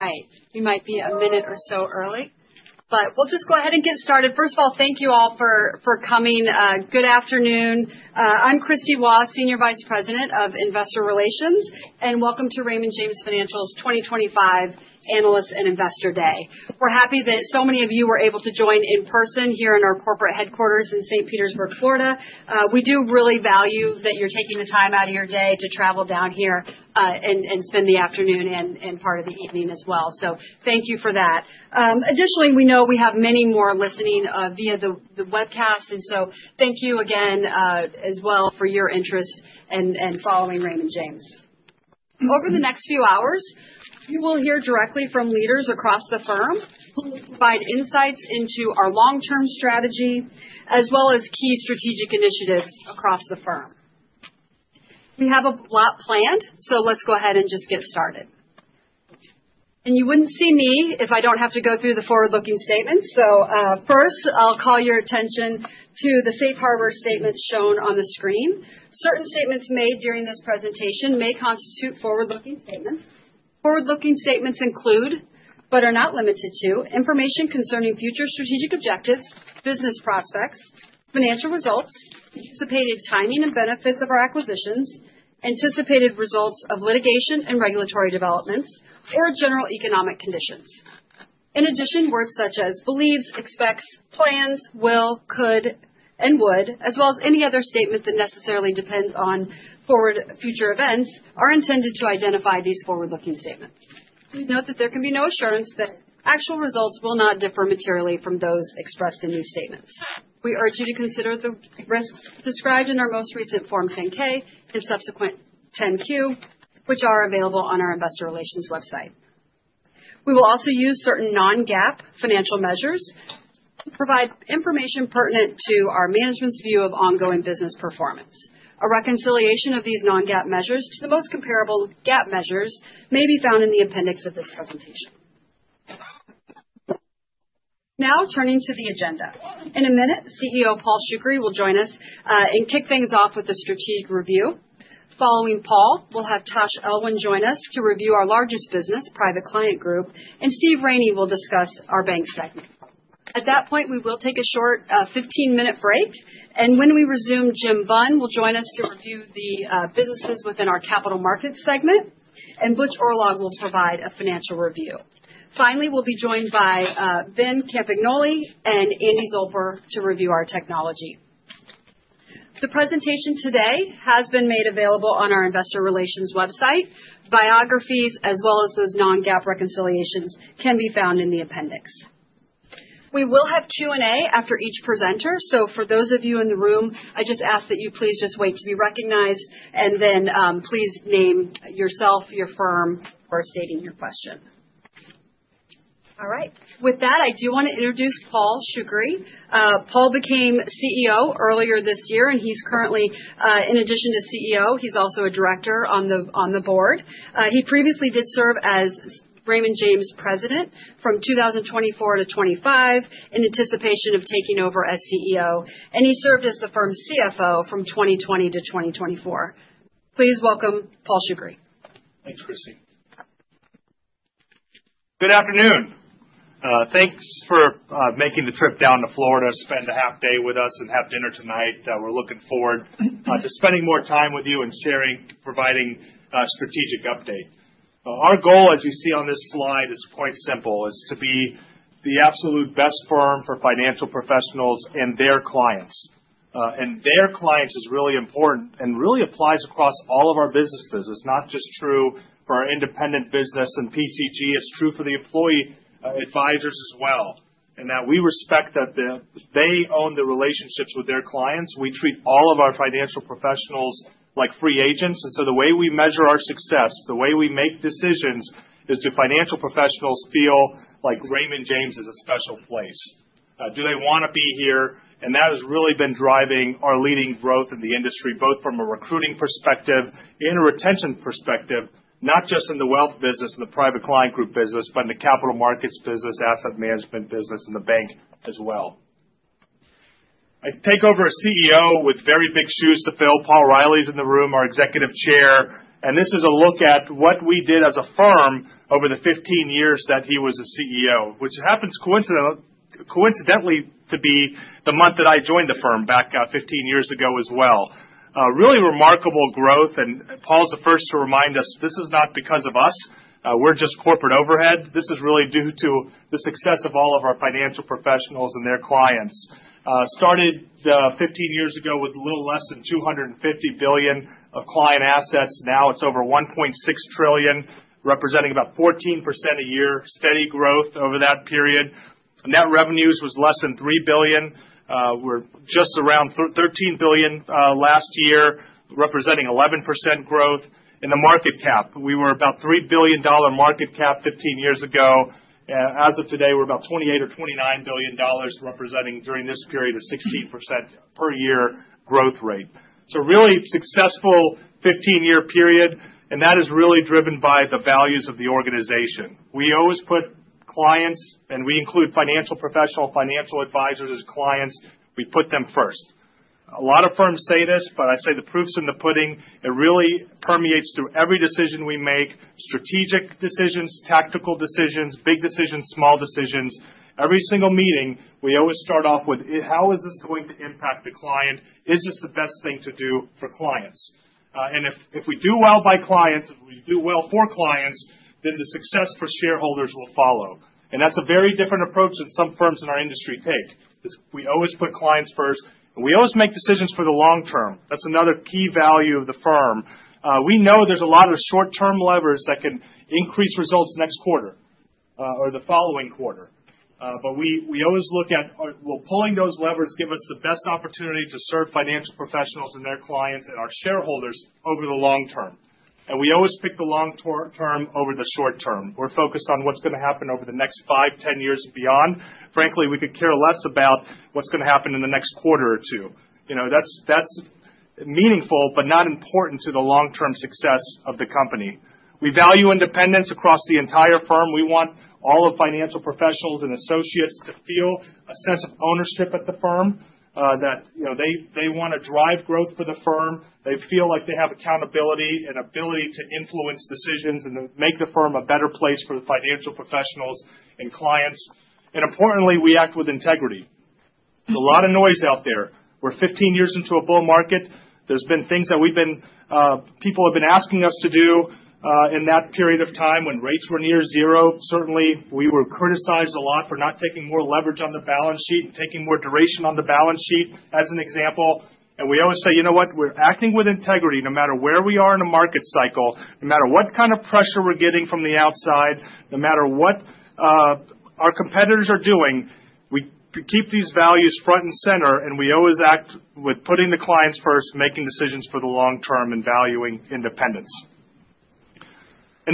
Right. We might be a minute or so early, but we'll just go ahead and get started. First of all, thank you all for coming. Good afternoon. I'm Kristie Waugh, Senior Vice President of Investor Relations, and welcome to Raymond James Financial's 2025 Analysts and Investor Day. We're happy that so many of you were able to join in person here in our corporate headquarters in St. Petersburg, Florida. We do really value that you're taking the time out of your day to travel down here and spend the afternoon and part of the evening as well. Thank you for that. Additionally, we know we have many more listening via the webcast, and thank you again as well for your interest in following Raymond James. Over the next few hours, you will hear directly from leaders across the firm who will provide insights into our long-term strategy as well as key strategic initiatives across the firm. We have a lot planned, so let's go ahead and just get started. You would not see me if I do not have to go through the forward-looking statements. First, I will call your attention to the safe harbor statement shown on the screen. Certain statements made during this presentation may constitute forward-looking statements. Forward-looking statements include, but are not limited to, information concerning future strategic objectives, business prospects, financial results, anticipated timing and benefits of our acquisitions, anticipated results of litigation and regulatory developments, or general economic conditions. In addition, words such as believes, expects, plans, will, could, and would, as well as any other statement that necessarily depends on forward future events, are intended to identify these forward-looking statements. Please note that there can be no assurance that actual results will not differ materially from those expressed in these statements. We urge you to consider the risks described in our most recent Form 10-K and subsequent 10-Q, which are available on our Investor Relations website. We will also use certain non-GAAP financial measures to provide information pertinent to our management's view of ongoing business performance. A reconciliation of these non-GAAP measures to the most comparable GAAP measures may be found in the appendix of this presentation. Now, turning to the agenda. In a minute, CEO Paul Shoukry will join us and kick things off with the strategic review. Following Paul, we'll have Tash Elwyn join us to review our largest business, Private Client Group, and Steve Raney will discuss our bank segment. At that point, we will take a short 15-minute break, and when we resume, Jim Bunn will join us to review the businesses within our Capital Markets segment, and Butch Oorlog will provide a financial review. Finally, we'll be joined by Ben Campagnoli and Andy Zilber to review our technology. The presentation today has been made available on our Investor Relations website. Biographies, as well as those non-GAAP reconciliations, can be found in the appendix. We will have Q&A after each presenter. For those of you in the room, I just ask that you please just wait to be recognized and then please name yourself, your firm, or state your question. All right. With that, I do want to introduce Paul Shoukry. Paul became CEO earlier this year, and he's currently, in addition to CEO, he's also a director on the board. He previously did serve as Raymond James' president from 2024-2025 in anticipation of taking over as CEO, and he served as the firm's CFO from 2020-2024. Please welcome Paul Shoukry. Thanks, Kristie. Good afternoon. Thanks for making the trip down to Florida, spend a half day with us, and have dinner tonight. We're looking forward to spending more time with you and providing a strategic update. Our goal, as you see on this slide, is quite simple. It's to be the absolute best firm for financial professionals and their clients. Their clients is really important and really applies across all of our businesses. It's not just true for our independent business and PCG. It's true for the employee advisors as well, and that we respect that they own the relationships with their clients. We treat all of our financial professionals like free agents. The way we measure our success, the way we make decisions, is do financial professionals feel like Raymond James is a special place? Do they want to be here? That has really been driving our leading growth in the industry, both from a recruiting perspective and a retention perspective, not just in the wealth business, the Private Client Group business, but in the Capital Markets business, asset management business, and the bank as well. I take over as CEO with very big shoes to fill. Paul Reilly's in the room, our Executive Chair, and this is a look at what we did as a firm over the 15 years that he was CEO, which happens coincidentally to be the month that I joined the firm back 15 years ago as well. Really remarkable growth, and Paul's the first to remind us this is not because of us. We're just corporate overhead. This is really due to the success of all of our financial professionals and their clients. Started 15 years ago with a little less than $250 billion of client assets. Now it's over $1.6 trillion, representing about 14% a year, steady growth over that period. Net revenues was less than $3 billion. We're just around $13 billion last year, representing 11% growth. In the market cap, we were about $3 billion market cap 15 years ago. As of today, we're about $28 or $29 billion, representing during this period a 16% per year growth rate. Really successful 15-year period, and that is really driven by the values of the organization. We always put clients, and we include financial professionals, financial advisors as clients. We put them first. A lot of firms say this, but I say the proof's in the pudding. It really permeates through every decision we make: strategic decisions, tactical decisions, big decisions, small decisions. Every single meeting, we always start off with, "How is this going to impact the client? Is this the best thing to do for clients?" If we do well by clients, if we do well for clients, then the success for shareholders will follow. That is a very different approach than some firms in our industry take. We always put clients first, and we always make decisions for the long term. That is another key value of the firm. We know there are a lot of short-term levers that can increase results next quarter or the following quarter, but we always look at, "Will pulling those levers give us the best opportunity to serve financial professionals and their clients and our shareholders over the long term?" We always pick the long term over the short term. We're focused on what's going to happen over the next 5, 10 years and beyond. Frankly, we could care less about what's going to happen in the next quarter or two. That's meaningful, but not important to the long-term success of the company. We value independence across the entire firm. We want all of our financial professionals and associates to feel a sense of ownership at the firm, that they want to drive growth for the firm. They feel like they have accountability and ability to influence decisions and make the firm a better place for the financial professionals and clients. Importantly, we act with integrity. There's a lot of noise out there. We're 15 years into a bull market. There have been things that people have been asking us to do in that period of time when rates were near zero. Certainly, we were criticized a lot for not taking more leverage on the balance sheet and taking more duration on the balance sheet, as an example. We always say, "You know what? We're acting with integrity no matter where we are in a market cycle, no matter what kind of pressure we're getting from the outside, no matter what our competitors are doing." We keep these values front and center, and we always act with putting the clients first, making decisions for the long term, and valuing independence.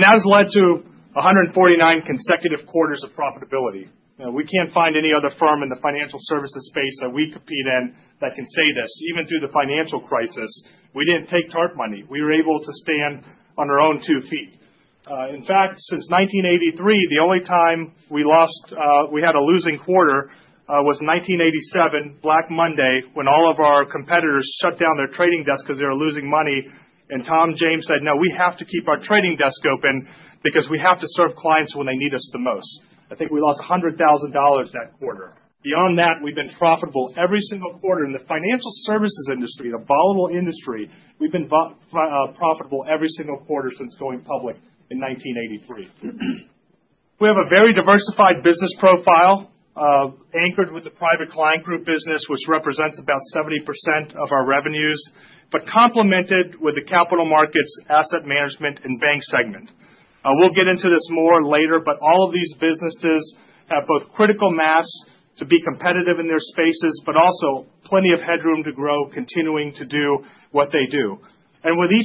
That has led to 149 consecutive quarters of profitability. We can't find any other firm in the financial services space that we compete in that can say this, even through the financial crisis. We didn't take TARP money. We were able to stand on our own two feet. In fact, since 1983, the only time we had a losing quarter was 1987, Black Monday, when all of our competitors shut down their trading desk because they were losing money, and Tom James said, "No, we have to keep our trading desk open because we have to serve clients when they need us the most." I think we lost $100,000 that quarter. Beyond that, we've been profitable every single quarter in the financial services industry, the volatile industry. We've been profitable every single quarter since going public in 1983. We have a very diversified business profile anchored with the Private Client Group business, which represents about 70% of our revenues, but complemented with the Capital Markets, Asset Management, and Bank segment. We'll get into this more later, but all of these businesses have both critical mass to be competitive in their spaces, but also plenty of headroom to grow, continuing to do what they do. Within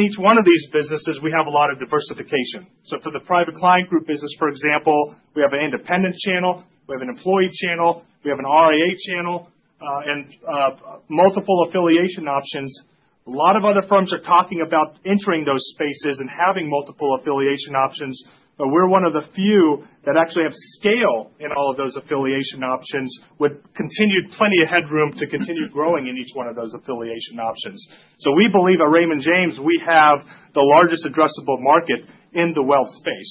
each one of these businesses, we have a lot of diversification. For the private client group business, for example, we have an independent channel. We have an employee channel. We have an RIA channel and multiple affiliation options. A lot of other firms are talking about entering those spaces and having multiple affiliation options, but we're one of the few that actually have scale in all of those affiliation options with continued plenty of headroom to continue growing in each one of those affiliation options. We believe at Raymond James, we have the largest addressable market in the wealth space.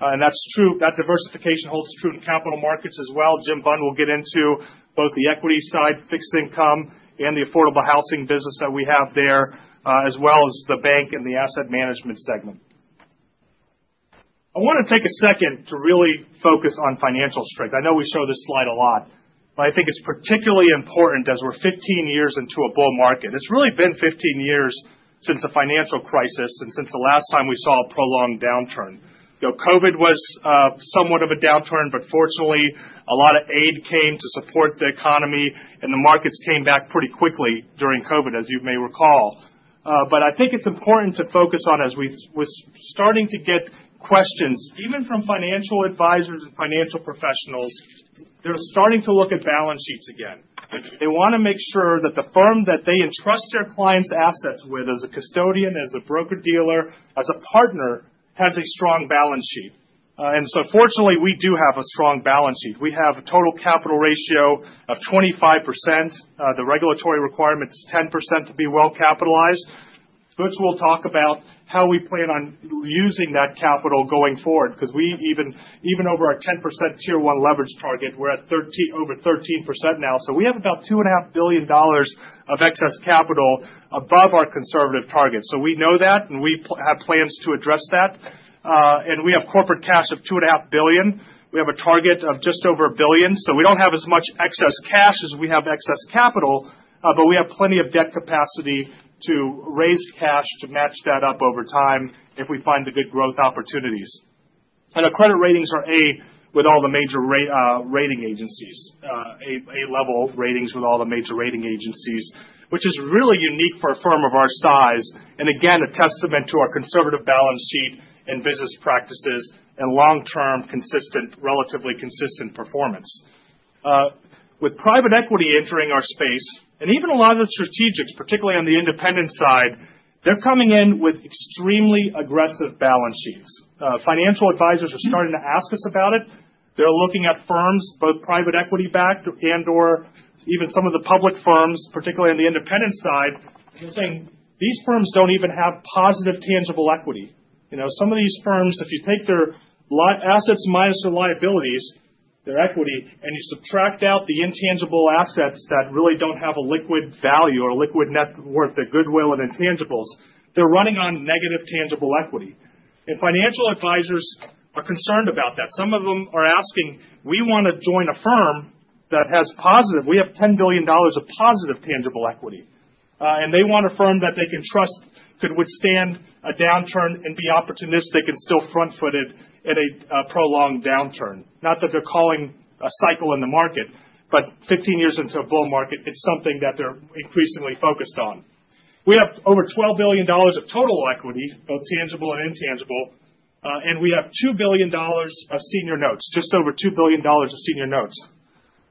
That diversification holds true to capital markets as well. Jim Bunn will get into both the equity side, fixed income, and the affordable housing business that we have there, as well as the bank and the asset management segment. I want to take a second to really focus on financial strength. I know we show this slide a lot, but I think it's particularly important as we're 15 years into a bull market. It's really been 15 years since a financial crisis and since the last time we saw a prolonged downturn. COVID was somewhat of a downturn, but fortunately, a lot of aid came to support the economy, and the markets came back pretty quickly during COVID, as you may recall. I think it's important to focus on, as we're starting to get questions, even from financial advisors and financial professionals, they're starting to look at balance sheets again. They want to make sure that the firm that they entrust their clients' assets with, as a custodian, as a broker-dealer, as a partner, has a strong balance sheet. Fortunately, we do have a strong balance sheet. We have a total capital ratio of 25%. The regulatory requirement is 10% to be well capitalized, which we'll talk about how we plan on using that capital going forward because even over our 10% tier one leverage target, we're at over 13% now. We have about $2.5 billion of excess capital above our conservative target. We know that, and we have plans to address that. We have corporate cash of $2.5 billion. We have a target of just over $1 billion. We do not have as much excess cash as we have excess capital, but we have plenty of debt capacity to raise cash to match that up over time if we find the good growth opportunities. Our credit ratings are A with all the major rating agencies, A-level ratings with all the major rating agencies, which is really unique for a firm of our size and, again, a testament to our conservative balance sheet and business practices and long-term relatively consistent performance. With private equity entering our space and even a lot of the strategics, particularly on the independent side, they are coming in with extremely aggressive balance sheets. Financial advisors are starting to ask us about it. They're looking at firms, both private equity-backed and/or even some of the public firms, particularly on the independent side, and they're saying, "These firms don't even have positive tangible equity." Some of these firms, if you take their assets minus their liabilities, their equity, and you subtract out the intangible assets that really don't have a liquid value or a liquid net worth, their goodwill and intangibles, they're running on negative tangible equity. Financial advisors are concerned about that. Some of them are asking, "We want to join a firm that has positive—we have $10 billion of positive tangible equity." They want a firm that they can trust could withstand a downturn and be opportunistic and still front-footed in a prolonged downturn. Not that they're calling a cycle in the market, but 15 years into a bull market, it's something that they're increasingly focused on. We have over $12 billion of total equity, both tangible and intangible, and we have $2 billion of senior notes, just over $2 billion of senior notes.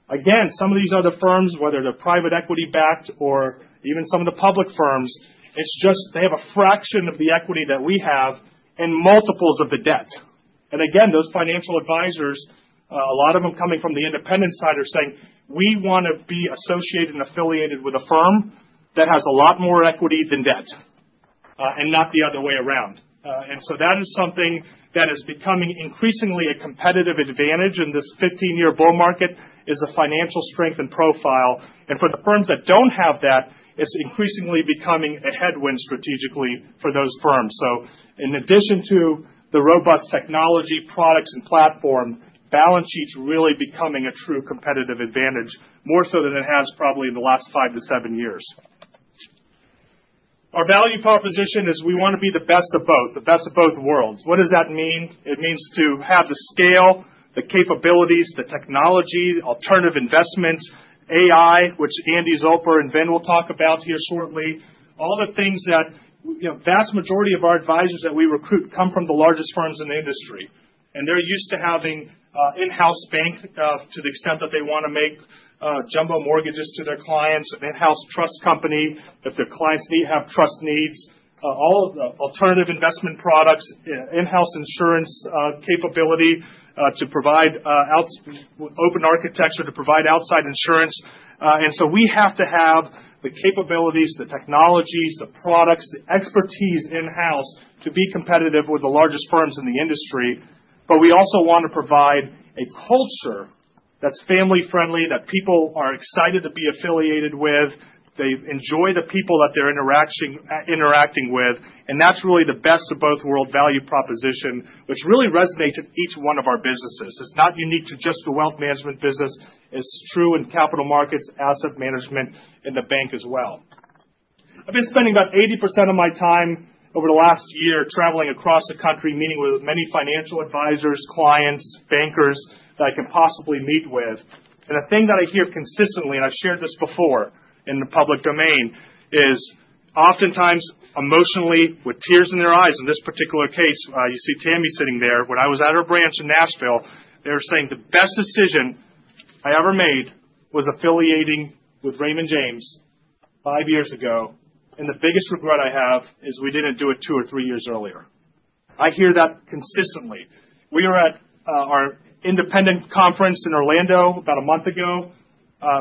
Again, some of these other firms, whether they're private equity-backed or even some of the public firms, it's just they have a fraction of the equity that we have and multiples of the debt. Those financial advisors, a lot of them coming from the independent side, are saying, "We want to be associated and affiliated with a firm that has a lot more equity than debt and not the other way around." That is something that is becoming increasingly a competitive advantage in this 15-year bull market, is a financial strength and profile. For the firms that don't have that, it's increasingly becoming a headwind strategically for those firms. In addition to the robust technology, products, and platform, balance sheets really becoming a true competitive advantage, more so than it has probably in the last five to seven years. Our value proposition is we want to be the best of both, the best of both worlds. What does that mean? It means to have the scale, the capabilities, the technology, alternative investments, AI, which Andy Zilber and Ben will talk about here shortly, all the things that the vast majority of our advisors that we recruit come from the largest firms in the industry. They're used to having in-house bank to the extent that they want to make jumbo mortgages to their clients, an in-house trust company if their clients have trust needs, all of the alternative investment products, in-house insurance capability to provide open architecture to provide outside insurance. We have to have the capabilities, the technologies, the products, the expertise in-house to be competitive with the largest firms in the industry. We also want to provide a culture that's family-friendly, that people are excited to be affiliated with, they enjoy the people that they're interacting with. That is really the best of both worlds value proposition, which really resonates in each one of our businesses. It's not unique to just the wealth management business. It's true in capital markets, asset management, and the bank as well. I've been spending about 80% of my time over the last year traveling across the country, meeting with many financial advisors, clients, bankers that I can possibly meet with. The thing that I hear consistently, and I've shared this before in the public domain, is oftentimes emotionally, with tears in their eyes. In this particular case, you see Tammy sitting there. When I was at her branch in Nashville, they were saying, "The best decision I ever made was affiliating with Raymond James five years ago. The biggest regret I have is we did not do it two or three years earlier." I hear that consistently. We were at our independent conference in Orlando about a month ago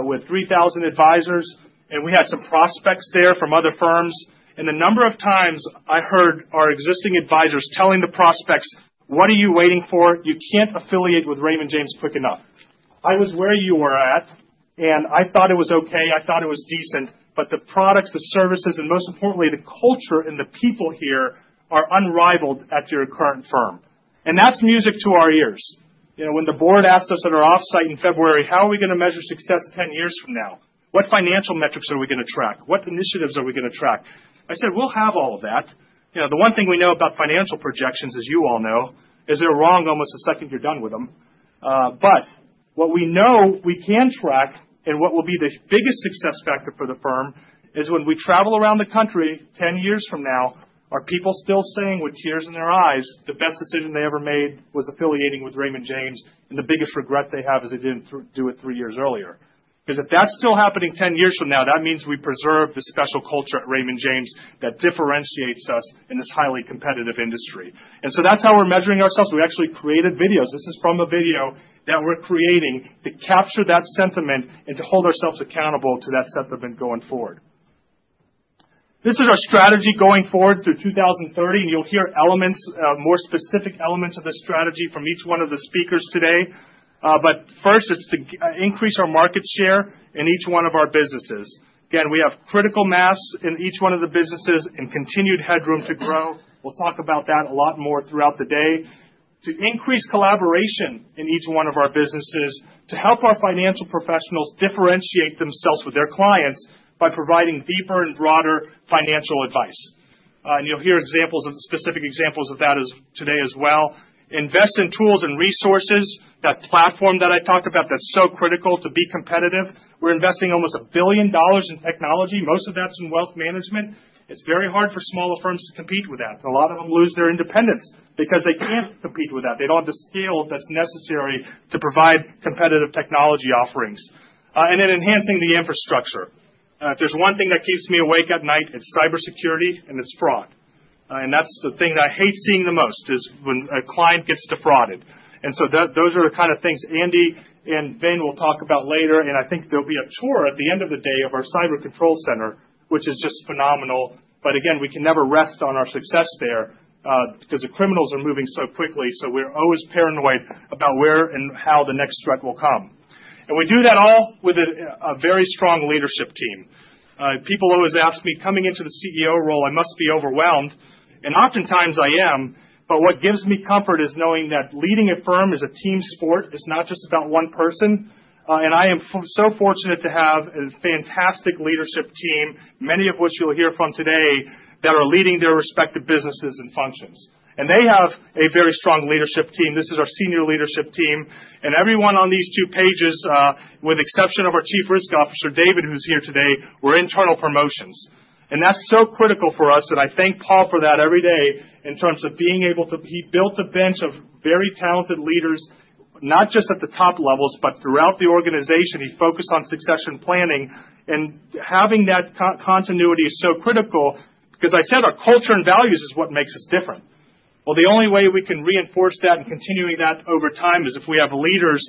with 3,000 advisors, and we had some prospects there from other firms. The number of times I heard our existing advisors telling the prospects, "What are you waiting for? You cannot affiliate with Raymond James quick enough." I was where you were at, and I thought it was okay. I thought it was decent. The products, the services, and most importantly, the culture and the people here are unrivaled at your current firm. That is music to our ears. When the board asked us at our offsite in February, "How are we going to measure success 10 years from now? What financial metrics are we going to track? What initiatives are we going to track?" I said, "We'll have all of that." The one thing we know about financial projections, as you all know, is they're wrong almost the second you're done with them. What we know we can track and what will be the biggest success factor for the firm is when we travel around the country 10 years from now, are people still saying with tears in their eyes, "The best decision they ever made was affiliating with Raymond James," and the biggest regret they have is they didn't do it three years earlier? Because if that's still happening 10 years from now, that means we preserve the special culture at Raymond James that differentiates us in this highly competitive industry. That is how we're measuring ourselves. We actually created videos. This is from a video that we're creating to capture that sentiment and to hold ourselves accountable to that sentiment going forward. This is our strategy going forward through 2030, and you'll hear more specific elements of the strategy from each one of the speakers today. First, it's to increase our market share in each one of our businesses. Again, we have critical mass in each one of the businesses and continued headroom to grow. We'll talk about that a lot more throughout the day. To increase collaboration in each one of our businesses to help our financial professionals differentiate themselves with their clients by providing deeper and broader financial advice. You will hear specific examples of that today as well. Invest in tools and resources, that platform that I talked about that is so critical to be competitive. We are investing almost $1 billion in technology. Most of that is in wealth management. It is very hard for smaller firms to compete with that. A lot of them lose their independence because they cannot compete with that. They do not have the skill that is necessary to provide competitive technology offerings. Then enhancing the infrastructure. If there is one thing that keeps me awake at night, it is cybersecurity and it is fraud. That is the thing that I hate seeing the most, when a client gets defrauded. Those are the kind of things Andy and Ben will talk about later. I think there will be a tour at the end of the day of our cyber control center, which is just phenomenal. Again, we can never rest on our success there because the criminals are moving so quickly. We are always paranoid about where and how the next threat will come. We do that all with a very strong leadership team. People always ask me, "Coming into the CEO role, I must be overwhelmed." Oftentimes I am, but what gives me comfort is knowing that leading a firm is a team sport. It is not just about one person. I am so fortunate to have a fantastic leadership team, many of which you will hear from today, that are leading their respective businesses and functions. They have a very strong leadership team. This is our senior leadership team. Everyone on these two pages, with the exception of our Chief Risk Officer, David, who is here today, were internal promotions. That is so critical for us, and I thank Paul for that every day in terms of being able to—he built a bench of very talented leaders, not just at the top levels, but throughout the organization. He focused on succession planning, and having that continuity is so critical because, as I said, our culture and values is what makes us different. The only way we can reinforce that and continue that over time is if we have leaders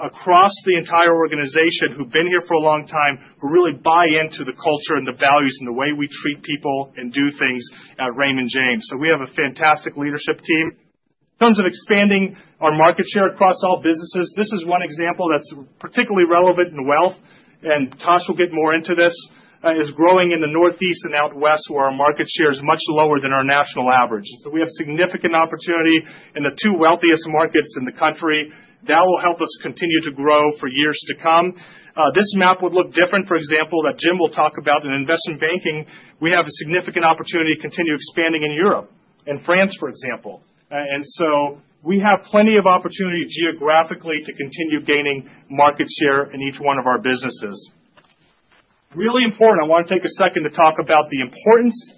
across the entire organization who have been here for a long time, who really buy into the culture and the values and the way we treat people and do things at Raymond James. We have a fantastic leadership team. In terms of expanding our market share across all businesses, this is one example that's particularly relevant in wealth, and Tash will get more into this, is growing in the Northeast and out West, where our market share is much lower than our national average. We have significant opportunity in the two wealthiest markets in the country. That will help us continue to grow for years to come. This map would look different, for example, that Jim will talk about in investment banking. We have a significant opportunity to continue expanding in Europe and France, for example. We have plenty of opportunity geographically to continue gaining market share in each one of our businesses. Really important, I want to take a second to talk about the importance,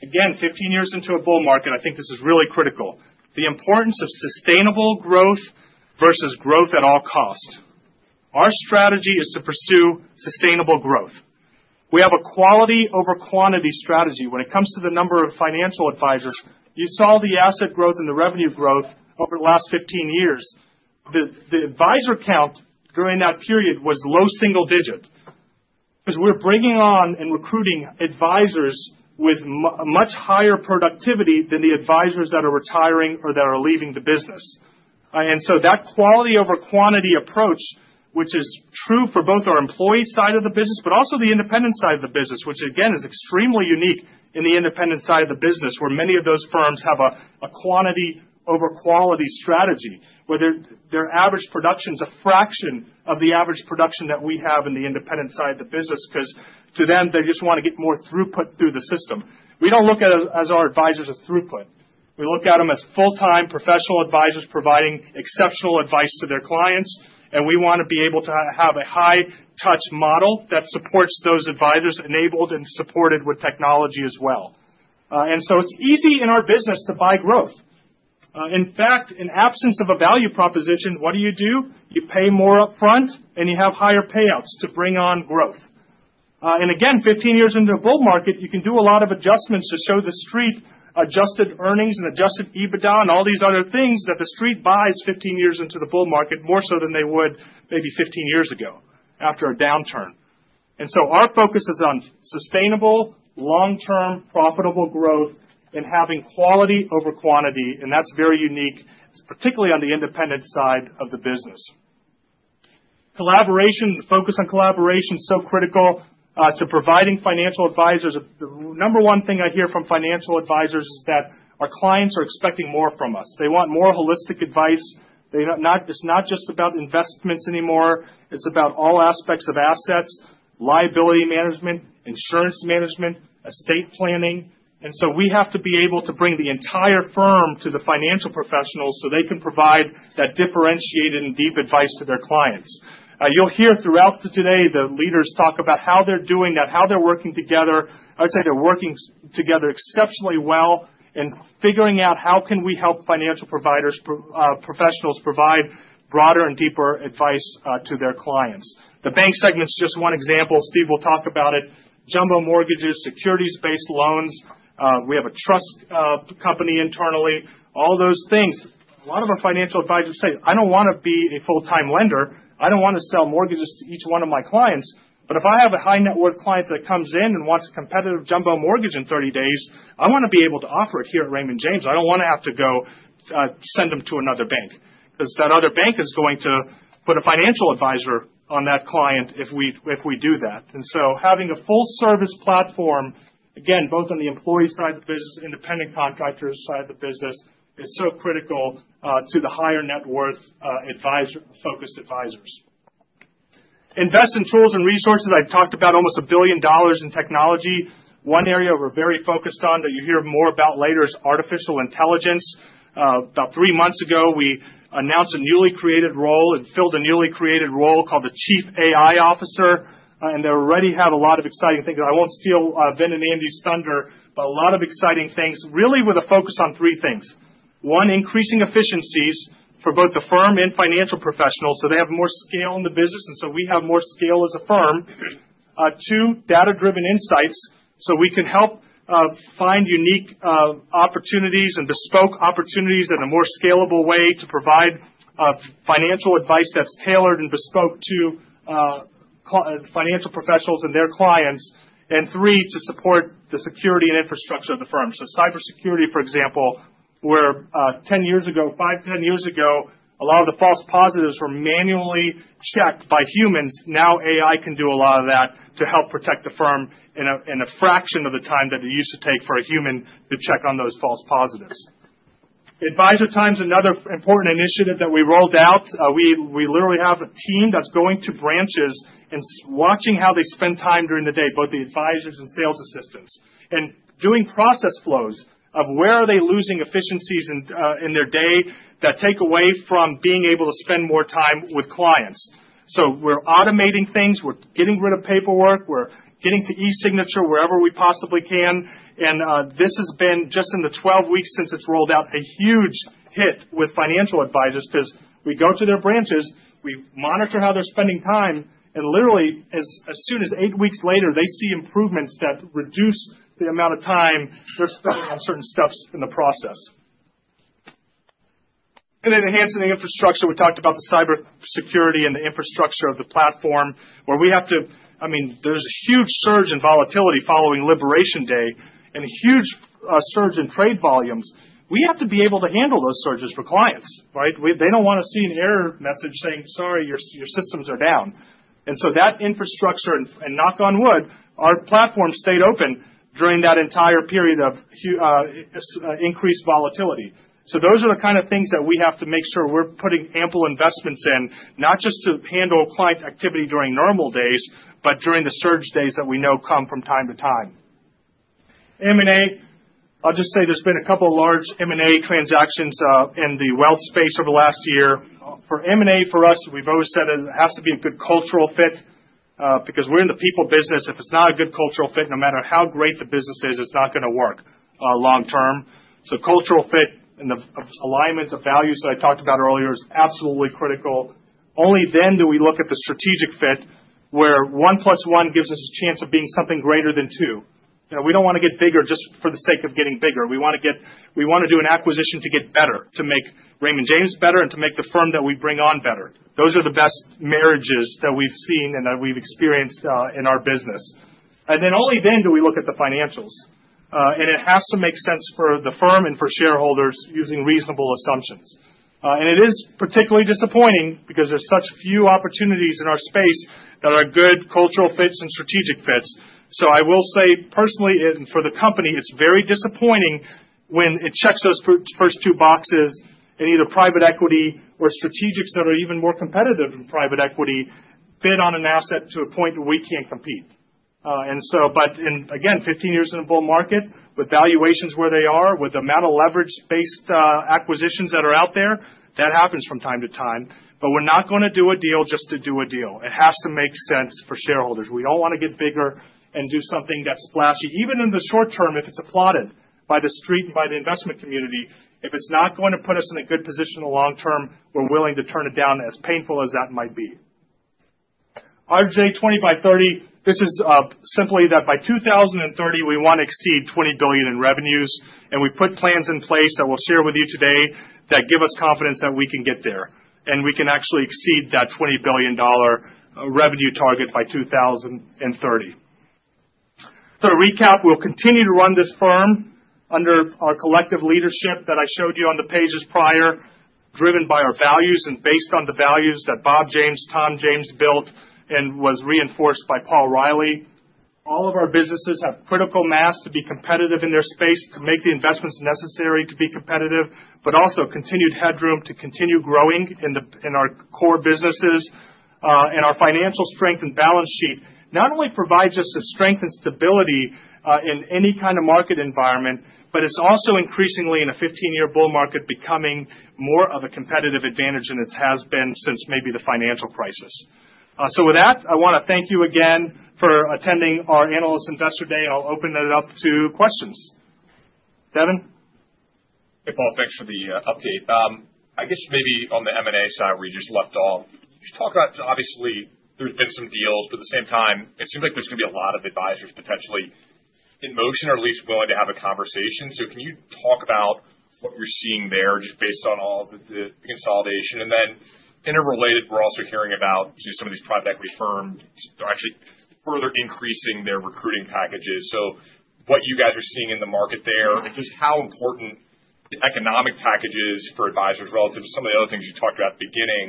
again, 15 years into a bull market, I think this is really critical, the importance of sustainable growth versus growth at all costs. Our strategy is to pursue sustainable growth. We have a quality-over-quantity strategy. When it comes to the number of financial advisors, you saw the asset growth and the revenue growth over the last 15 years. The advisor count during that period was low single digit because we're bringing on and recruiting advisors with much higher productivity than the advisors that are retiring or that are leaving the business. That quality-over-quantity approach, which is true for both our employee side of the business, but also the independent side of the business, which, again, is extremely unique in the independent side of the business, where many of those firms have a quantity-over-quality strategy, where their average production is a fraction of the average production that we have in the independent side of the business because, to them, they just want to get more throughput through the system. We do not look at our advisors as throughput. We look at them as full-time professional advisors providing exceptional advice to their clients, and we want to be able to have a high-touch model that supports those advisors, enabled and supported with technology as well. It is easy in our business to buy growth. In fact, in absence of a value proposition, what do you do? You pay more upfront, and you have higher payouts to bring on growth. Again, 15 years into a bull market, you can do a lot of adjustments to show the street adjusted earnings and Adjusted EBITDA and all these other things that the street buys 15 years into the bull market more so than they would maybe 15 years ago after a downturn. Our focus is on sustainable, long-term, profitable growth and having quality-over-quantity. That is very unique, particularly on the independent side of the business. Collaboration, the focus on collaboration is so critical to providing financial advisors. The number one thing I hear from financial advisors is that our clients are expecting more from us. They want more holistic advice. It is not just about investments anymore. It is about all aspects of assets, liability management, insurance management, estate planning. We have to be able to bring the entire firm to the financial professionals so they can provide that differentiated and deep advice to their clients. You will hear throughout today the leaders talk about how they are doing that, how they are working together. I would say they are working together exceptionally well in figuring out how can we help financial professionals provide broader and deeper advice to their clients. The bank segment is just one example. Steve will talk about it. Jumbo mortgages, securities-based loans. We have a trust company internally. All those things. A lot of our financial advisors say, "I do not want to be a full-time lender. I do not want to sell mortgages to each one of my clients. If I have a high-net-worth client that comes in and wants a competitive jumbo mortgage in 30 days, I want to be able to offer it here at Raymond James. I do not want to have to go send them to another bank because that other bank is going to put a financial advisor on that client if we do that. Having a full-service platform, again, both on the employee side of the business and the independent contractors' side of the business, is so critical to the higher-net-worth focused advisors. Invest in tools and resources. I have talked about almost $1 billion in technology. One area we are very focused on that you will hear more about later is artificial intelligence. About three months ago, we announced a newly created role and filled a newly created role called the Chief AI Officer. They already have a lot of exciting things. I won't steal Ben and Andy's thunder, but a lot of exciting things, really with a focus on three things. One, increasing efficiencies for both the firm and financial professionals so they have more scale in the business, and so we have more scale as a firm. Two, data-driven insights so we can help find unique opportunities and bespoke opportunities in a more scalable way to provide financial advice that's tailored and bespoke to financial professionals and their clients. Three, to support the security and infrastructure of the firm. Cybersecurity, for example, where 10 years ago, 5-10 years ago, a lot of the false positives were manually checked by humans. Now AI can do a lot of that to help protect the firm in a fraction of the time that it used to take for a human to check on those false positives. Advisor Time is another important initiative that we rolled out. We literally have a team that's going to branches and watching how they spend time during the day, both the advisors and sales assistants, and doing process flows of where are they losing efficiencies in their day that take away from being able to spend more time with clients. We are automating things. We are getting rid of paperwork. We are getting to e-signature wherever we possibly can. This has been, just in the 12 weeks since it's rolled out, a huge hit with financial advisors because we go to their branches, we monitor how they're spending time, and literally, as soon as eight weeks later, they see improvements that reduce the amount of time they're spending on certain steps in the process. Then enhancing the infrastructure. We talked about the cybersecurity and the infrastructure of the platform where we have to, I mean, there's a huge surge in volatility following Liberation Day and a huge surge in trade volumes. We have to be able to handle those surges for clients, right? They don't want to see an error message saying, "Sorry, your systems are down." That infrastructure, and knock on wood, our platform stayed open during that entire period of increased volatility. Those are the kind of things that we have to make sure we're putting ample investments in, not just to handle client activity during normal days, but during the surge days that we know come from time to time. M&A. I'll just say there's been a couple of large M&A transactions in the wealth space over the last year. For M&A, for us, we've always said it has to be a good cultural fit because we're in the people business. If it's not a good cultural fit, no matter how great the business is, it's not going to work long-term. Cultural fit and the alignment of values that I talked about earlier is absolutely critical. Only then do we look at the strategic fit where one plus one gives us a chance of being something greater than two. We don't want to get bigger just for the sake of getting bigger. We want to do an acquisition to get better, to make Raymond James better, and to make the firm that we bring on better. Those are the best marriages that we've seen and that we've experienced in our business. Only then do we look at the financials. It has to make sense for the firm and for shareholders using reasonable assumptions. It is particularly disappointing because there are such few opportunities in our space that are good cultural fits and strategic fits. I will say, personally, and for the company, it is very disappointing when it checks those first two boxes and either private equity or strategics that are even more competitive than private equity bid on an asset to a point where we cannot compete. Again, 15 years in a bull market with valuations where they are, with the amount of leverage-based acquisitions that are out there, that happens from time to time. We are not going to do a deal just to do a deal. It has to make sense for shareholders. We do not want to get bigger and do something that is splashy. Even in the short term, if it's applauded by the street and by the investment community, if it's not going to put us in a good position in the long term, we're willing to turn it down as painful as that might be. RJ20 by 30. This is simply that by 2030, we want to exceed $20 billion in revenues. And we put plans in place that we'll share with you today that give us confidence that we can get there, and we can actually exceed that $20 billion revenue target by 2030. To recap, we'll continue to run this firm under our collective leadership that I showed you on the pages prior, driven by our values and based on the values that Bob James, Tom James built, and was reinforced by Paul Reilly. All of our businesses have critical mass to be competitive in their space, to make the investments necessary to be competitive, but also continued headroom to continue growing in our core businesses. Our financial strength and balance sheet not only provide us strength and stability in any kind of market environment, but it's also increasingly, in a 15-year bull market, becoming more of a competitive advantage than it has been since maybe the financial crisis. With that, I want to thank you again for attending our Analysts Investor Day, and I'll open it up to questions. Devin? Hey, Paul. Thanks for the update. I guess maybe on the M&A side where you just left off, you just talked about, obviously, there's been some deals, but at the same time, it seems like there's going to be a lot of advisors potentially in motion or at least willing to have a conversation. Can you talk about what you're seeing there just based on all of the consolidation? Interrelated, we're also hearing about some of these private equity firms that are actually further increasing their recruiting packages. What you guys are seeing in the market there, just how important the economic package is for advisors relative to some of the other things you talked about at the beginning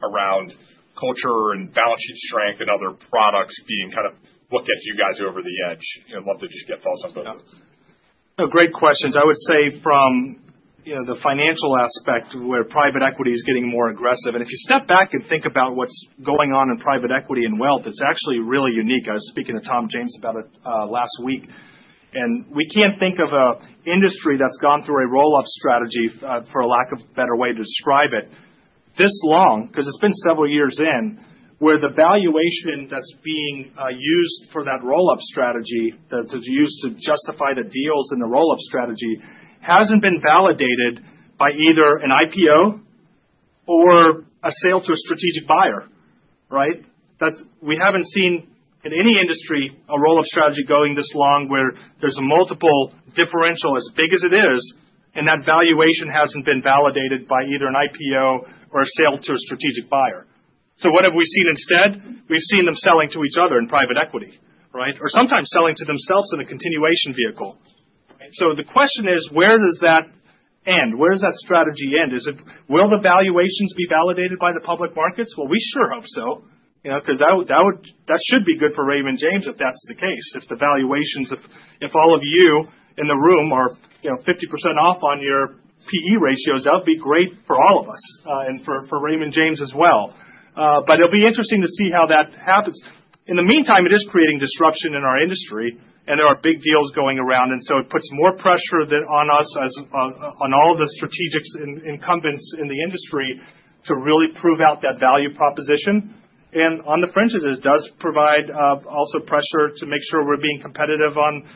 around culture and balance sheet strength and other products being kind of what gets you guys over the edge? I'd love to just get thoughts on both of those. Great questions. I would say from the financial aspect where private equity is getting more aggressive. If you step back and think about what's going on in private equity and wealth, it's actually really unique. I was speaking to Tom James about it last week. We can't think of an industry that's gone through a roll-up strategy, for a lack of a better way to describe it, this long, because it's been several years in, where the valuation that's being used for that roll-up strategy, that's used to justify the deals in the roll-up strategy, hasn't been validated by either an IPO or a sale to a strategic buyer, right? We haven't seen in any industry a roll-up strategy going this long where there's a multiple differential as big as it is, and that valuation hasn't been validated by either an IPO or a sale to a strategic buyer. What have we seen instead? We've seen them selling to each other in private equity, right? Or sometimes selling to themselves in a continuation vehicle. The question is, where does that end? Where does that strategy end? Will the valuations be validated by the public markets? We sure hope so because that should be good for Raymond James if that's the case. If all of you in the room are 50% off on your PE ratios, that would be great for all of us and for Raymond James as well. It'll be interesting to see how that happens. In the meantime, it is creating disruption in our industry, and there are big deals going around. It puts more pressure on us, on all of the strategic incumbents in the industry, to really prove out that value proposition. On the fringes, it does provide also pressure to make sure we're being competitive on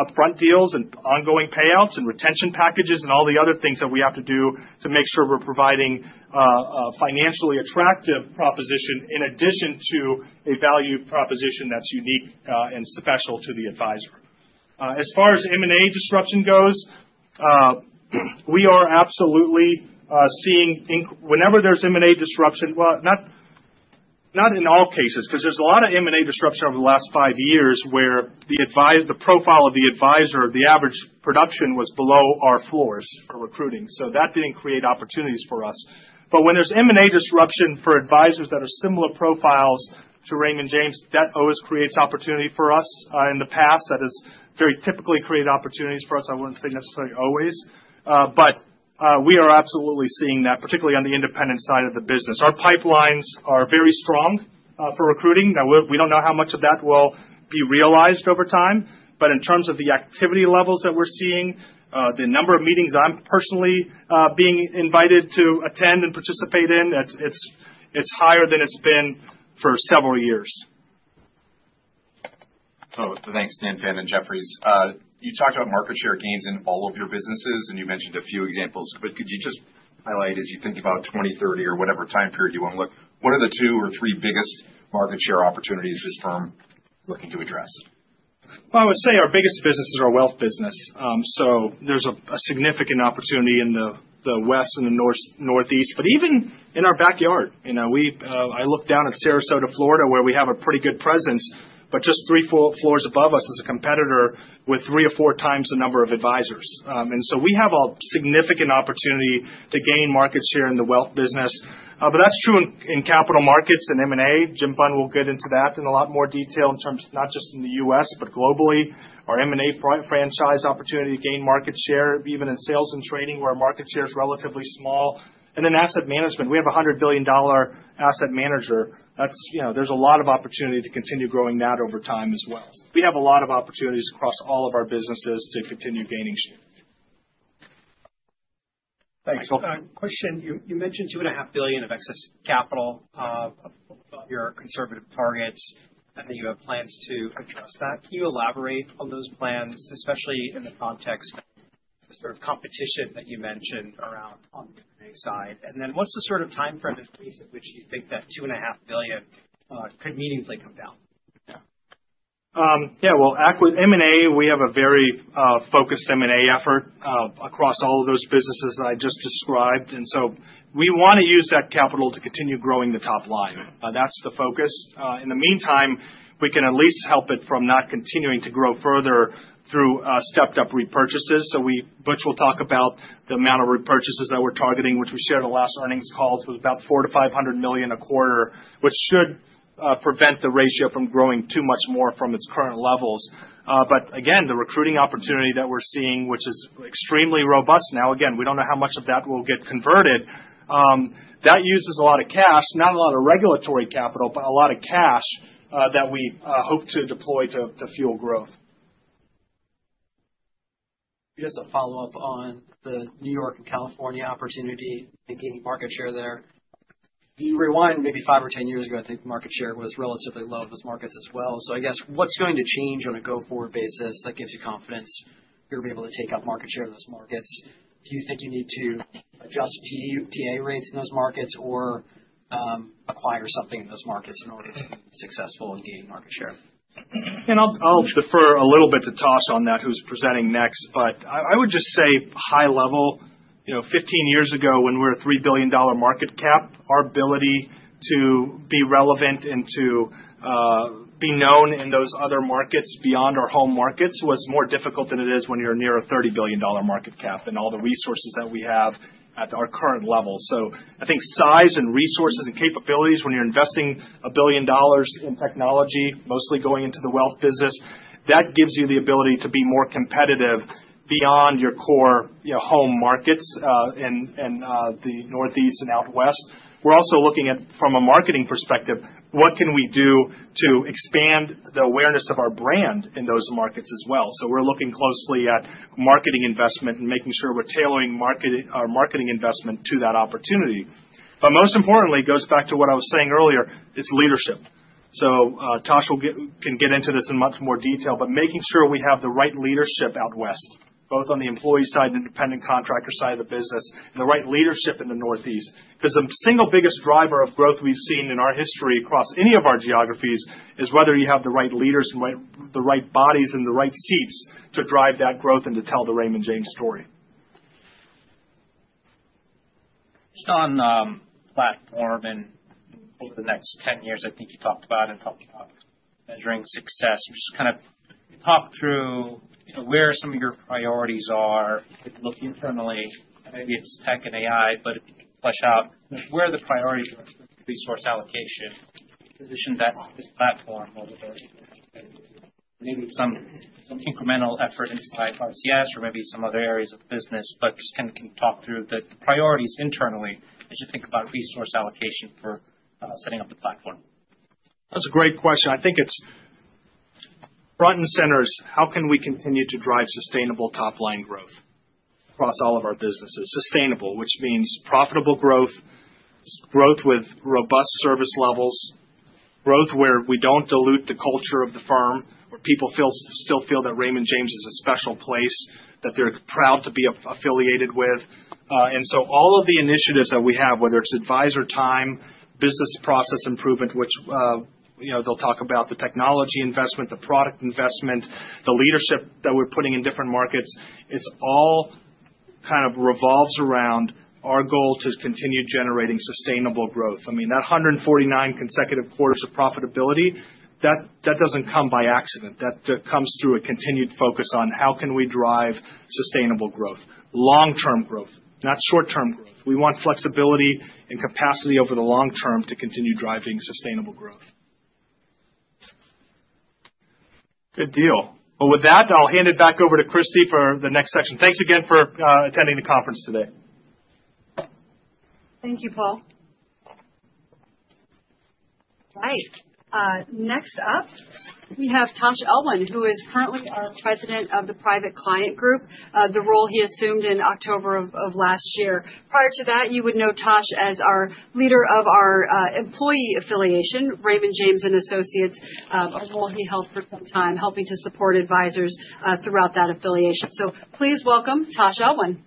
upfront deals and ongoing payouts and retention packages and all the other things that we have to do to make sure we're providing a financially attractive proposition in addition to a value proposition that's unique and special to the advisor. As far as M&A disruption goes, we are absolutely seeing whenever there's M&A disruption, not in all cases because there's a lot of M&A disruption over the last five years where the profile of the advisor, the average production, was below our floors for recruiting. That didn't create opportunities for us. When there's M&A disruption for advisors that are similar profiles to Raymond James, that always creates opportunity for us. In the past, that has very typically created opportunities for us. I wouldn't say necessarily always. We are absolutely seeing that, particularly on the independent side of the business. Our pipelines are very strong for recruiting. Now, we do not know how much of that will be realized over time. In terms of the activity levels that we are seeing, the number of meetings I am personally being invited to attend and participate in, it is higher than it has been for several years. Thanks, Dan Fannon at Jefferies. You talked about market share gains in all of your businesses, and you mentioned a few examples. Could you just highlight, as you think about 2030 or whatever time period you want to look at, what are the two or three biggest market share opportunities this firm is looking to address? I would say our biggest business is our wealth business. There is a significant opportunity in the West and the Northeast, but even in our backyard. I look down at Sarasota, Florida, where we have a pretty good presence, but just three floors above us is a competitor with three or four times the number of advisors. We have a significant opportunity to gain market share in the wealth business. That is true in capital markets and M&A. Jim Bunn will get into that in a lot more detail in terms of not just in the U.S., but globally, our M&A franchise opportunity to gain market share, even in sales and trading, where our market share is relatively small. Then asset management. We have a $100 billion asset manager. There is a lot of opportunity to continue growing that over time as well. We have a lot of opportunities across all of our businesses to continue gaining share. Thanks. Question. You mentioned $2.5 billion of excess capital above your conservative targets, and that you have plans to address that. Can you elaborate on those plans, especially in the context of the sort of competition that you mentioned around on the M&A side? What is the sort of timeframe in place at which you think that $2.5 billion could meaningfully come down? Yeah. M&A, we have a very focused M&A effort across all of those businesses that I just described. We want to use that capital to continue growing the top line. That is the focus. In the meantime, we can at least help it from not continuing to grow further through stepped-up repurchases, which we'll talk about. The amount of repurchases that we're targeting, which we shared in the last earnings call, was about $400 million-$500 million a quarter, which should prevent the ratio from growing too much more from its current levels. Again, the recruiting opportunity that we're seeing, which is extremely robust now, we don't know how much of that will get converted. That uses a lot of cash, not a lot of regulatory capital, but a lot of cash that we hope to deploy to fuel growth. Just a follow-up on the New York and California opportunity and gaining market share there. You rewind maybe five or ten years ago, I think market share was relatively low in those markets as well. I guess what's going to change on a go-forward basis that gives you confidence you're going to be able to take up market share in those markets? Do you think you need to adjust TA rates in those markets or acquire something in those markets in order to be successful in gaining market share? I'll defer a little bit to Tash on that, who's presenting next. I would just say high level, 15 years ago, when we were a $3 billion market cap, our ability to be relevant and to be known in those other markets beyond our home markets was more difficult than it is when you're near a $30 billion market cap and all the resources that we have at our current level. I think size and resources and capabilities when you're investing a billion dollars in technology, mostly going into the wealth business, that gives you the ability to be more competitive beyond your core home markets and the northeast and out west. We're also looking at, from a marketing perspective, what can we do to expand the awareness of our brand in those markets as well. We're looking closely at marketing investment and making sure we're tailoring our marketing investment to that opportunity. Most importantly, it goes back to what I was saying earlier, it's leadership. Tash can get into this in much more detail, but making sure we have the right leadership out west, both on the employee side and independent contractor side of the business, and the right leadership in the northeast. Because the single biggest driver of growth we've seen in our history across any of our geographies is whether you have the right leaders and the right bodies in the right seats to drive that growth and to tell the Raymond James story. Just on platform and over the next 10 years, I think you talked about and talked about measuring success. Just kind of talk through where some of your priorities are if you look internally. Maybe it's tech and AI, but if you can flesh out where the priorities are for resource allocation, position that platform, maybe some incremental effort inside RCS or maybe some other areas of business. Just can you talk through the priorities internally as you think about resource allocation for setting up the platform? That's a great question. I think it's front and center is how can we continue to drive sustainable top-line growth across all of our businesses? Sustainable, which means profitable growth, growth with robust service levels, growth where we don't dilute the culture of the firm, where people still feel that Raymond James is a special place that they're proud to be affiliated with. And so all of the initiatives that we have, whether it's Advisor Time, business process improvement, which they'll talk about, the technology investment, the product investment, the leadership that we're putting in different markets, it all kind of revolves around our goal to continue generating sustainable growth. I mean, that 149 consecutive quarters of profitability, that doesn't come by accident. That comes through a continued focus on how can we drive sustainable growth, long-term growth, not short-term growth. We want flexibility and capacity over the long term to continue driving sustainable growth. Good deal. With that, I'll hand it back over to Kristie for the next section. Thanks again for attending the conference today. Thank you, Paul. All right. Next up, we have Tash Elwyn, who is currently our President of the Private Client Group, the role he assumed in October of last year. Prior to that, you would know Tash as our leader of our employee affiliation, Raymond James and Associates, a role he held for some time helping to support advisors throughout that affiliation. Please welcome Tash Elwyn.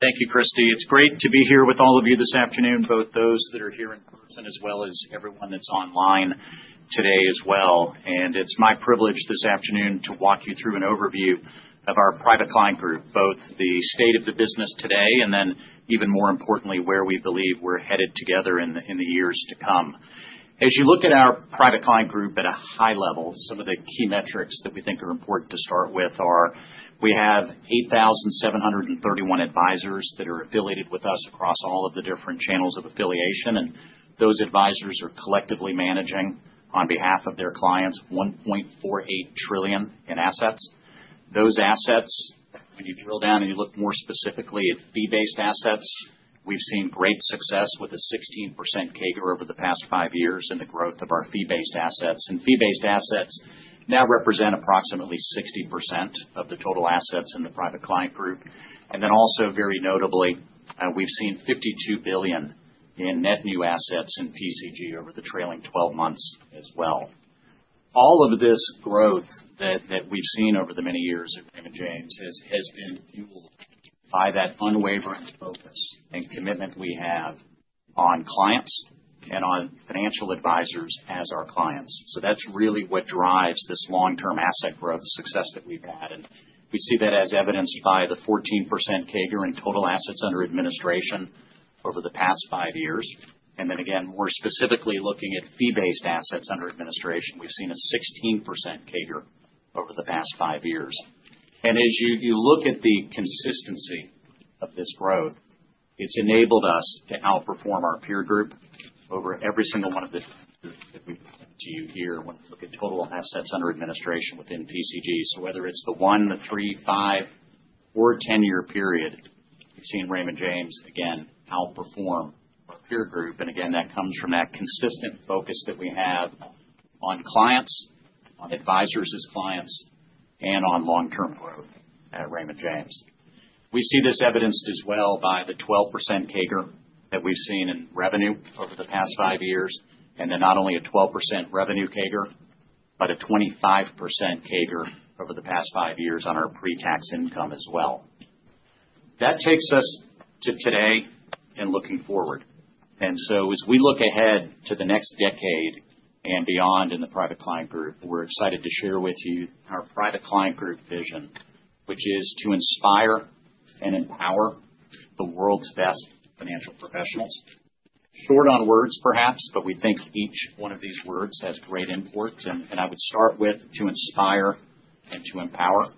Thank you, Kristie. It's great to be here with all of you this afternoon, both those that are here in person as well as everyone that's online today as well. It is my privilege this afternoon to walk you through an overview of our Private Client Group, both the state of the business today and then, even more importantly, where we believe we are headed together in the years to come. As you look at our Private Client Group at a high level, some of the key metrics that we think are important to start with are we have 8,731 advisors that are affiliated with us across all of the different channels of affiliation. Those advisors are collectively managing on behalf of their clients $1.48 trillion in assets. Those assets, when you drill down and you look more specifically at fee-based assets, we have seen great success with a 16% CAGR over the past five years in the growth of our fee-based assets. Fee-based assets now represent approximately 60% of the total assets in the Private Client Group. Also, very notably, we've seen $52 billion in net new assets in PCG over the trailing 12 months as well. All of this growth that we've seen over the many years at Raymond James has been fueled by that unwavering focus and commitment we have on clients and on financial advisors as our clients. That's really what drives this long-term asset growth success that we've had. We see that as evidenced by the 14% CAGR in total assets under administration over the past five years. More specifically, looking at fee-based assets under administration, we've seen a 16% CAGR over the past five years. As you look at the consistency of this growth, it's enabled us to outperform our peer group over every single one of the things that we present to you here when we look at total assets under administration within PCG. Whether it's the one, the three, five, or ten-year period, we've seen Raymond James, again, outperform our peer group. That comes from that consistent focus that we have on clients, on advisors as clients, and on long-term growth at Raymond James. We see this evidenced as well by the 12% CAGR that we've seen in revenue over the past five years. Not only a 12% revenue CAGR, but a 25% CAGR over the past five years on our pre-tax income as well. That takes us to today and looking forward. As we look ahead to the next decade and beyond in the Private Client Group, we're excited to share with you our Private Client Group vision, which is to inspire and empower the world's best financial professionals. Short on words, perhaps, but we think each one of these words has great import. I would start with to inspire and to empower.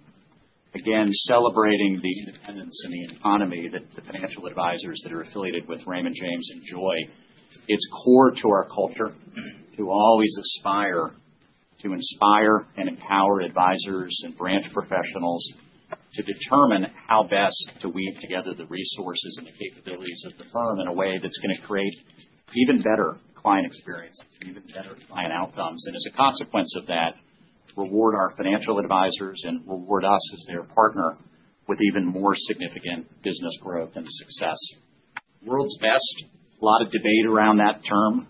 Again, celebrating the independence and the autonomy that the financial advisors that are affiliated with Raymond James enjoy. It's core to our culture to always aspire to inspire and empower advisors and branch professionals to determine how best to weave together the resources and the capabilities of the firm in a way that's going to create even better client experiences, even better client outcomes. As a consequence of that, reward our financial advisors and reward us as their partner with even more significant business growth and success. World's best, a lot of debate around that term.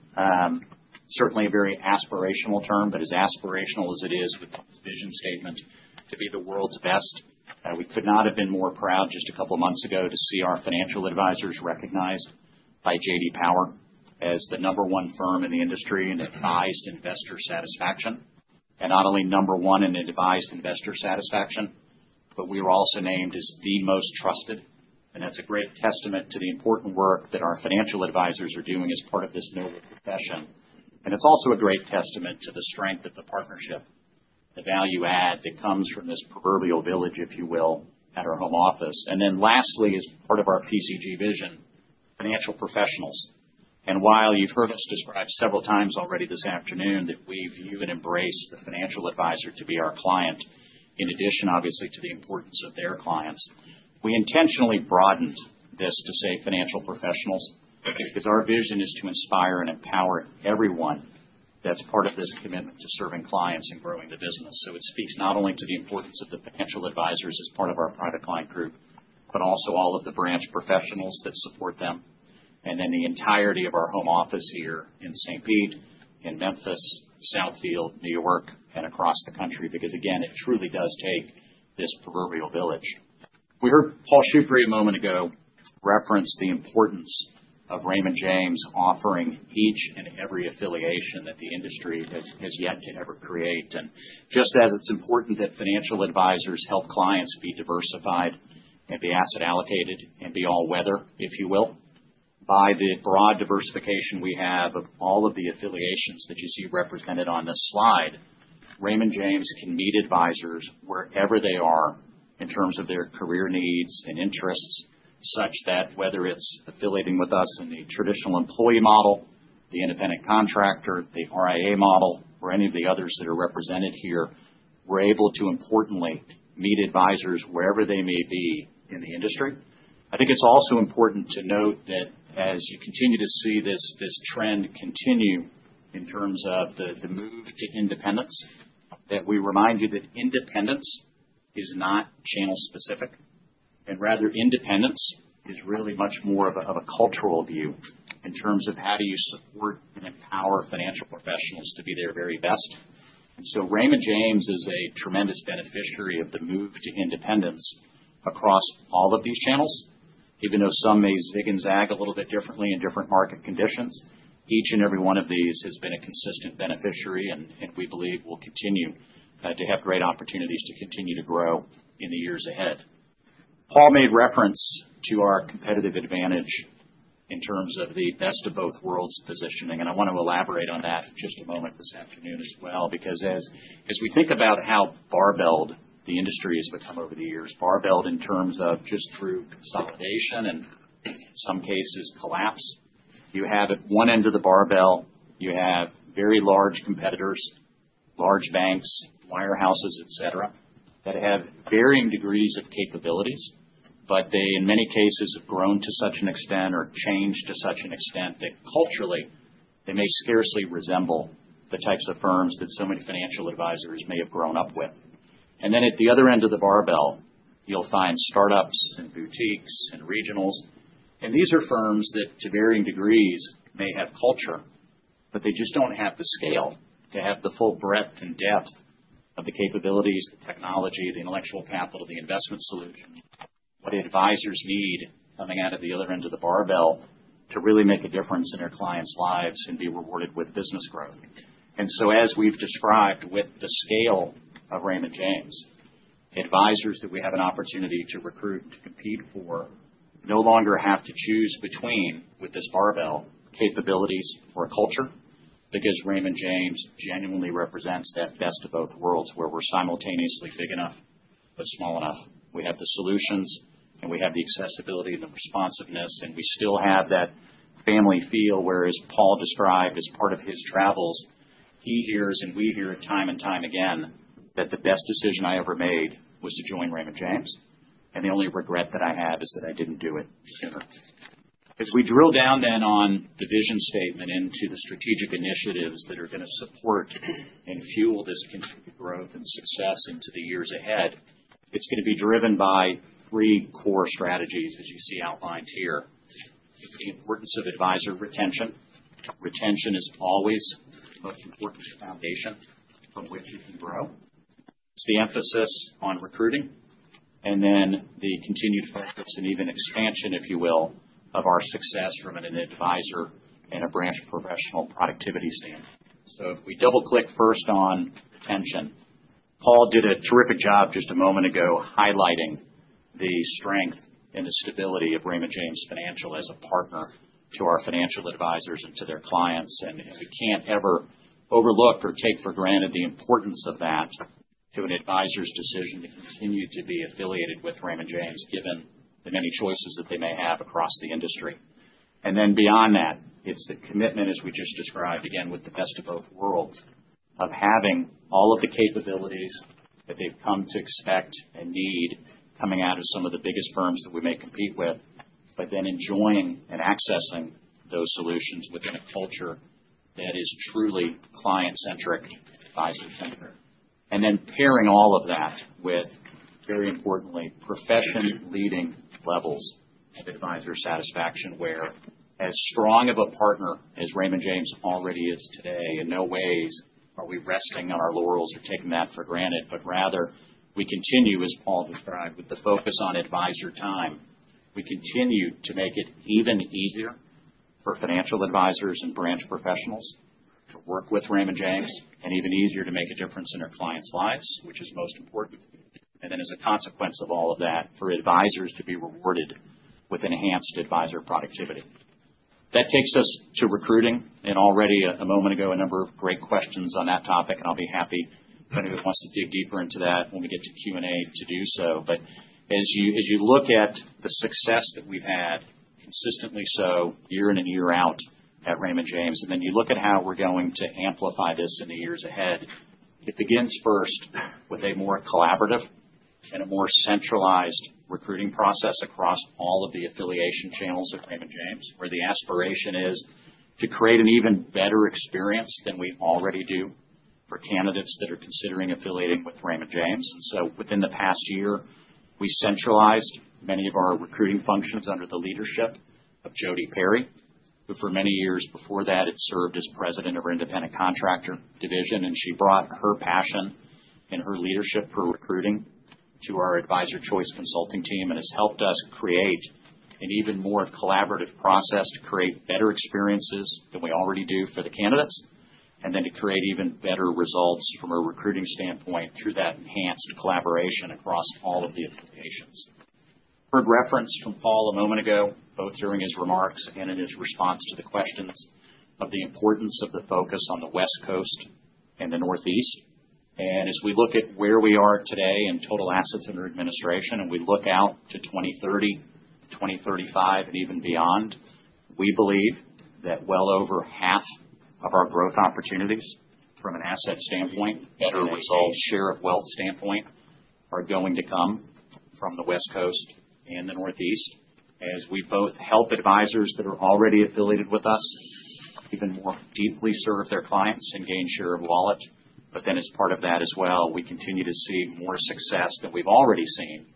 Certainly a very aspirational term, but as aspirational as it is with the vision statement to be the world's best, we could not have been more proud just a couple of months ago to see our financial advisors recognized by J.D. Power as the number one firm in the industry in advised investor satisfaction. Not only number one in advised investor satisfaction, but we were also named as the most trusted. That is a great testament to the important work that our financial advisors are doing as part of this noble profession. It is also a great testament to the strength of the partnership, the value add that comes from this proverbial village, if you will, at our home office. Lastly, as part of our PCG vision, financial professionals. While you have heard us describe several times already this afternoon that we view and embrace the financial advisor to be our client, in addition, obviously, to the importance of their clients, we intentionally broadened this to say financial professionals because our vision is to inspire and empower everyone that is part of this commitment to serving clients and growing the business. It speaks not only to the importance of the financial advisors as part of our Private Client Group, but also all of the branch professionals that support them, and then the entirety of our home office here in St. Petersburg, in Memphis, Southfield, New York, and across the country. Because again, it truly does take this proverbial village. We heard Paul Shoukry a moment ago reference the importance of Raymond James offering each and every affiliation that the industry has yet to ever create. Just as it's important that financial advisors help clients be diversified and be asset allocated and be all-weather, if you will, by the broad diversification we have of all of the affiliations that you see represented on this slide, Raymond James can meet advisors wherever they are in terms of their career needs and interests, such that whether it's affiliating with us in the traditional employee model, the independent contractor, the RIA model, or any of the others that are represented here, we're able to importantly meet advisors wherever they may be in the industry. I think it's also important to note that as you continue to see this trend continue in terms of the move to independence, we remind you that independence is not channel specific. Rather, independence is really much more of a cultural view in terms of how do you support and empower financial professionals to be their very best. Raymond James is a tremendous beneficiary of the move to independence across all of these channels. Even though some may zig and zag a little bit differently in different market conditions, each and every one of these has been a consistent beneficiary, and we believe will continue to have great opportunities to continue to grow in the years ahead. Paul made reference to our competitive advantage in terms of the best of both worlds positioning. I want to elaborate on that in just a moment this afternoon as well. Because as we think about how barbelled the industry has become over the years, barbelled in terms of just through consolidation and in some cases collapse, you have at one end of the barbell, you have very large competitors, large banks, wirehouses, etc., that have varying degrees of capabilities, but they in many cases have grown to such an extent or changed to such an extent that culturally they may scarcely resemble the types of firms that so many financial advisors may have grown up with. Then at the other end of the barbell, you'll find startups and boutiques and regionals. These are firms that to varying degrees may have culture, but they just don't have the scale to have the full breadth and depth of the capabilities, the technology, the intellectual capital, the investment solution, what advisors need coming out of the other end of the barbell to really make a difference in their clients' lives and be rewarded with business growth. As we've described with the scale of Raymond James, advisors that we have an opportunity to recruit and to compete for no longer have to choose between this barbell capabilities or culture because Raymond James genuinely represents that best of both worlds where we're simultaneously big enough but small enough. We have the solutions and we have the accessibility and the responsiveness, and we still have that family feel, whereas Paul described as part of his travels, he hears and we hear time and time again that the best decision I ever made was to join Raymond James. The only regret that I have is that I did not do it sooner. As we drill down then on the vision statement into the strategic initiatives that are going to support and fuel this continued growth and success into the years ahead, it is going to be driven by three core strategies as you see outlined here. It is the importance of advisor retention. Retention is always the most important foundation from which you can grow. It is the emphasis on recruiting. The continued focus and even expansion, if you will, of our success from an advisor and a branch professional productivity standpoint. If we double-click first on retention, Paul did a terrific job just a moment ago highlighting the strength and the stability of Raymond James Financial as a partner to our financial advisors and to their clients. We can't ever overlook or take for granted the importance of that to an advisor's decision to continue to be affiliated with Raymond James given the many choices that they may have across the industry. Beyond that, it is the commitment, as we just described again, with the best of both worlds of having all of the capabilities that they have come to expect and need coming out of some of the biggest firms that we may compete with, but then enjoying and accessing those solutions within a culture that is truly client-centric, advisor-centric. Pairing all of that with, very importantly, profession-leading levels of advisor satisfaction where as strong of a partner as Raymond James already is today, in no ways are we resting on our laurels or taking that for granted. Rather, we continue, as Paul described, with the focus on advisor time. We continue to make it even easier for financial advisors and branch professionals to work with Raymond James and even easier to make a difference in our clients' lives, which is most important. As a consequence of all of that, for advisors to be rewarded with enhanced advisor productivity. That takes us to recruiting. Already a moment ago, a number of great questions on that topic. I'll be happy if anybody wants to dig deeper into that when we get to Q&A to do so. As you look at the success that we've had, consistently so year in and year out at Raymond James, and then you look at how we're going to amplify this in the years ahead, it begins first with a more collaborative and a more centralized recruiting process across all of the affiliation channels at Raymond James, where the aspiration is to create an even better experience than we already do for candidates that are considering affiliating with Raymond James. Within the past year, we centralized many of our recruiting functions under the leadership of J.D. Perry, who for many years before that had served as President of our independent contractor division. She brought her passion and her leadership for recruiting to our advisor choice consulting team and has helped us create an even more collaborative process to create better experiences than we already do for the candidates, and then to create even better results from a recruiting standpoint through that enhanced collaboration across all of the affiliations. Heard reference from Paul a moment ago, both during his remarks and in his response to the questions of the importance of the focus on the West Coast and the Northeast. As we look at where we are today in total assets under administration and we look out to 2030, 2035, and even beyond, we believe that well over half of our growth opportunities from an asset standpoint, better results, share of wealth standpoint are going to come from the West Coast and the Northeast. We both help advisors that are already affiliated with us even more deeply serve their clients and gain share of wallet. As part of that as well, we continue to see more success than we've already seen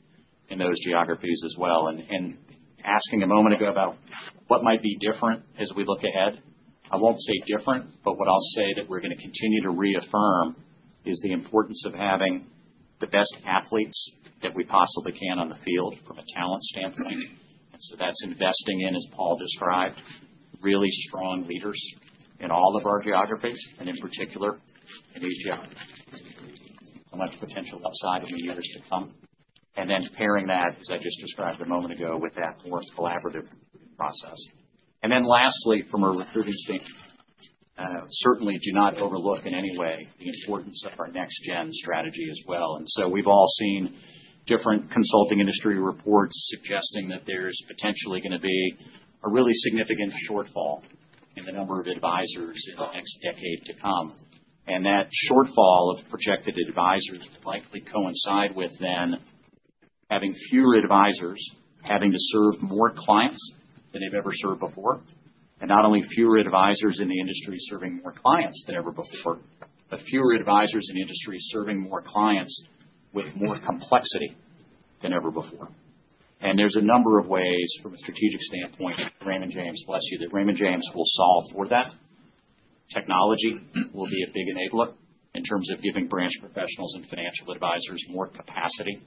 in those geographies as well. Asking a moment ago about what might be different as we look ahead, I won't say different, but what I'll say that we're going to continue to reaffirm is the importance of having the best athletes that we possibly can on the field from a talent standpoint. That is investing in, as Paul described, really strong leaders in all of our geographies, and in particular in these geographies. So much potential upside in the years to come. Pairing that, as I just described a moment ago, with that forced collaborative process. Lastly, from a recruiting standpoint, certainly do not overlook in any way the importance of our next-gen strategy as well. We have all seen different consulting industry reports suggesting that there is potentially going to be a really significant shortfall in the number of advisors in the next decade to come. That shortfall of projected advisors would likely coincide with then having fewer advisors having to serve more clients than they have ever served before. Not only fewer advisors in the industry serving more clients than ever before, but fewer advisors in the industry serving more clients with more complexity than ever before. There is a number of ways from a strategic standpoint, Raymond James, bless you, that Raymond James will solve for that. Technology will be a big enabler in terms of giving branch professionals and financial advisors more capacity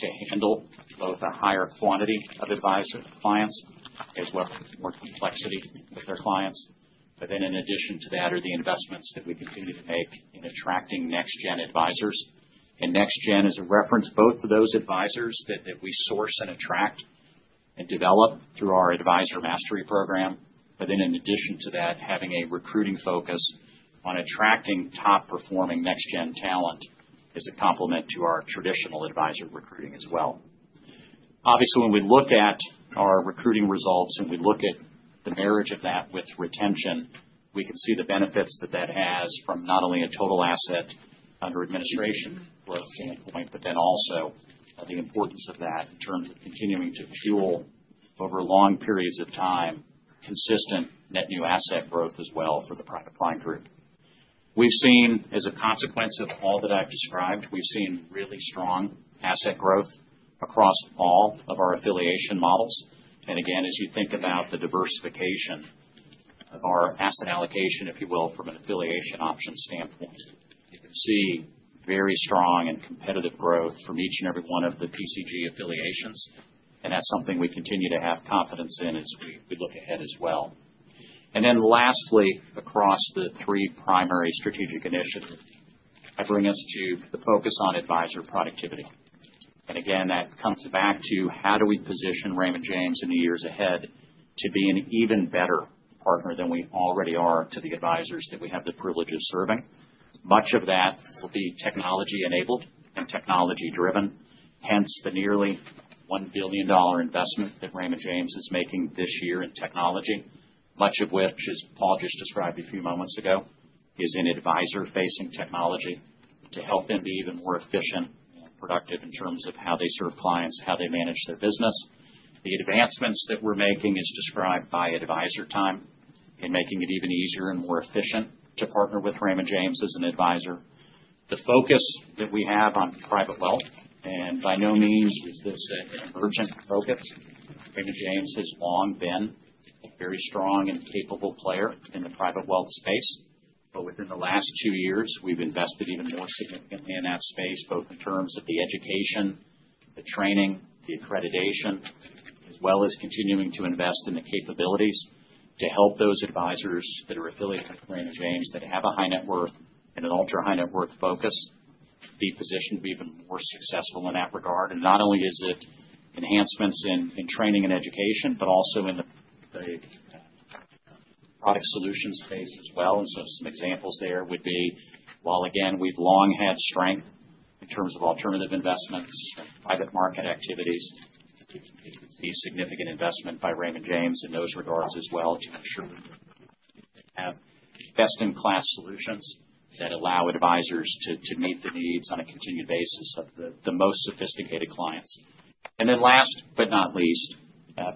to handle both a higher quantity of advisor clients as well as more complexity with their clients. In addition to that are the investments that we continue to make in attracting next-gen advisors. Next-gen is a reference both to those advisors that we source and attract and develop through our advisor mastery program. In addition to that, having a recruiting focus on attracting top-performing next-gen talent is a complement to our traditional advisor recruiting as well. Obviously, when we look at our recruiting results and we look at the marriage of that with retention, we can see the benefits that that has from not only a total asset under administration growth standpoint, but then also the importance of that in terms of continuing to fuel over long periods of time consistent net new asset growth as well for the Private Client Group. We've seen, as a consequence of all that I've described, we've seen really strong asset growth across all of our affiliation models. Again, as you think about the diversification of our asset allocation, if you will, from an affiliation option standpoint, you can see very strong and competitive growth from each and every one of the PCG affiliations. That's something we continue to have confidence in as we look ahead as well. Lastly, across the three primary strategic initiatives, I bring us to the focus on advisor productivity. Again, that comes back to how do we position Raymond James in the years ahead to be an even better partner than we already are to the advisors that we have the privilege of serving. Much of that will be technology-enabled and technology-driven. Hence the nearly $1 billion investment that Raymond James is making this year in technology, much of which, as Paul just described a few moments ago, is in advisor-facing technology to help them be even more efficient and productive in terms of how they serve clients, how they manage their business. The advancements that we're making, as described by Advisor Time, in making it even easier and more efficient to partner with Raymond James as an advisor. The focus that we have on private wealth, and by no means is this an emergent focus. Raymond James has long been a very strong and capable player in the private wealth space. Within the last two years, we've invested even more significantly in that space, both in terms of the education, the training, the accreditation, as well as continuing to invest in the capabilities to help those advisors that are affiliated with Raymond James that have a high net worth and an ultra-high net worth focus be positioned to be even more successful in that regard. Not only is it enhancements in training and education, but also in the product solutions space as well. Some examples there would be, while again, we've long had strength in terms of alternative investments and private market activities, we've seen significant investment by Raymond James in those regards as well to ensure we have best-in-class solutions that allow advisors to meet the needs on a continued basis of the most sophisticated clients. Last but not least,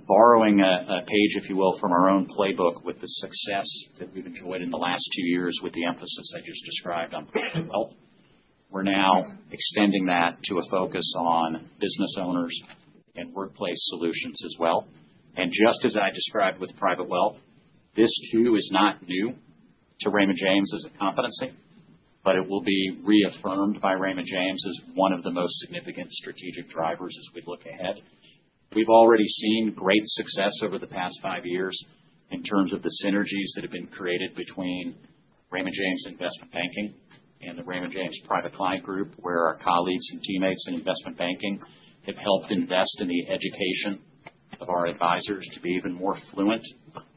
borrowing a page, if you will, from our own playbook with the success that we've enjoyed in the last two years with the emphasis I just described on private wealth, we're now extending that to a focus on business owners and workplace solutions as well. Just as I described with private wealth, this too is not new to Raymond James as a competency, but it will be reaffirmed by Raymond James as one of the most significant strategic drivers as we look ahead. We've already seen great success over the past five years in terms of the synergies that have been created between Raymond James Investment Banking and the Raymond James Private Client Group, where our colleagues and teammates in investment banking have helped invest in the education of our advisors to be even more fluent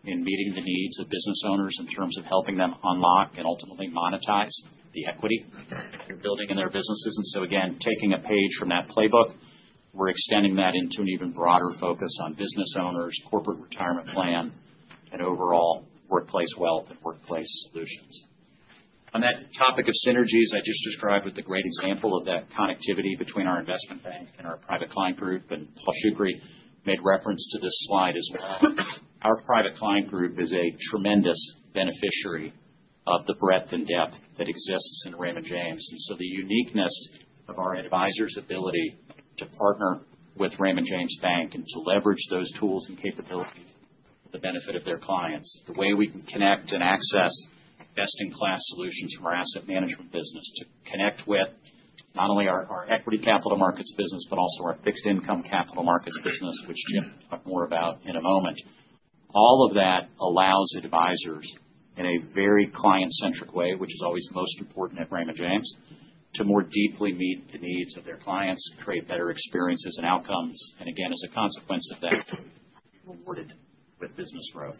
in meeting the needs of business owners in terms of helping them unlock and ultimately monetize the equity they're building in their businesses. Taking a page from that playbook, we're extending that into an even broader focus on business owners, corporate retirement plan, and overall workplace wealth and workplace solutions. On that topic of synergies, I just described with the great example of that connectivity between our investment bank and our Private Client Group. Paul Shoukry made reference to this slide as well. Our Private Client Group is a tremendous beneficiary of the breadth and depth that exists in Raymond James. The uniqueness of our advisors' ability to partner with Raymond James Bank and to leverage those tools and capabilities for the benefit of their clients, the way we can connect and access best-in-class solutions from our asset management business to connect with not only our equity capital markets business, but also our fixed income capital markets business, which Jim will talk more about in a moment, all of that allows advisors in a very client-centric way, which is always most important at Raymond James, to more deeply meet the needs of their clients, create better experiences and outcomes. As a consequence of that, be rewarded with business growth.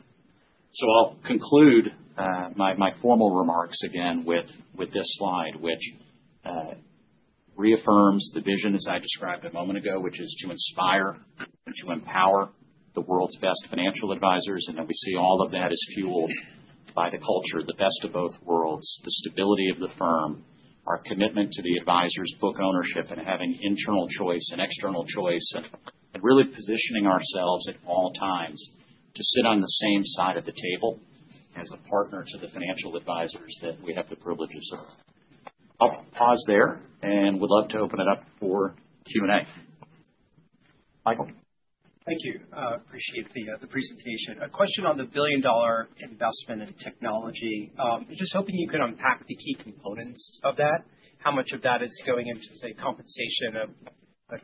I'll conclude my formal remarks again with this slide, which reaffirms the vision, as I described a moment ago, which is to inspire and to empower the world's best financial advisors. We see all of that is fueled by the culture, the best of both worlds, the stability of the firm, our commitment to the advisors, book ownership, and having internal choice and external choice, and really positioning ourselves at all times to sit on the same side of the table as a partner to the financial advisors that we have the privileges of. I'll pause there and would love to open it up for Q&A. Michael. Thank you. Appreciate the presentation. A question on the billion-dollar investment in technology. Just hoping you could unpack the key components of that. How much of that is going into, say, compensation of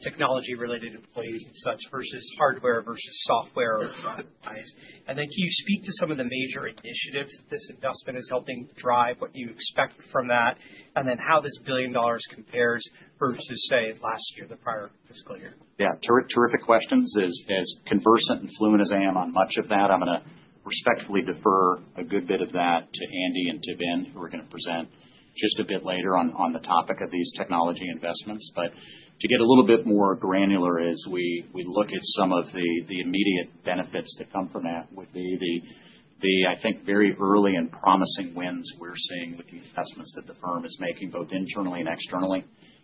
technology-related employees and such versus hardware versus software or device? And then can you speak to some of the major initiatives that this investment is helping drive, what you expect from that, and then how this billion dollars compares versus, say, last year, the prior fiscal year? Yeah. Terrific questions. As conversant and fluent as I am on much of that, I'm going to respectfully defer a good bit of that to Andy and to Ben, who are going to present just a bit later on the topic of these technology investments. To get a little bit more granular, as we look at some of the immediate benefits that come from that, would be the, I think, very early and promising wins we're seeing with the investments that the firm is making, both internally and externally,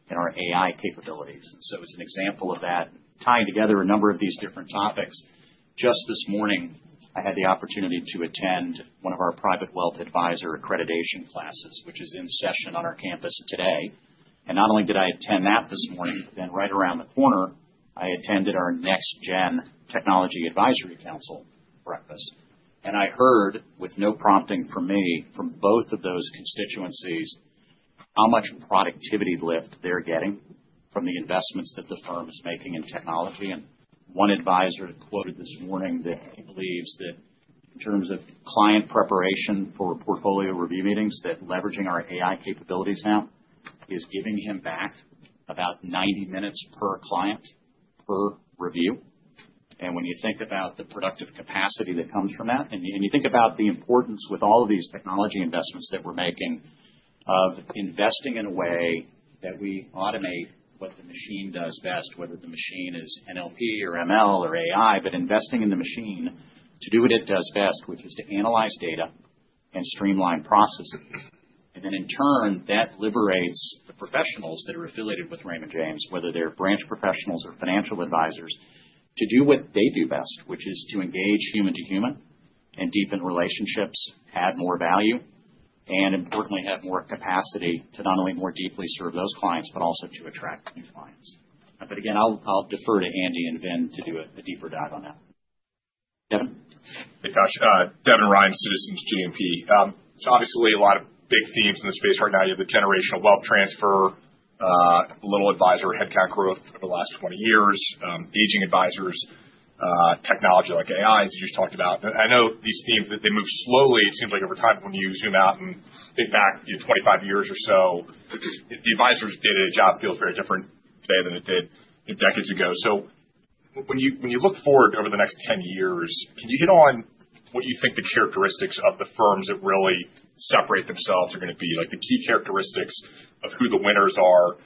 in our AI capabilities. As an example of that, tying together a number of these different topics, just this morning, I had the opportunity to attend one of our Private Wealth Advisor Accreditation classes, which is in session on our campus today. Not only did I attend that this morning, but then right around the corner, I attended our next-gen technology advisory council breakfast. I heard, with no prompting from me, from both of those constituencies how much productivity lift they're getting from the investments that the firm is making in technology. One advisor quoted this morning that he believes that in terms of client preparation for portfolio review meetings, leveraging our AI capabilities now is giving him back about 90 minutes per client per review. When you think about the productive capacity that comes from that, and you think about the importance with all of these technology investments that we're making of investing in a way that we automate what the machine does best, whether the machine is NLP or ML or AI, but investing in the machine to do what it does best, which is to analyze data and streamline processes. Then in turn, that liberates the professionals that are affiliated with Raymond James, whether they're branch professionals or financial advisors, to do what they do best, which is to engage human to human and deepen relationships, add more value, and importantly, have more capacity to not only more deeply serve those clients, but also to attract new clients. Again, I'll defer to Andy and Ben to do a deeper dive on that Devin?. Devin Ryan, Citizens JMP. Obviously, a lot of big themes in the space right now. You have the generational wealth transfer, little advisor headcount growth over the last 20 years, aging advisors, technology like AI, as you just talked about. I know these themes, they move slowly. It seems like over time, when you zoom out and think back 25 years or so, the advisors' day-to-day job feels very different today than it did decades ago. When you look forward over the next 10 years, can you hit on what you think the characteristics of the firms that really separate themselves are going to be, like the key characteristics of who the winners are?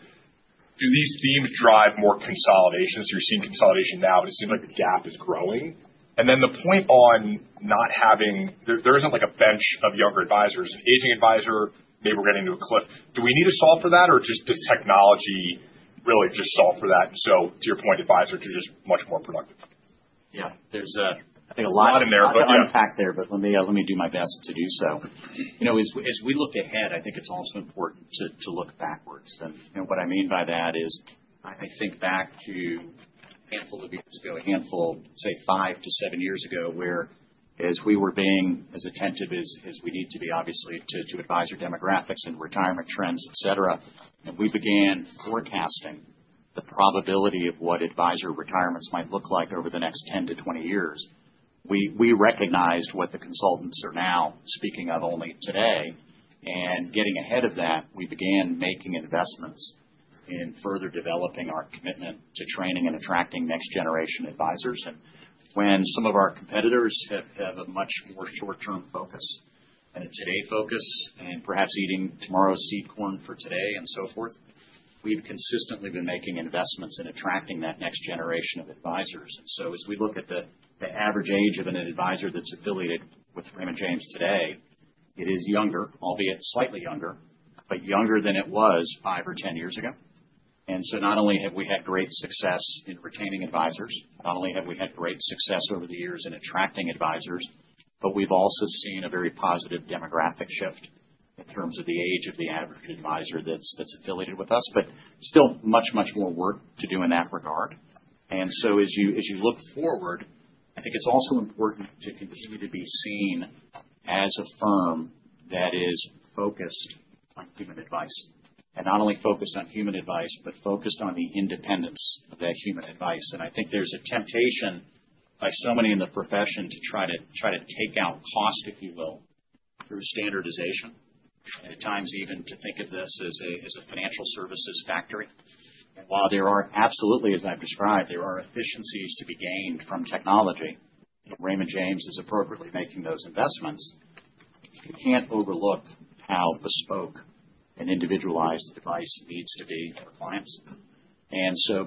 Do these themes drive more consolidation? You're seeing consolidation now, but it seems like the gap is growing. The point on not having there isn't like a bench of younger advisors. Aging advisor, maybe we're getting to a cliff. Do we need to solve for that, or does technology really just solve for that? To your point, advisors are just much more productive. Yeah. There's, I think, a lot in there. A lot of impact there, but let me do my best to do so. As we look ahead, I think it's also important to look backwards. What I mean by that is I think back to a handful of years ago, a handful, say, five to seven years ago, where as we were being as attentive as we need to be, obviously, to advisor demographics and retirement trends, etc., and we began forecasting the probability of what advisor retirements might look like over the next 10-20 years, we recognized what the consultants are now speaking of only today. Getting ahead of that, we began making investments in further developing our commitment to training and attracting next-generation advisors. When some of our competitors have a much more short-term focus and a today focus and perhaps eating tomorrow's seed corn for today and so forth, we've consistently been making investments in attracting that next generation of advisors. As we look at the average age of an advisor that's affiliated with Raymond James today, it is younger, albeit slightly younger, but younger than it was five or ten years ago. Not only have we had great success in retaining advisors, not only have we had great success over the years in attracting advisors, but we've also seen a very positive demographic shift in terms of the age of the average advisor that's affiliated with us, but still much, much more work to do in that regard. As you look forward, I think it's also important to continue to be seen as a firm that is focused on human advice and not only focused on human advice, but focused on the independence of that human advice. I think there's a temptation by so many in the profession to try to take out cost, if you will, through standardization, and at times even to think of this as a financial services factory. While there are absolutely, as I've described, there are efficiencies to be gained from technology, Raymond James is appropriately making those investments, you can't overlook how bespoke and individualized advice needs to be for clients.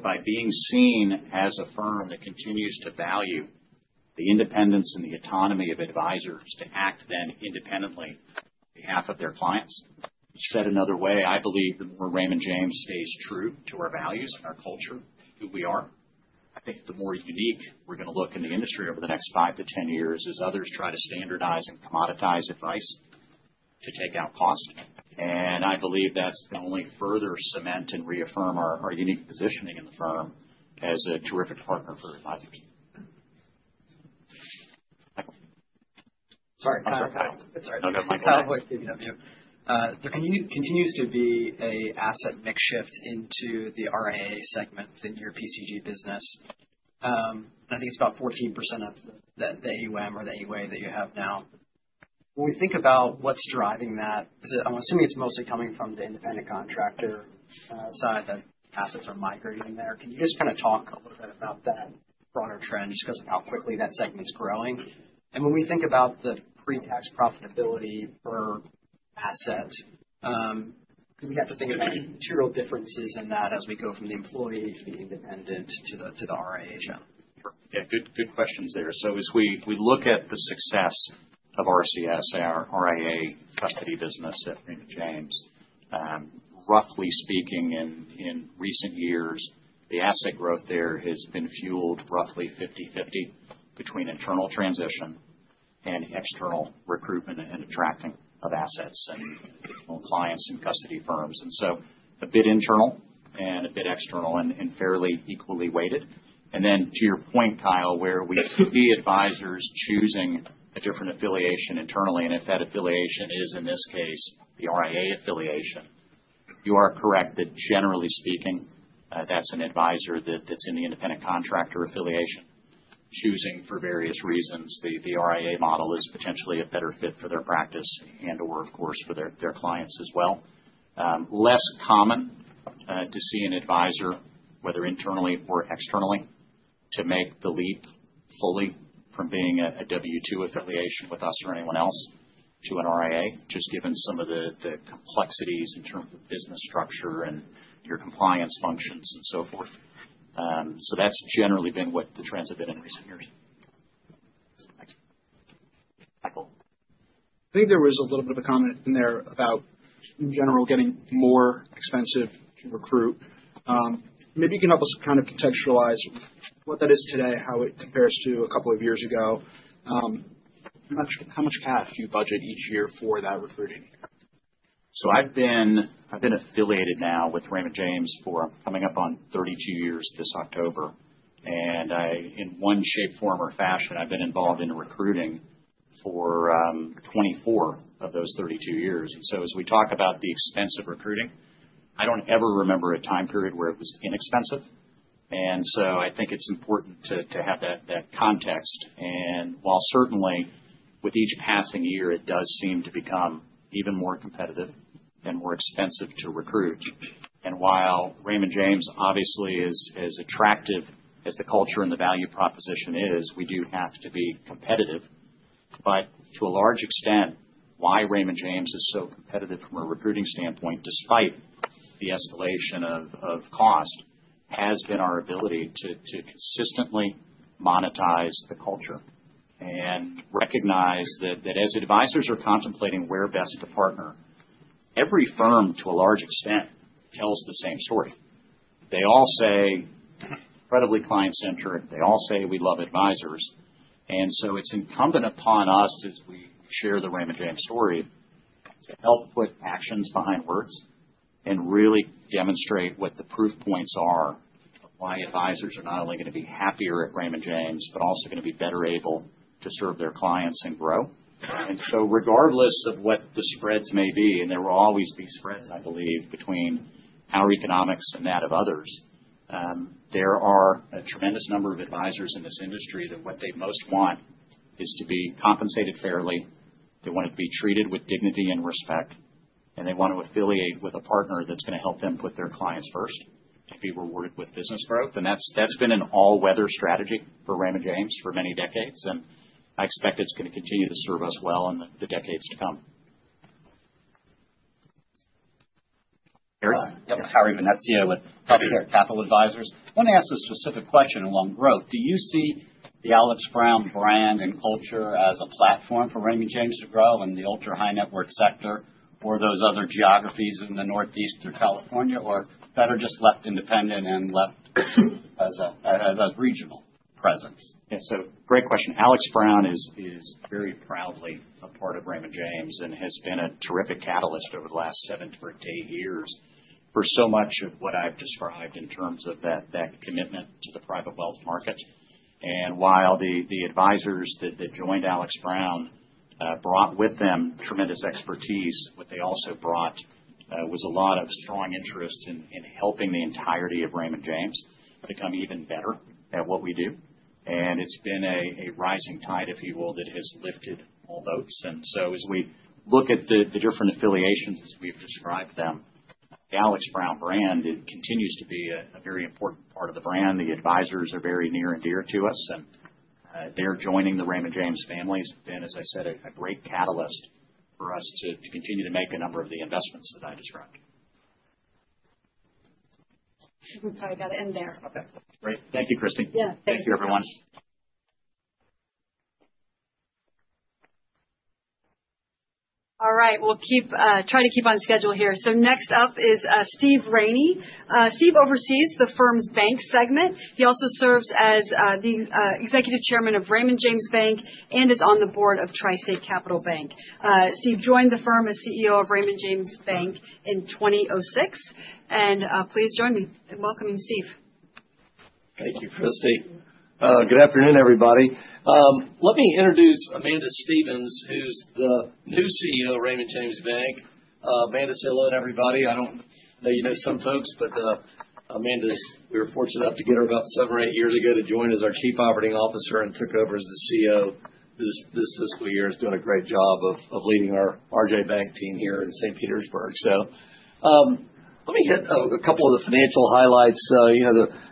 By being seen as a firm that continues to value the independence and the autonomy of advisors to act independently on behalf of their clients, said another way, I believe the more Raymond James stays true to our values and our culture and who we are, I think the more unique we are going to look in the industry over the next five to ten years as others try to standardize and commoditize advice to take out cost. I believe that is going to only further cement and reaffirm our unique positioning in the firm as a terrific partner for advisors. Michael. Sorry. I'm sorry. It's all right. No, no, Michael. I thought it was going to be on you. There continues to be an asset mix shift into the RIA segment within your PCG business. I think it's about 14% of the AUM or the AUA that you have now. When we think about what's driving that, I'm assuming it's mostly coming from the independent contractor side that assets are migrating there. Can you just kind of talk a little bit about that broader trend just because of how quickly that segment's growing? When we think about the pre-tax profitability per asset, we have to think about material differences in that as we go from the employee to the independent to the RIA agent. Yeah. Good questions there. As we look at the success of RCS, our RIA custody business at Raymond James, roughly speaking in recent years, the asset growth there has been fueled roughly 50/50 between internal transition and external recruitment and attracting of assets and clients and custody firms. A bit internal and a bit external and fairly equally weighted. To your point, Kyle, where we could be advisors choosing a different affiliation internally, and if that affiliation is, in this case, the RIA affiliation, you are correct that generally speaking, that's an advisor that's in the independent contractor affiliation choosing for various reasons the RIA model is potentially a better fit for their practice and/or, of course, for their clients as well. It is less common to see an advisor, whether internally or externally, make the leap fully from being a W-2 affiliation with us or anyone else to an RIA, just given some of the complexities in terms of business structure and your compliance functions and so forth. That's generally been what the trends have been in recent years. Thanks. Michael. I think there was a little bit of a comment in there about, in general, getting more expensive to recruit. Maybe you can help us kind of contextualize what that is today, how it compares to a couple of years ago. How much cash do you budget each year for that recruiting? I have been affiliated now with Raymond James for coming up on 32 years this October. In one shape, form, or fashion, I have been involved in recruiting for 24 of those 32 years. As we talk about the expense of recruiting, I do not ever remember a time period where it was inexpensive. I think it is important to have that context. While certainly with each passing year, it does seem to become even more competitive and more expensive to recruit. While Raymond James obviously is as attractive as the culture and the value proposition is, we do have to be competitive. To a large extent, why Raymond James is so competitive from a recruiting standpoint, despite the escalation of cost, has been our ability to consistently monetize the culture and recognize that as advisors are contemplating where best to partner, every firm, to a large extent, tells the same story. They all say, "Incredibly client-centered." They all say, "We love advisors." It is incumbent upon us, as we share the Raymond James story, to help put actions behind words and really demonstrate what the proof points are of why advisors are not only going to be happier at Raymond James, but also going to be better able to serve their clients and grow. Regardless of what the spreads may be, and there will always be spreads, I believe, between our economics and that of others, there are a tremendous number of advisors in this industry that what they most want is to be compensated fairly. They want to be treated with dignity and respect, and they want to affiliate with a partner that is going to help them put their clients first and be rewarded with business growth. That has been an all-weather strategy for Raymond James for many decades, and I expect it is going to continue to serve us well in the decades to come.. Howard Venezia with Healthcare Capital Advisors. I want to ask a specific question along growth. Do you see the Alex Brown brand and culture as a platform for Raymond James to grow in the ultra-high-net-worth sector or those other geographies in the Northeast or California, or better just left independent and left as a regional presence? Yeah. Great question. Alex Brown is very proudly a part of Raymond James and has been a terrific catalyst over the last seven to eight years for so much of what I've described in terms of that commitment to the private wealth markets. While the advisors that joined Alex Brown brought with them tremendous expertise, what they also brought was a lot of strong interest in helping the entirety of Raymond James become even better at what we do. It's been a rising tide, if you will, that has lifted all boats. As we look at the different affiliations, as we have described them, the Alex Brown brand continues to be a very important part of the brand. The advisors are very near and dear to us, and their joining the Raymond James family has been, as I said, a great catalyst for us to continue to make a number of the investments that I described. We have probably got it in there. Okay. Great. Thank you, Kristie. Yeah. Thank you, everyone. All right. We will try to keep on schedule here. Next up is Steve Raney. Steve oversees the firm's bank segment. He also serves as the Executive Chairman of Raymond James Bank and is on the board of Tri-State Capital Bank. Steve joined the firm as CEO of Raymond James Bank in 2006. Please join me in welcoming Steve. Thank you, Kristie. Good afternoon, everybody. Let me introduce Amanda Stevens, who's the new CEO of Raymond James Bank. Amanda, say hello to everybody. I don't know, you know some folks, but Amanda, we were fortunate enough to get her about seven or eight years ago to join as our Chief Operating Officer and took over as the CEO this fiscal year. She's doing a great job of leading our RJ Bank team here in St. Petersburg. Let me hit a couple of the financial highlights.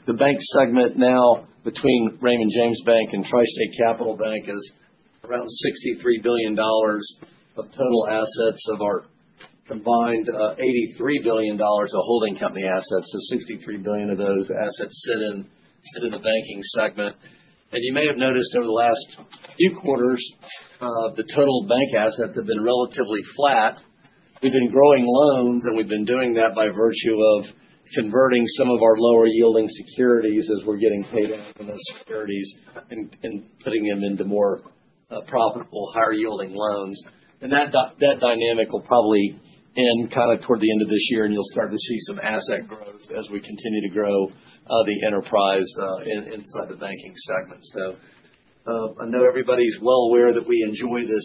The bank segment now between Raymond James Bank and Tri-State Capital Bank is around $63 billion of total assets of our combined $83 billion of holding company assets. So $63 billion of those assets sit in the banking segment. You may have noticed over the last few quarters, the total bank assets have been relatively flat. We've been growing loans, and we've been doing that by virtue of converting some of our lower-yielding securities as we're getting paid out on those securities and putting them into more profitable, higher-yielding loans. That dynamic will probably end kind of toward the end of this year, and you'll start to see some asset growth as we continue to grow the enterprise inside the banking segment. I know everybody's well aware that we enjoy this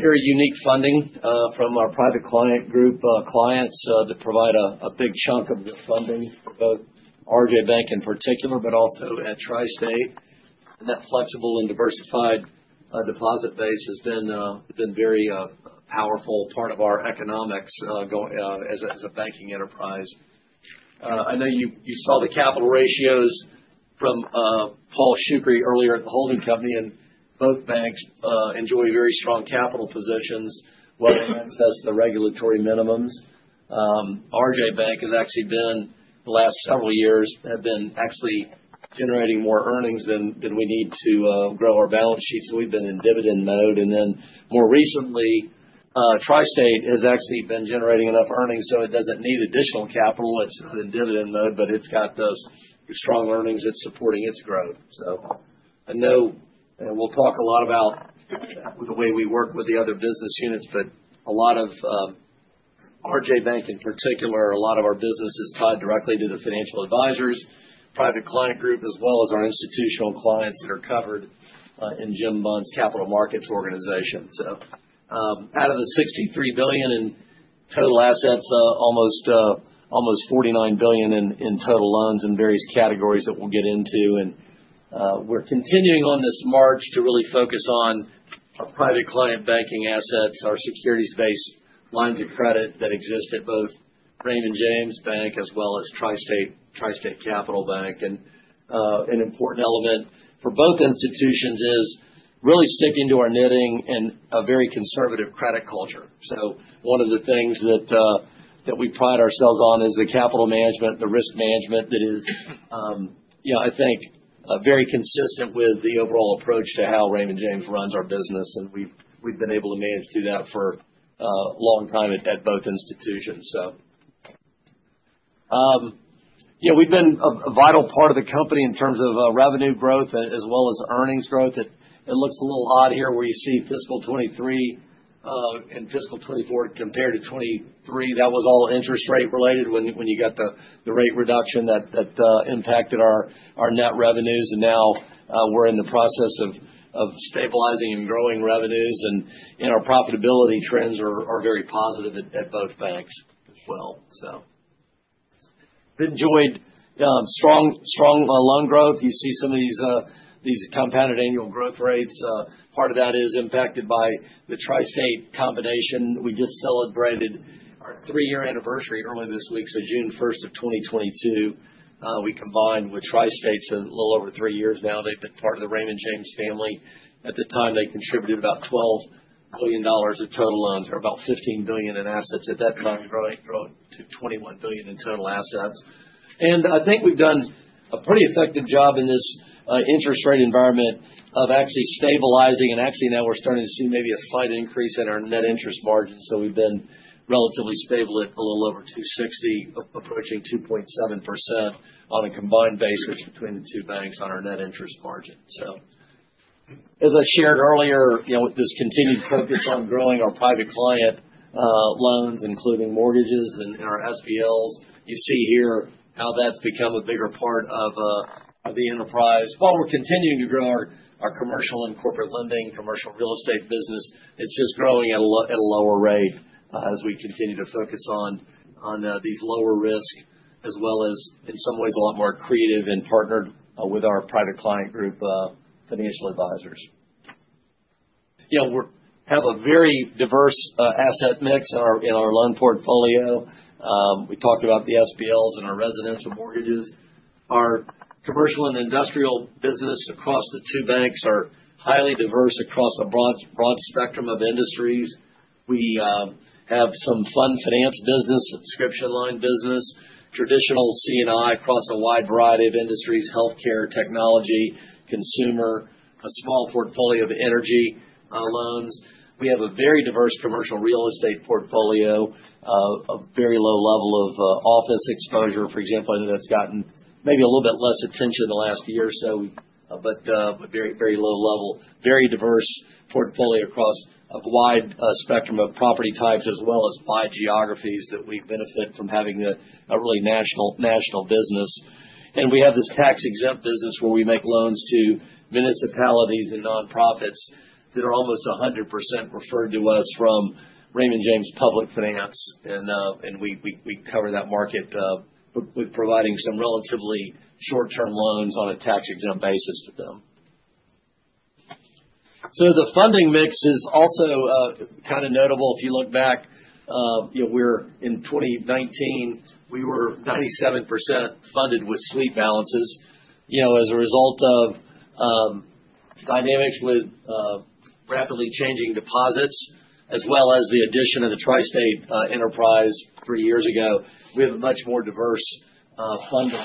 very unique funding from our Private Client Group clients that provide a big chunk of the funding for both RJ Bank in particular, but also at Tri-State. That flexible and diversified deposit base has been a very powerful part of our economics as a banking enterprise. I know you saw the capital ratios from Paul Shoukry earlier at the holding company, and both banks enjoy very strong capital positions while it acts as the regulatory minimums. RJ Bank has actually been, the last several years, actually generating more earnings than we need to grow our balance sheets. We have been in dividend mode. More recently, Tri-State has actually been generating enough earnings so it does not need additional capital. It is in dividend mode, but it has those strong earnings. It is supporting its growth. I know we will talk a lot about the way we work with the other business units, but a lot of RJ Bank in particular, a lot of our business is tied directly to the financial advisors, Private Client Group, as well as our institutional clients that are covered in Jim Bunn's Capital Markets Organization. Out of the $63 billion in total assets, almost $49 billion in total loans in various categories that we'll get into. We're continuing on this march to really focus on our private client banking assets, our securities-based lines of credit that exist at both Raymond James Bank as well as Tri-State Capital Bank. An important element for both institutions is really sticking to our knitting and a very conservative credit culture. One of the things that we pride ourselves on is the capital management, the risk management that is, I think, very consistent with the overall approach to how Raymond James runs our business. We've been able to manage through that for a long time at both institutions. We've been a vital part of the company in terms of revenue growth as well as earnings growth. It looks a little odd here where you see fiscal 2023 and fiscal 2024 compared to 2023. That was all interest rate related when you got the rate reduction that impacted our net revenues. Now we are in the process of stabilizing and growing revenues. Our profitability trends are very positive at both banks as well. We have enjoyed strong loan growth. You see some of these compound annual growth rates. Part of that is impacted by the Tri-State combination. We just celebrated our three-year anniversary early this week. June 1st of 2022, we combined with Tri-State, a little over three years now. They have been part of the Raymond James family. At the time, they contributed about $12 billion of total loans or about $15 billion in assets at that time, growing to $21 billion in total assets. I think we've done a pretty effective job in this interest rate environment of actually stabilizing. Actually, now we're starting to see maybe a slight increase in our net interest margin. We've been relatively stable at a little over 2.60%, approaching 2.7% on a combined basis between the two banks on our net interest margin. As I shared earlier, with this continued focus on growing our private client loans, including mortgages and our SBLs, you see here how that's become a bigger part of the enterprise. While we're continuing to grow our commercial and corporate lending, commercial real estate business, it's just growing at a lower rate as we continue to focus on these lower risks, as well as in some ways a lot more creative and partnered with our Private Client Group financial advisors. We have a very diverse asset mix in our loan portfolio. We talked about the SBLs and our residential mortgages. Our commercial and industrial business across the two banks are highly diverse across a broad spectrum of industries. We have some fund finance business, subscription line business, traditional C&I across a wide variety of industries, healthcare, technology, consumer, a small portfolio of energy loans. We have a very diverse commercial real estate portfolio, a very low level of office exposure. For example, I know that's gotten maybe a little bit less attention in the last year or so, but very low level, very diverse portfolio across a wide spectrum of property types as well as wide geographies that we benefit from having a really national business. We have this tax-exempt business where we make loans to municipalities and nonprofits that are almost 100% referred to us from Raymond James Public Finance. We cover that market with providing some relatively short-term loans on a tax-exempt basis to them. The funding mix is also kind of notable. If you look back, in 2019, we were 97% funded with sweep balances. As a result of dynamics with rapidly changing deposits, as well as the addition of the Tri-State Capital Bank enterprise three years ago, we have a much more diverse funding.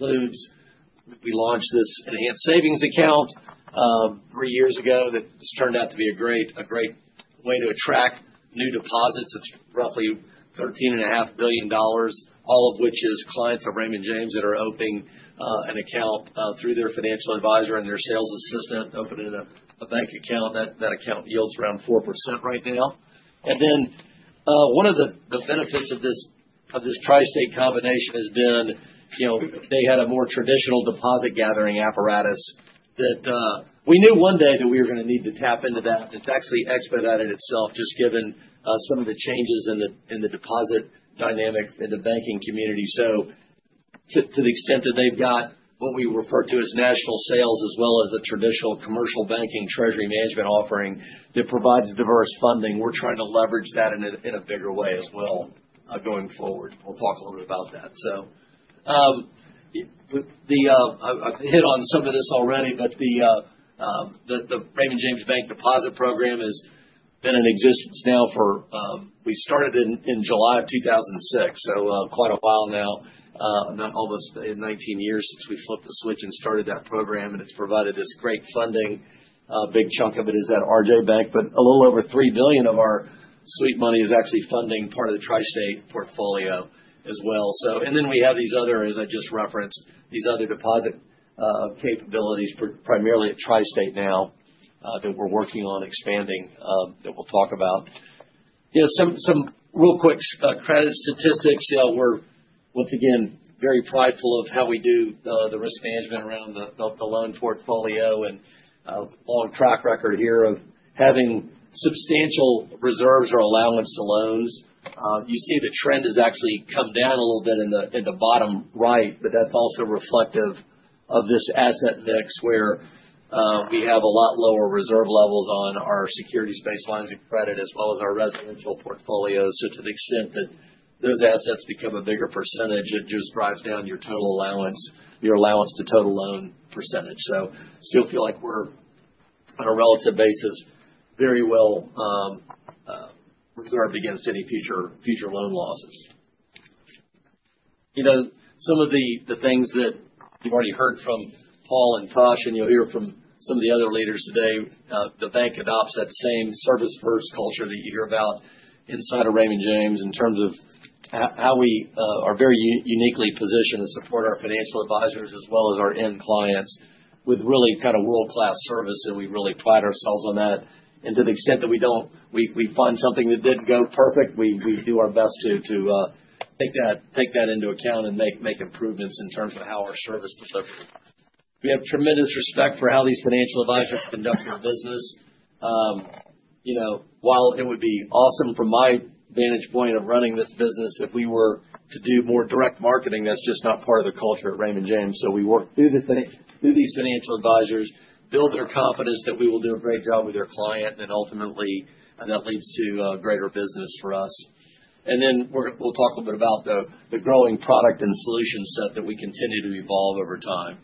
We launched this enhanced savings program three years ago that just turned out to be a great way to attract new deposits of roughly $13.5 billion, all of which is clients of Raymond James that are opening an account through their financial advisor and their sales assistant opening a bank account. That account yields around 4% right now. One of the benefits of this Tri-State combination has been they had a more traditional deposit-gathering apparatus that we knew one day that we were going to need to tap into. It has actually expedited itself just given some of the changes in the deposit dynamics in the banking community. To the extent that they have what we refer to as national sales as well as a traditional commercial banking treasury management offering that provides diverse funding, we are trying to leverage that in a bigger way as well going forward. We will talk a little bit about that. I have hit on some of this already, but the Raymond James Bank deposit program has been in existence now for, we started in July of 2006, so quite a while now, almost 19 years since we flipped the switch and started that program. It has provided this great funding. A big chunk of it is at RJ Bank, but a little over $3 billion of our sweep money is actually funding part of the Tri-State portfolio as well. We have these other, as I just referenced, these other deposit capabilities primarily at Tri-State now that we're working on expanding that we'll talk about. Some real quick credit statistics. We're once again very prideful of how we do the risk management around the loan portfolio and long track record here of having substantial reserves or allowance to loans. You see the trend has actually come down a little bit in the bottom right, but that's also reflective of this asset mix where we have a lot lower reserve levels on our securities-based lines of credit as well as our residential portfolio. To the extent that those assets become a bigger percentage, it just drives down your total allowance, your allowance to total loan percentage. I still feel like we're, on a relative basis, very well reserved against any future loan losses. Some of the things that you've already heard from Paul and Tash, and you'll hear from some of the other leaders today, the bank adopts that same service-first culture that you hear about inside of Raymond James in terms of how we are very uniquely positioned to support our financial advisors as well as our end clients with really kind of world-class service. We really pride ourselves on that. To the extent that we find something that didn't go perfect, we do our best to take that into account and make improvements in terms of how our service delivers. We have tremendous respect for how these financial advisors conduct their business. While it would be awesome from my vantage point of running this business if we were to do more direct marketing, that's just not part of the culture at Raymond James. We work through these financial advisors, build their confidence that we will do a great job with their client, and then ultimately that leads to greater business for us. We will talk a little bit about the growing product and solution set that we continue to evolve over time.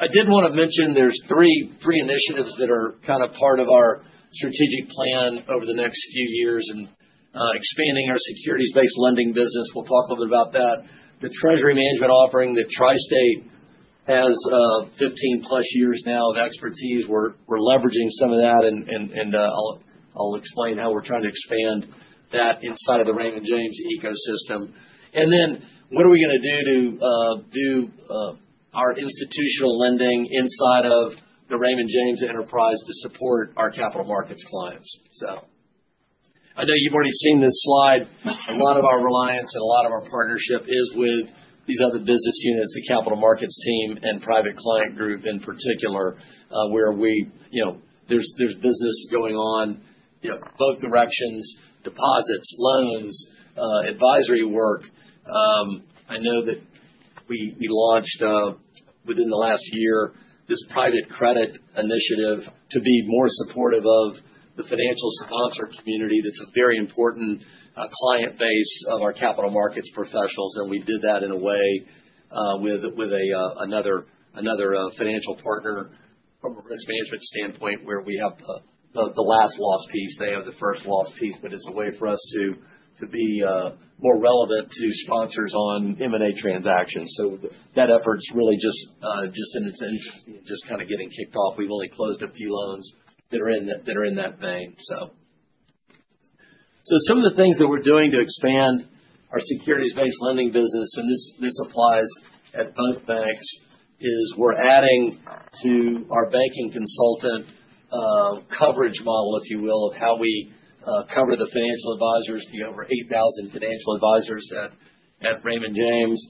I did want to mention there's three initiatives that are kind of part of our strategic plan over the next few years in expanding our securities-based lending business. We will talk a little bit about that. The treasury management offering that Tri-State has 15+ years now of expertise. We're leveraging some of that, and I'll explain how we're trying to expand that inside of the Raymond James ecosystem. What are we going to do to do our institutional lending inside of the Raymond James enterprise to support our capital markets clients? I know you've already seen this slide. A lot of our reliance and a lot of our partnership is with these other business units, the capital markets team and Private Client Group in particular, where there's business going on both directions: deposits, loans, advisory work. I know that we launched within the last year this private credit initiative to be more supportive of the financial sponsor community. That's a very important client base of our capital markets professionals. We did that in a way with another financial partner from a risk management standpoint where we have the last loss piece. They have the first loss piece, but it's a way for us to be more relevant to sponsors on M&A transactions. That effort's really just in its infancy and just kind of getting kicked off. We've only closed a few loans that are in that vein. Some of the things that we're doing to expand our securities-based lending business, and this applies at both banks, is we're adding to our banking consultant coverage model, if you will, of how we cover the financial advisors, the over 8,000 financial advisors at Raymond James.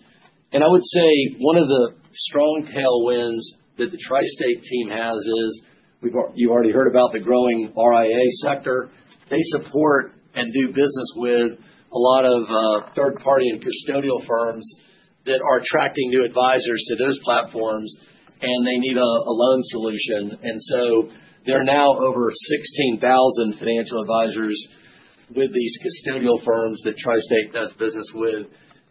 I would say one of the strong tailwinds that the Tri-State team has is you've already heard about the growing RIA sector. They support and do business with a lot of third-party and custodial firms that are attracting new advisors to those platforms, and they need a loan solution. There are now over 16,000 financial advisors with these custodial firms that Tri-State does business with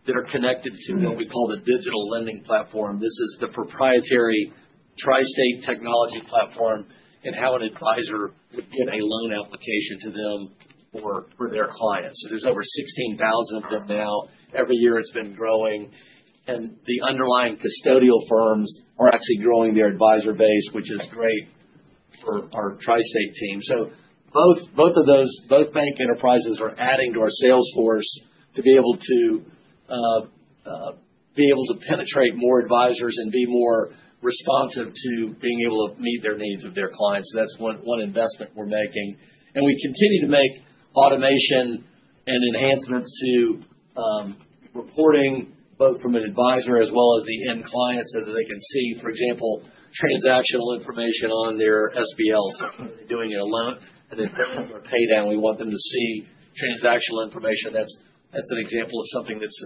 that are connected to what we call the digital lending platform. This is the proprietary Tri-State technology platform and how an advisor would get a loan application to them for their clients. There are over 16,000 of them now. Every year it has been growing. The underlying custodial firms are actually growing their advisor base, which is great for our Tri-State team. Both bank enterprises are adding to our sales force to be able to penetrate more advisors and be more responsive to being able to meet the needs of their clients. That is one investment we are making. We continue to make automation and enhancements to reporting both from an advisor as well as the end client so that they can see, for example, transactional information on their SBLs. If they're doing it alone and then pay down, we want them to see transactional information. That's an example of something that's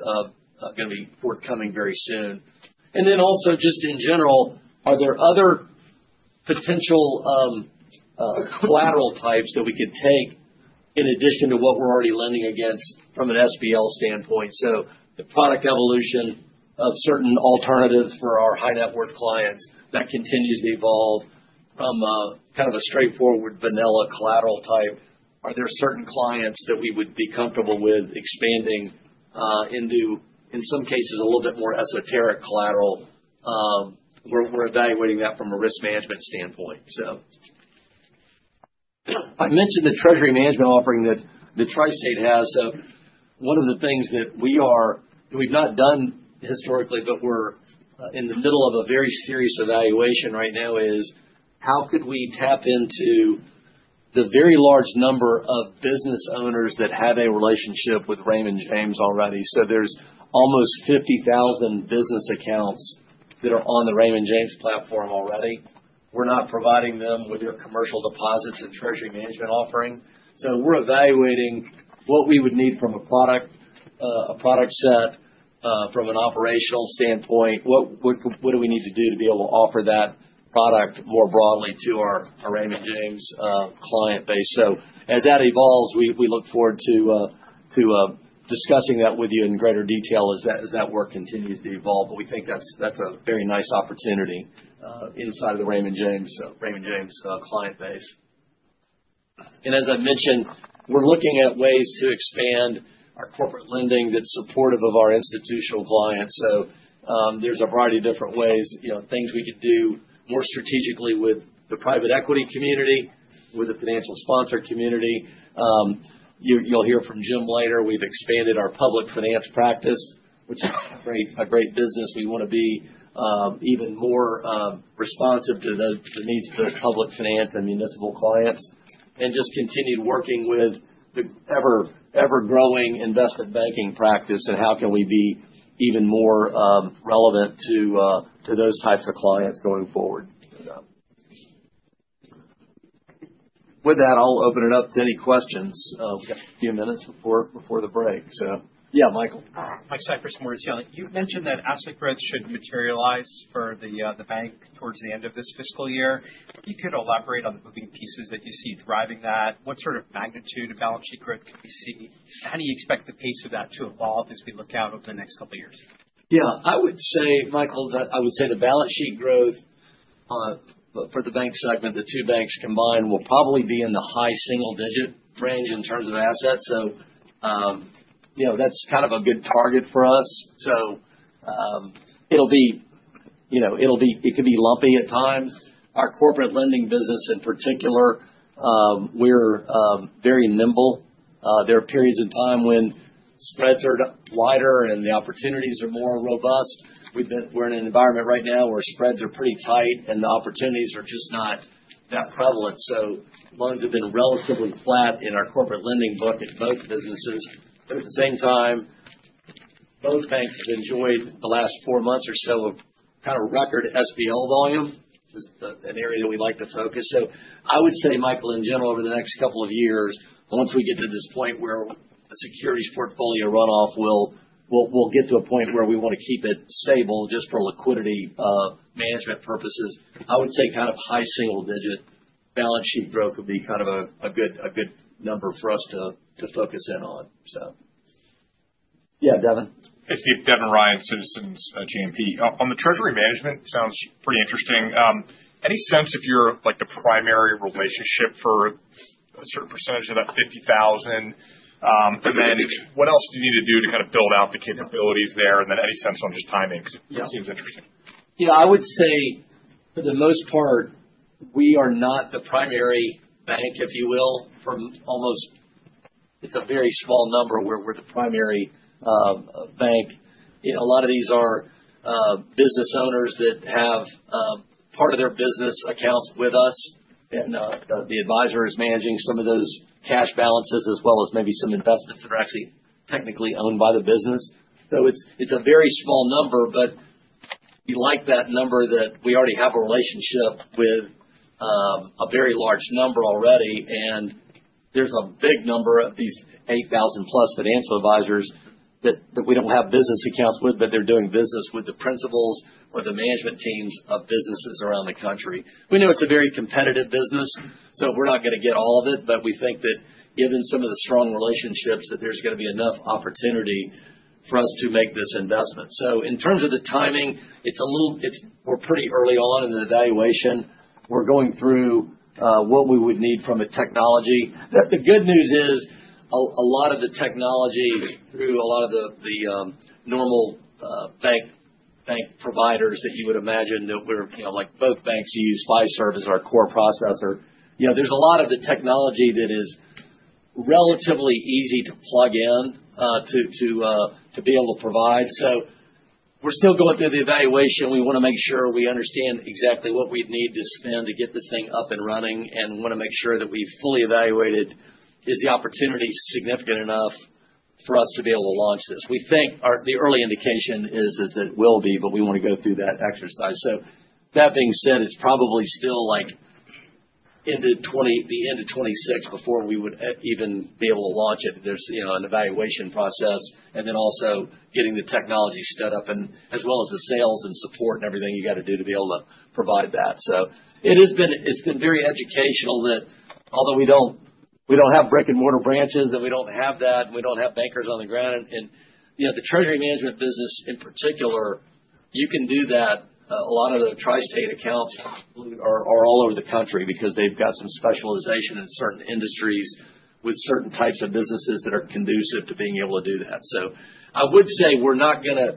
going to be forthcoming very soon. Also, just in general, are there other potential collateral types that we could take in addition to what we're already lending against from an SBL standpoint? The product evolution of certain alternatives for our high-net-worth clients continues to evolve from kind of a straightforward vanilla collateral type. Are there certain clients that we would be comfortable with expanding into, in some cases, a little bit more esoteric collateral? We're evaluating that from a risk management standpoint. I mentioned the treasury management offering that Tri-State has. One of the things that we've not done historically, but we're in the middle of a very serious evaluation right now, is how could we tap into the very large number of business owners that have a relationship with Raymond James already? There's almost 50,000 business accounts that are on the Raymond James platform already. We're not providing them with their commercial deposits and treasury management offering. We're evaluating what we would need from a product set from an operational standpoint. What do we need to do to be able to offer that product more broadly to our Raymond James client base? As that evolves, we look forward to discussing that with you in greater detail as that work continues to evolve. We think that's a very nice opportunity inside of the Raymond James client base. As I mentioned, we're looking at ways to expand our corporate lending that's supportive of our institutional clients. There's a variety of different ways, things we could do more strategically with the private equity community, with the financial sponsor community. You'll hear from Jim later. We've expanded our public finance practice, which is a great business. We want to be even more responsive to the needs of those public finance and municipal clients and just continue working with the ever-growing investment banking practice and how can we be even more relevant to those types of clients going forward. With that, I'll open it up to any questions. We've got a few minutes before the break. Yeah, Michael. Mike Cyprys, Morgan Stanley. You mentioned that asset growth should materialize for the bank towards the end of this fiscal year. If you could elaborate on the moving pieces that you see driving that, what sort of magnitude of balance sheet growth could we see? How do you expect the pace of that to evolve as we look out over the next couple of years? Yeah. I would say, Michael, that I would say the balance sheet growth for the bank segment, the two banks combined, will probably be in the high single-digit range in terms of assets. So that's kind of a good target for us. It could be lumpy at times. Our corporate lending business, in particular, we're very nimble. There are periods of time when spreads are wider and the opportunities are more robust. We're in an environment right now where spreads are pretty tight and the opportunities are just not that prevalent. Loans have been relatively flat in our corporate lending book at both businesses. At the same time, both banks have enjoyed the last four months or so of kind of record SBL volume. It's an area that we like to focus. I would say, Michael, in general, over the next couple of years, once we get to this point where the securities portfolio runoff, we'll get to a point where we want to keep it stable just for liquidity management purposes. I would say kind of high single-digit balance sheet growth would be kind of a good number for us to focus in on. Yeah, Devin? Hey, Steve. Devin Ryan, Citizens JMP. On the treasury management, sounds pretty interesting. Any sense if you're the primary relationship for a certain percentage of that 50,000? What else do you need to do to kind of build out the capabilities there? Any sense on just timing? It seems interesting. Yeah. I would say for the most part, we are not the primary bank, if you will, for almost—it's a very small number where we're the primary bank. A lot of these are business owners that have part of their business accounts with us, and the advisor is managing some of those cash balances as well as maybe some investments that are actually technically owned by the business. It is a very small number, but we like that number that we already have a relationship with a very large number already. There is a big number of these 8,000+ financial advisors that we do not have business accounts with, but they are doing business with the principals or the management teams of businesses around the country. We know it is a very competitive business, so we are not going to get all of it. We think that given some of the strong relationships, there is going to be enough opportunity for us to make this investment. In terms of the timing, we are pretty early on in the evaluation. We are going through what we would need from a technology. The good news is a lot of the technology through a lot of the normal bank providers that you would imagine, like both banks use Fiserv as our core processor. There is a lot of the technology that is relatively easy to plug in to be able to provide. We're still going through the evaluation. We want to make sure we understand exactly what we'd need to spend to get this thing up and running and want to make sure that we've fully evaluated. Is the opportunity significant enough for us to be able to launch this? We think the early indication is that it will be, but we want to go through that exercise. That being said, it's probably still the end of 2026 before we would even be able to launch it. There's an evaluation process and then also getting the technology set up as well as the sales and support and everything you have to do to be able to provide that. It's been very educational that although we don't have brick-and-mortar branches and we don't have that and we don't have bankers on the ground, and the treasury management business in particular, you can do that. A lot of the Tri-State accounts are all over the country because they've got some specialization in certain industries with certain types of businesses that are conducive to being able to do that. I would say we're not going to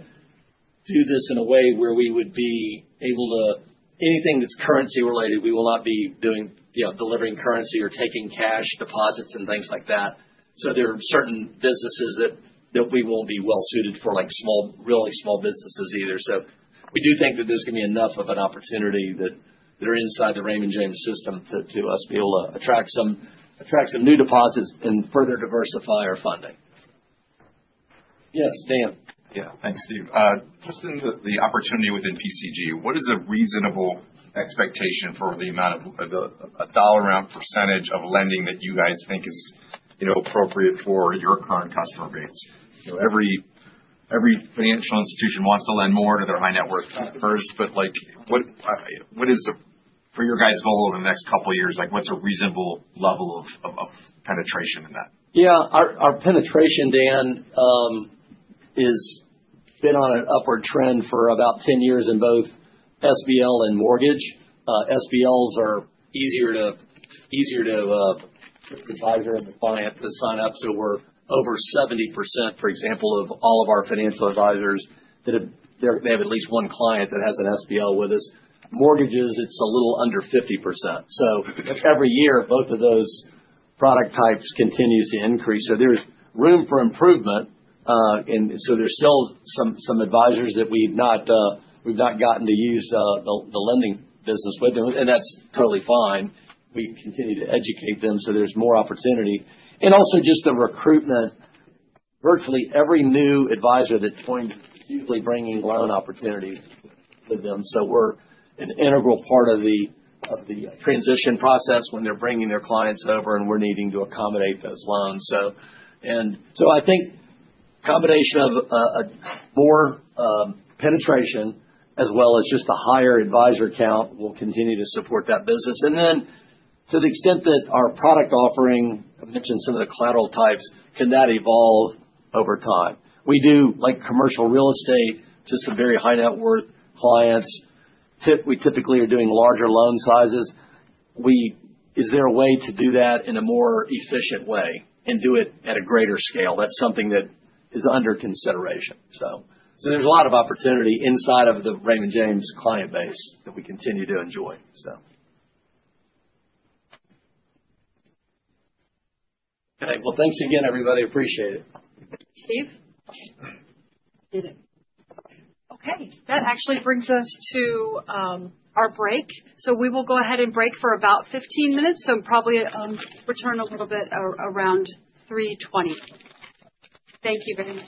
do this in a way where we would be able to anything that's currency-related, we will not be delivering currency or taking cash deposits and things like that. There are certain businesses that we won't be well-suited for, like really small businesses either. We do think that there's going to be enough of an opportunity that are inside the Raymond James system to us be able to attract some new deposits and further diversify our funding. Yes, Dan. Yeah. Thanks, Steve. Just in the opportunity within PCG, what is a reasonable expectation for the amount of a dollar-round percentage of lending that you guys think is appropriate for your current customer base? Every financial institution wants to lend more to their high-net-worth customers. What is, for your guys' goal over the next couple of years, what's a reasonable level of penetration in that? Yeah. Our penetration, Dan, has been on an upward trend for about 10 years in both SBL and mortgage. SBLs are easier to advisor and the client to sign up. We're over 70%, for example, of all of our financial advisors that have at least one client that has an SBL with us. Mortgages, it's a little under 50%. Every year, both of those product types continue to increase. There's room for improvement. There's still some advisors that we've not gotten to use the lending business with, and that's totally fine. We continue to educate them so there's more opportunity. Also, just the recruitment. Virtually every new advisor is going to be bringing loan opportunities with them. We're an integral part of the transition process when they're bringing their clients over, and we're needing to accommodate those loans. I think a combination of more penetration as well as just a higher advisor count will continue to support that business. To the extent that our product offering, I mentioned some of the collateral types, can that evolve over time? We do commercial real estate to some very high-net-worth clients. We typically are doing larger loan sizes. Is there a way to do that in a more efficient way and do it at a greater scale? That is something that is under consideration. There is a lot of opportunity inside of the Raymond James client base that we continue to enjoy. Okay. Thanks again, everybody. Appreciate it. Steve? Okay.That actually brings us to our break. We will go ahead and break for about 15 minutes. We will probably return a little bit around 3:20 P.M. Thank you very much.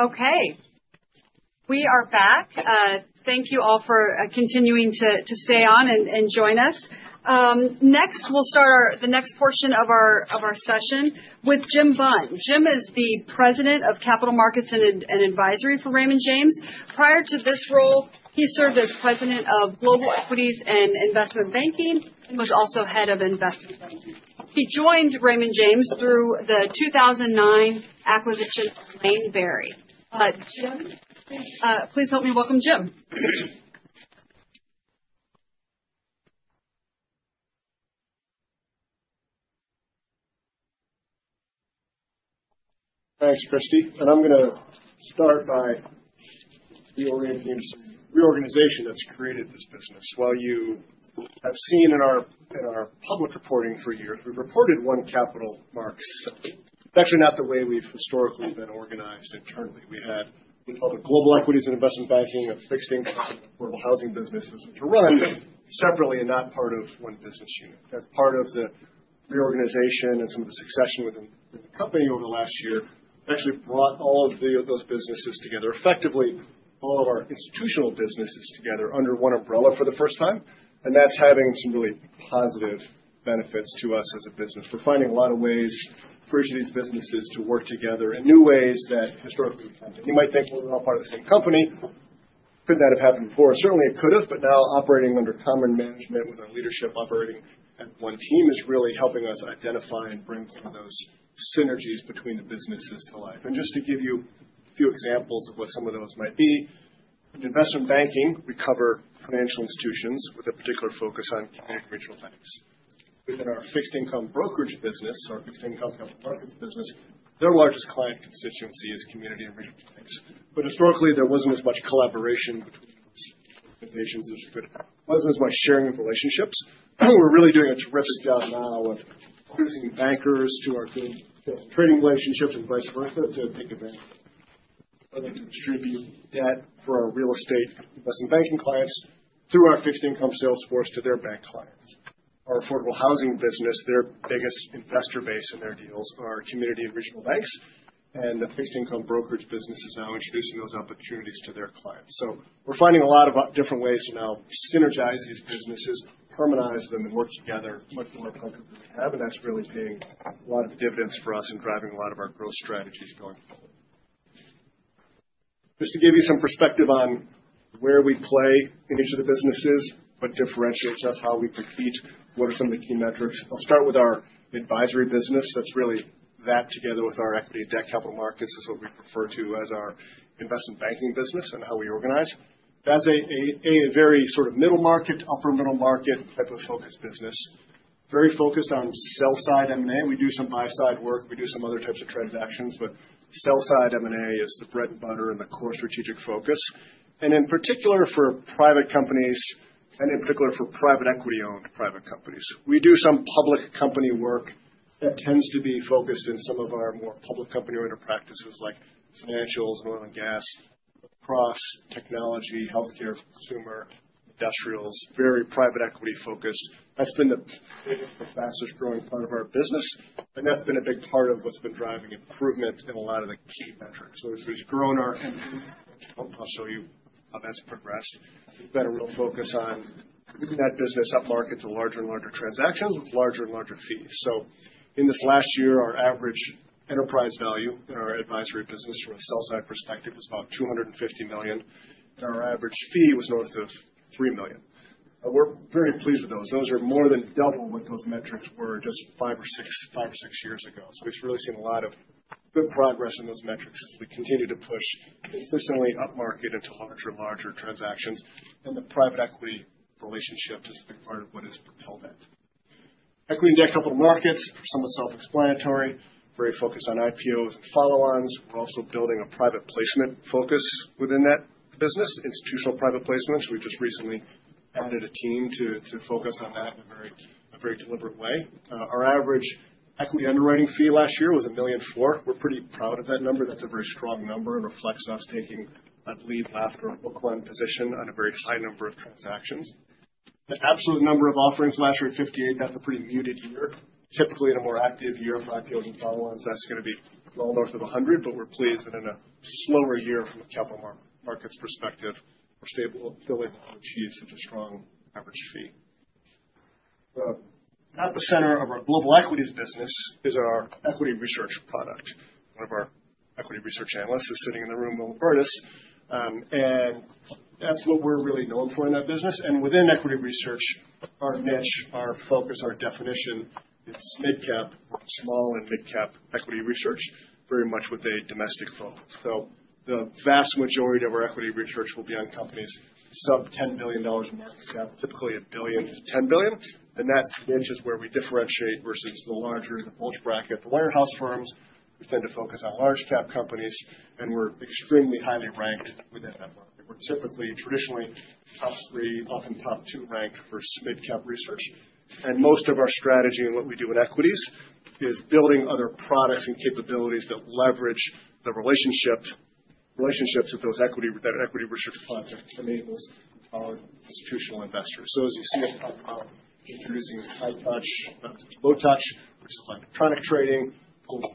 Okay.We are back. Thank you all for continuing to stay on and join us. Next, we will start the next portion of our session with Jim Bunn. Jim is the President of Capital Markets and Advisory for Raymond James. Prior to this role, he served as President of Global Equities and Investment Banking and was also Head of Investment Banking. He joined Raymond James through the 2009 acquisition of Lane Berry. Jim, please help me welcome Jim. Thanks, Kristie. I'm going to start by reorganization that's created this business. While you have seen in our public reporting for years, we reported one Capital Markets. It's actually not the way we've historically been organized internally. We had what we called the Global Equities and Investment Banking, Fixed Income, and Affordable Housing businesses to run separately and not part of one business unit. As part of the reorganization and some of the succession within the company over the last year, it actually brought all of those businesses together, effectively all of our institutional businesses together under one umbrella for the first time. That is having some really positive benefits to us as a business. We are finding a lot of ways for each of these businesses to work together in new ways that historically we have not. You might think, "We are all part of the same company." Could not that have happened before? Certainly, it could have. Now, operating under common management with our leadership operating as one team is really helping us identify and bring some of those synergies between the businesses to life. Just to give you a few examples of what some of those might be, in investment banking, we cover financial institutions with a particular focus on community and regional banks. Within our fixed income brokerage business, our fixed income capital markets business, their largest client constituency is community and regional banks. Historically, there was not as much collaboration between those organizations as there was not as much sharing of relationships. We are really doing a terrific job now of using bankers to our good trading relationships and vice versa to take advantage of that. We are able to distribute debt for our real estate investment banking clients through our fixed income sales force to their bank clients. Our affordable housing business, their biggest investor base in their deals are community and regional banks. The fixed income brokerage business is now introducing those opportunities to their clients. We're finding a lot of different ways to now synergize these businesses, harmonize them, and work together much more comfortably than we have. That's really paying a lot of dividends for us and driving a lot of our growth strategies going forward. Just to give you some perspective on where we play in each of the businesses, what differentiates us, how we compete, what are some of the key metrics. I'll start with our advisory business. That's really that together with our equity and debt capital markets is what we refer to as our investment banking business and how we organize. That's a very sort of middle market, upper middle market type of focus business, very focused on sell-side M&A. We do some buy-side work. We do some other types of transactions. Sell-side M&A is the bread and butter and the core strategic focus. In particular for private companies and in particular for private equity-owned private companies. We do some public company work that tends to be focused in some of our more public company-oriented practices like financials and oil and gas, cross-technology, healthcare, consumer, industrials, very private equity-focused. That has been the biggest, the fastest-growing part of our business. That has been a big part of what has been driving improvement in a lot of the key metrics. As we have grown our M&A, I will show you how that has progressed. We have got a real focus on moving that business up market to larger and larger transactions with larger and larger fees. In this last year, our average enterprise value in our advisory business from a sell-side perspective was about $250 million. Our average fee was north of $3 million. We are very pleased with those. Those are more than double what those metrics were just five or six years ago. We have really seen a lot of good progress in those metrics as we continue to push consistently up market into larger and larger transactions. The private equity relationship is a big part of what has propelled that. Equity and debt capital markets, somewhat self-explanatory, very focused on IPOs and follow-ons. We are also building a private placement focus within that business, institutional private placements. We just recently added a team to focus on that in a very deliberate way. Our average equity underwriting fee last year was $1,400,000. We are pretty proud of that number. That is a very strong number and reflects us taking, I believe, last-term book one position on a very high number of transactions. The absolute number of offerings last year was 58. That is a pretty muted year. Typically, in a more active year for IPOs and follow-ons, that's going to be well north of 100. We are pleased that in a slower year from a capital markets perspective, we are still able to achieve such a strong average fee. At the center of our global equities business is our equity research product. One of our equity research analysts is sitting in the room with Bertis. That is what we are really known for in that business. Within equity research, our niche, our focus, our definition, it is mid-cap or small and mid-cap equity research, very much with a domestic focus. The vast majority of our equity research will be on companies sub-$10 billion in market cap, typically $1 billion to $10 billion. That niche is where we differentiate versus the larger, the bulge bracket, the warehouse firms. We tend to focus on large-cap companies. We're extremely highly ranked within that market. We're typically, traditionally, top three, often top two ranked for mid-cap research. Most of our strategy and what we do in equities is building other products and capabilities that leverage the relationships with those equity research projects to enable our institutional investors. As you see, I'm introducing high-touch, low-touch, which is electronic trading,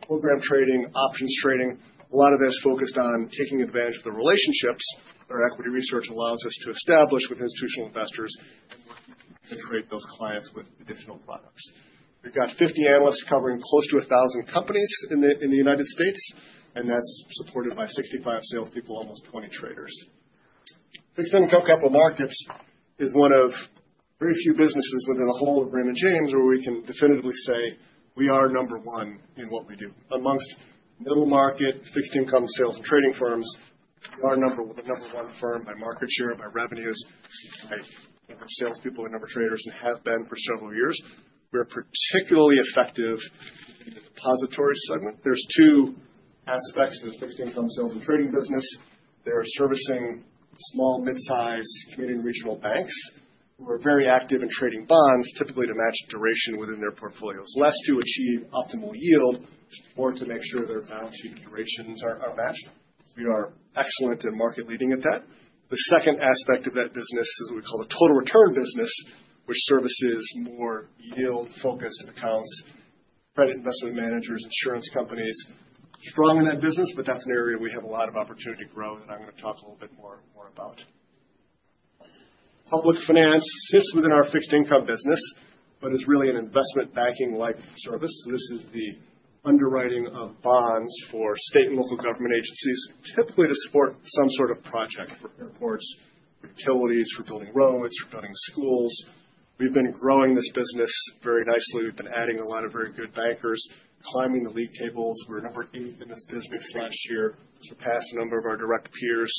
program trading, options trading. A lot of that is focused on taking advantage of the relationships that our equity research allows us to establish with institutional investors and work to create those clients with additional products. We've got 50 analysts covering close to 1,000 companies in the United States. That's supported by 65 salespeople, almost 20 traders. Fixed income capital markets is one of very few businesses within the whole of Raymond James where we can definitively say we are number one in what we do. Amongst middle market, fixed income sales and trading firms, we are number one firm by market share, by revenues, by number of salespeople and number of traders, and have been for several years. We're particularly effective in the depository segment. There are two aspects to the fixed income sales and trading business. They're servicing small, mid-sized community and regional banks who are very active in trading bonds, typically to match duration within their portfolios, less to achieve optimal yield or to make sure their balance sheet durations are matched. We are excellent and market-leading at that. The second aspect of that business is what we call the total return business, which services more yield-focused accounts, credit investment managers, insurance companies. Strong in that business, but that's an area we have a lot of opportunity to grow that I'm going to talk a little bit more about. Public finance sits within our fixed income business, but it's really an investment banking-like service. This is the underwriting of bonds for state and local government agencies, typically to support some sort of project for airports, utilities, for building roads, for building schools. We've been growing this business very nicely. We've been adding a lot of very good bankers, climbing the league tables. We were number eight in this business last year. Surpassed a number of our direct peers,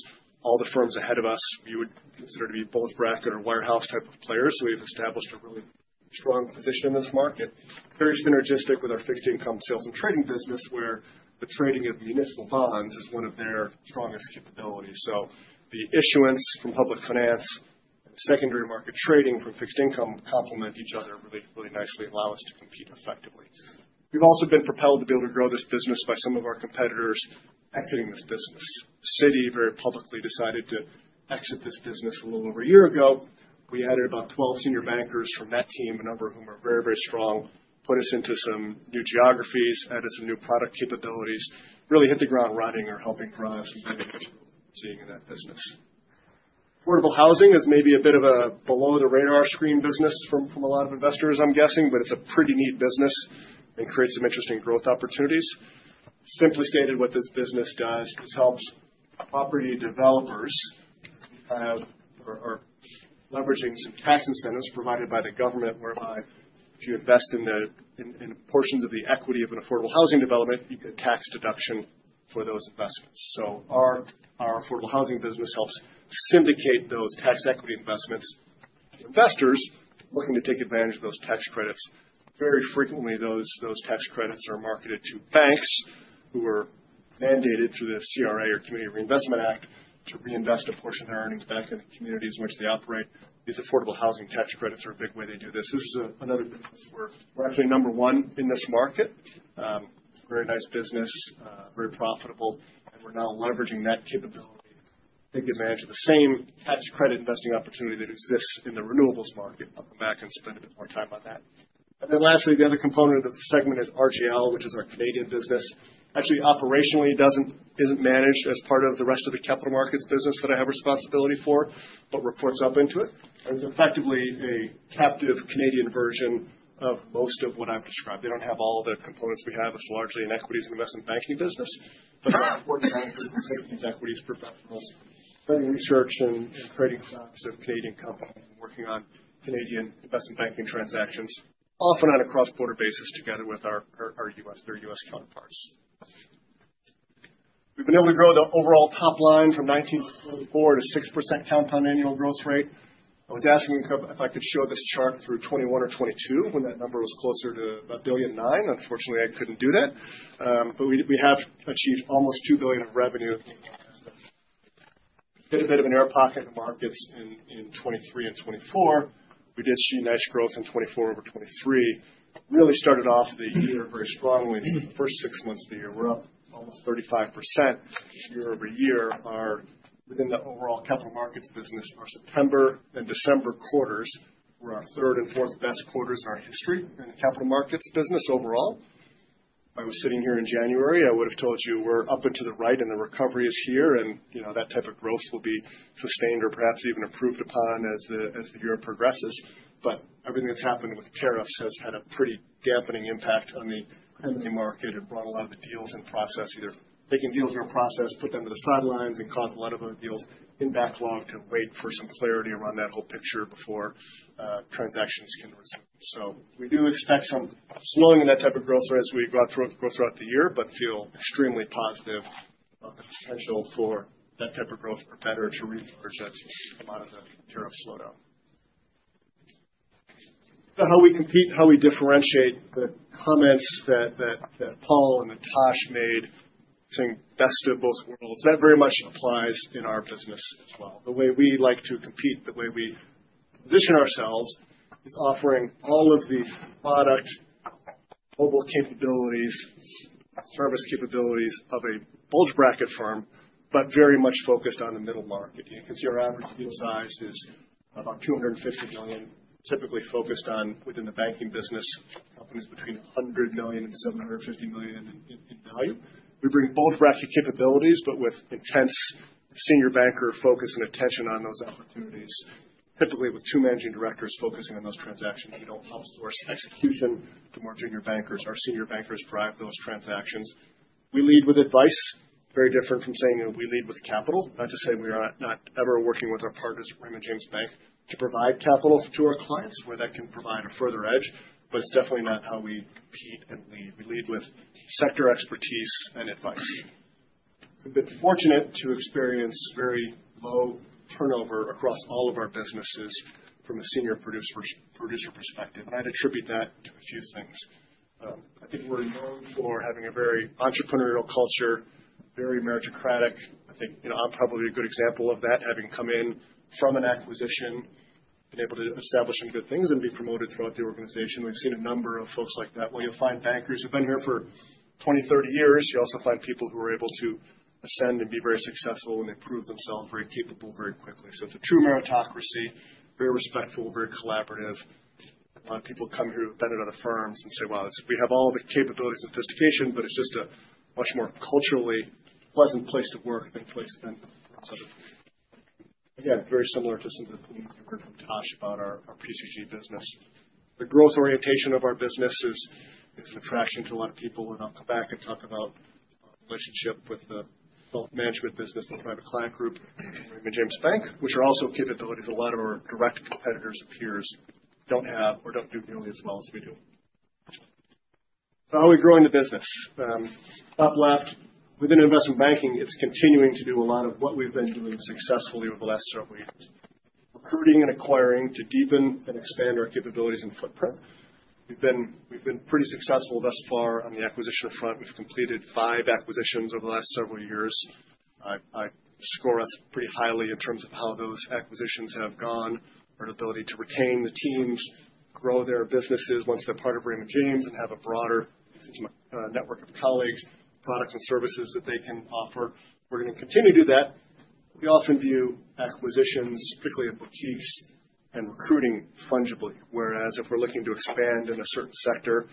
all the firms ahead of us. We would consider to be bulge bracket or warehouse type of players. We've established a really strong position in this market, very synergistic with our fixed income sales and trading business, where the trading of municipal bonds is one of their strongest capabilities. The issuance from public finance and the secondary market trading from fixed income complement each other really, really nicely and allow us to compete effectively. We've also been propelled to be able to grow this business by some of our competitors exiting this business. Citigroup, publicly, decided to exit this business a little over a year ago. We added about 12 senior bankers from that team, a number of whom are very, very strong, put us into some new geographies, added some new product capabilities, really hit the ground running or helping drive some of the initial seeing in that business. Affordable housing is maybe a bit of a below-the-radar screen business from a lot of investors, I'm guessing, but it's a pretty neat business and creates some interesting growth opportunities. Simply stated, what this business does is helps property developers leveraging some tax incentives provided by the government, whereby if you invest in portions of the equity of an affordable housing development, you get tax deduction for those investments. Our affordable housing business helps syndicate those tax equity investments to investors looking to take advantage of those tax credits. Very frequently, those tax credits are marketed to banks who are mandated through the CRA or Community Reinvestment Act to reinvest a portion of their earnings back in the communities in which they operate. These affordable housing tax credits are a big way they do this. This is another business where we're actually number one in this market. It's a very nice business, very profitable. We're now leveraging that capability to take advantage of the same tax credit investing opportunity that exists in the renewables market. I'll come back and spend a bit more time on that. Lastly, the other component of the segment is RGL, which is our Canadian business. Actually, operationally, it isn't managed as part of the rest of the Capital Markets business that I have responsibility for, but reports up into it. It's effectively a captive Canadian version of most of what I've described. They don't have all the components we have. It's largely an equities and investment banking business. Our affordable housing is fixed equities professionals doing research and trading stocks of Canadian companies and working on Canadian investment banking transactions, often on a cross-border basis together with our U.S., their U.S. counterparts. We've been able to grow the overall top line from 2019-2024 to a 6% compound annual growth rate. I was asking if I could show this chart through 2021 or 2022 when that number was closer to about $1.9 billion. Unfortunately, I could not do that. But we have achieved almost $2 billion of revenue. We did a bit of an air pocket in the markets in 2023 and 2024. We did see nice growth in 2024 over 2023. Really started off the year very strongly in the first six months of the year. We are up almost 35% year-over-year. Within the overall capital markets business, our September and December quarters were our third and fourth best quarters in our history in the capital markets business overall. If I was sitting here in January, I would have told you we are up into the right and the recovery is here. That type of growth will be sustained or perhaps even improved upon as the year progresses. Everything that's happened with tariffs has had a pretty dampening impact on the equity market and brought a lot of the deals in process, either taking deals in process, put them to the sidelines, and caused a lot of other deals in backlog to wait for some clarity around that whole picture before transactions can resume. We do expect some slowing in that type of growth rate as we go throughout the year, but feel extremely positive about the potential for that type of growth for better to recharge us from a lot of the tariff slowdown. How we compete, how we differentiate, the comments that Paul and Natasha made saying, "Best of both worlds," that very much applies in our business as well. The way we like to compete, the way we position ourselves, is offering all of the product, mobile capabilities, service capabilities of a bulge bracket firm, but very much focused on the middle market. You can see our average deal size is about $250 million, typically focused on within the banking business, companies between $100 million and $750 million in value. We bring bulge bracket capabilities, but with intense senior banker focus and attention on those opportunities, typically with two managing directors focusing on those transactions. We do not outsource execution to more junior bankers. Our senior bankers drive those transactions. We lead with advice, very different from saying we lead with capital, not to say we are not ever working with our partners, Raymond James Bank, to provide capital to our clients where that can provide a further edge. It is definitely not how we compete and lead. We lead with sector expertise and advice. We've been fortunate to experience very low turnover across all of our businesses from a senior producer perspective. I'd attribute that to a few things. I think we're known for having a very entrepreneurial culture, very meritocratic. I think I'm probably a good example of that, having come in from an acquisition, been able to establish some good things and be promoted throughout the organization. We've seen a number of folks like that. You find bankers who've been here for 20, 30 years. You also find people who are able to ascend and be very successful and improve themselves, very capable, very quickly. It is a true meritocracy, very respectful, very collaborative. A lot of people come here who have been at other firms and say, "Wow, we have all the capabilities and sophistication, but it's just a much more culturally pleasant place to work than other places." Again, very similar to some of the points you heard from Tash about our PCG business. The growth orientation of our business is an attraction to a lot of people. I'll come back and talk about our relationship with the management business, the Private Client Group, Raymond James Bank, which are also capabilities a lot of our direct competitors and peers don't have or don't do nearly as well as we do. How are we growing the business? Top left, within investment banking, it's continuing to do a lot of what we've been doing successfully over the last several years, recruiting and acquiring to deepen and expand our capabilities and footprint. We've been pretty successful thus far on the acquisition front. We've completed five acquisitions over the last several years. I score us pretty highly in terms of how those acquisitions have gone, our ability to retain the teams, grow their businesses once they're part of Raymond James and have a broader network of colleagues, products, and services that they can offer. We're going to continue to do that. We often view acquisitions strictly as boutiques and recruiting fungibly, whereas if we're looking to expand in a certain sector,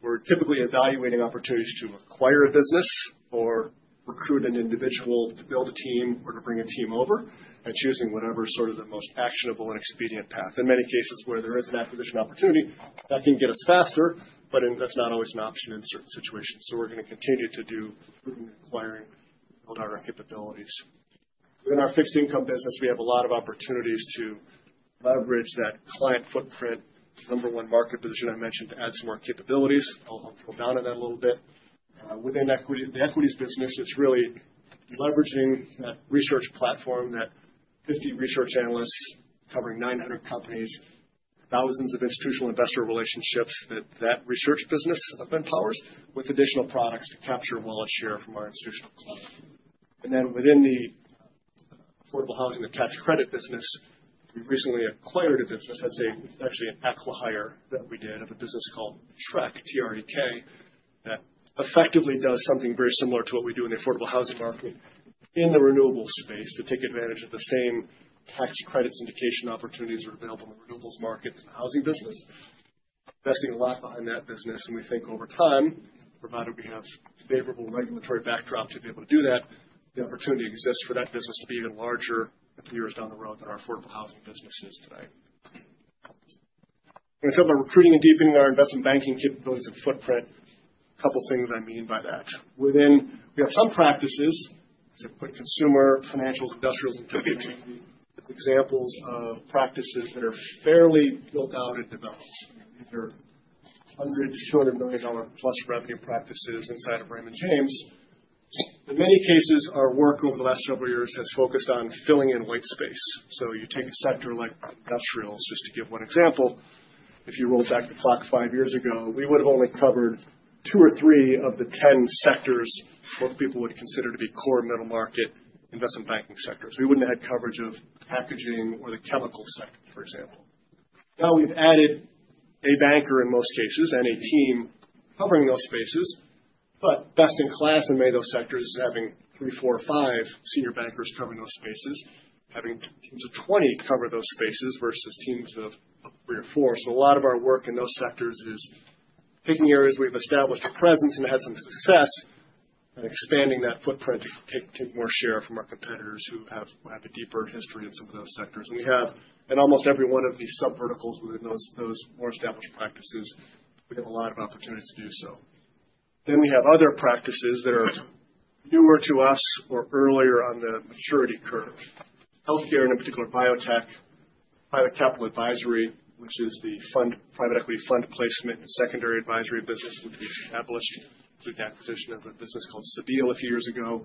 we're typically evaluating opportunities to acquire a business or recruit an individual to build a team or to bring a team over and choosing whatever's sort of the most actionable and expedient path. In many cases where there is an acquisition opportunity, that can get us faster, but that's not always an option in certain situations. We're going to continue to do recruiting and acquiring to build out our capabilities. Within our fixed income business, we have a lot of opportunities to leverage that client footprint, the number one market position I mentioned, to add some more capabilities. I'll drill down on that a little bit. Within the equities business, it's really leveraging that research platform, that 50 research analysts covering 900 companies, thousands of institutional investor relationships that that research business up empowers with additional products to capture wallet share from our institutional clients. Within the affordable housing and tax credit business, we recently acquired a business. I'd say it's actually an acquire that we did of a business called Trekk, T-R-E-K-K, that effectively does something very similar to what we do in the affordable housing market in the renewables space to take advantage of the same tax credit syndication opportunities that are available in the renewables market for the housing business. Investing a lot behind that business. We think over time, provided we have favorable regulatory backdrop to be able to do that, the opportunity exists for that business to be even larger a few years down the road than our affordable housing business is today. When I talk about recruiting and deepening our investment banking capabilities and footprint, a couple of things I mean by that. We have some practices, I'd say quick consumer, financials, industrials, and tech community, as examples of practices that are fairly built out and developed. These are hundreds, short of million-dollar-plus revenue practices inside of Raymond James. In many cases, our work over the last several years has focused on filling in white space. You take a sector like industrials, just to give one example. If you rolled back the clock five years ago, we would have only covered two or three of the 10 sectors most people would consider to be core middle market investment banking sectors. We would not have had coverage of packaging or the chemical sector, for example. Now we have added a banker in most cases and a team covering those spaces, but best in class in many of those sectors is having three, four, or five senior bankers covering those spaces, having teams of 20 cover those spaces versus teams of three or four. A lot of our work in those sectors is taking areas we've established a presence and had some success and expanding that footprint to take more share from our competitors who have a deeper history in some of those sectors. We have in almost every one of these sub-verticals within those more established practices, we have a lot of opportunities to do so. We have other practices that are newer to us or earlier on the maturity curve. Healthcare and in particular biotech, private capital advisory, which is the private equity fund placement and secondary advisory business, which we established through the acquisition of a business called Siebel a few years ago.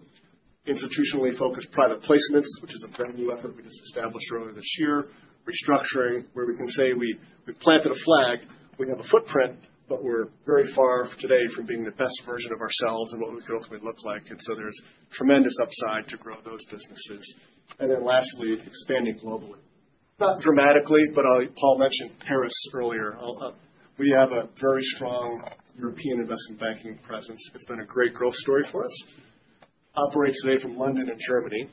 Institutionally focused private placements, which is a brand new effort we just established earlier this year, restructuring where we can say we planted a flag. We have a footprint, but we're very far today from being the best version of ourselves and what we could ultimately look like. There is tremendous upside to grow those businesses. Lastly, expanding globally. Not dramatically, but Paul mentioned Paris earlier. We have a very strong European investment banking presence. It's been a great growth story for us. Operates today from London and Germany.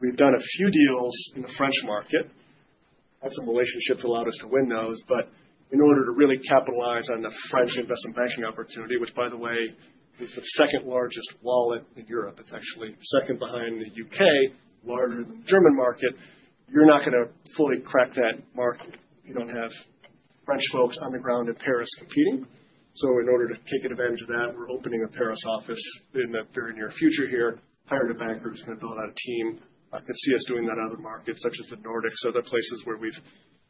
We've done a few deals in the French market. Had some relationships that allowed us to win those. In order to really capitalize on the French investment banking opportunity, which by the way, is the second largest wallet in Europe. It's actually second behind the U.K., larger than the German market. You're not going to fully crack that market if you don't have French folks on the ground in Paris competing. In order to take advantage of that, we're opening a Paris office in the very near future here, hiring a banker who's going to build out a team. I can see us doing that in other markets, such as the Nordics, other places where we've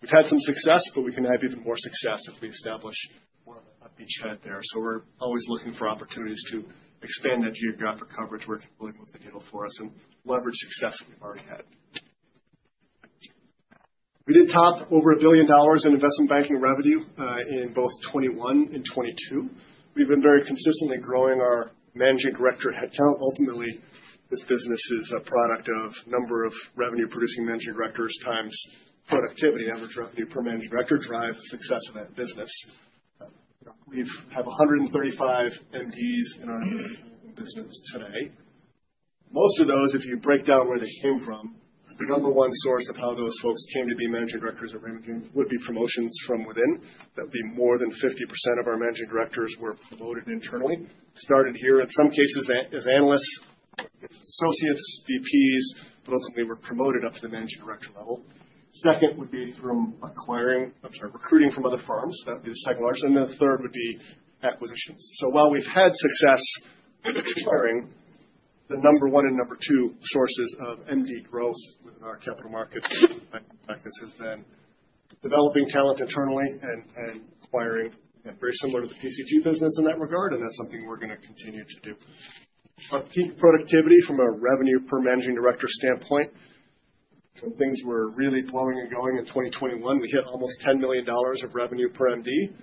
had some success, but we can have even more success if we establish more of a beachhead there. We're always looking for opportunities to expand that geographic coverage where it can really move the needle for us and leverage success that we've already had. We did top over $1 billion in investment banking revenue in both 2021 and 2022. We've been very consistently growing our managing director headcount. Ultimately, this business is a product of a number of revenue-producing managing directors times productivity. Average revenue per managing director drives the success of that business. We have 135 MDs in our business today. Most of those, if you break down where they came from, the number one source of how those folks came to be managing directors at Raymond James would be promotions from within. That would be more than 50% of our managing directors were promoted internally, started here in some cases as analysts, associates, VPs, but ultimately were promoted up to the managing director level. Second would be through recruiting from other firms. That would be the second largest. The third would be acquisitions. While we've had success acquiring, the number one and number two sources of MD growth within our capital market practice has been developing talent internally and recruiting, very similar to the PCG business in that regard. That's something we're going to continue to do. Our peak productivity from a revenue per managing director standpoint, when things were really blowing and going in 2021, we hit almost $10 million of revenue per MD.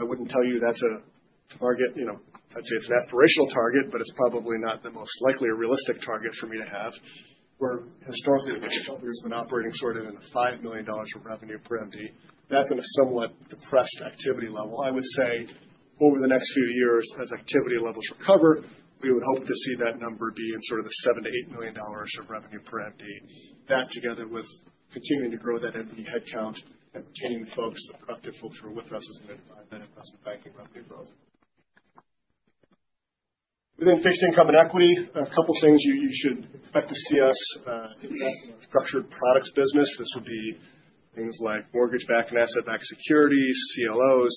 I would not tell you that's a target. I'd say it's an aspirational target, but it's probably not the most likely or realistic target for me to have. Where historically, the venture capital has been operating sort of in the $5 million of revenue per MD, that's in a somewhat depressed activity level. I would say over the next few years, as activity levels recover, we would hope to see that number be in sort of the $7 million-$8 million of revenue per MD. That together with continuing to grow that MD headcount and retaining the folks, the productive folks who are with us is going to drive that investment banking revenue growth. Within fixed income and equity, a couple of things you should expect to see us invest in are our structured products business. This would be things like mortgage-backed and asset-backed securities, CLOs.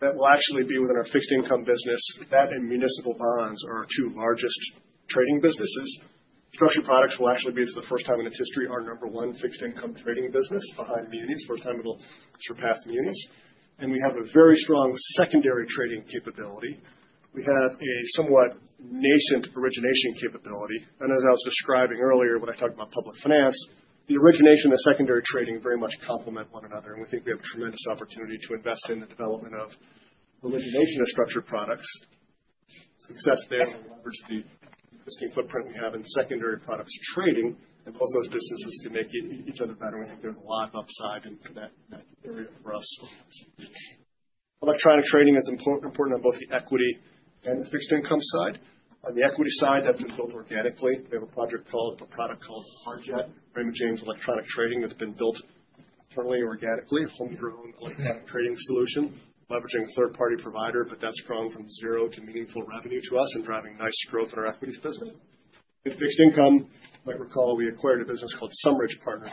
That will actually be within our fixed income business. That and municipal bonds are our two largest trading businesses. Structured products will actually be, for the first time in its history, our number one fixed income trading business behind munis. First time it'll surpass munis. We have a very strong secondary trading capability. We have a somewhat nascent origination capability. As I was describing earlier when I talked about public finance, the origination and the secondary trading very much complement one another. We think we have a tremendous opportunity to invest in the development of origination of structured products. Success there will leverage the existing footprint we have in secondary products trading and both those businesses can make each other better. I think there's a lot of upside in that area for us. Electronic trading is important on both the equity and the fixed income side. On the equity side, that's been built organically. We have a product called RJET, Raymond James Electronic Trading, that's been built internally organically, a homegrown electronic trading solution, leveraging a third-party provider, but that's grown from zero to meaningful revenue to us and driving nice growth in our equities business. In fixed income, you might recall we acquired a business called Sumridge Partners,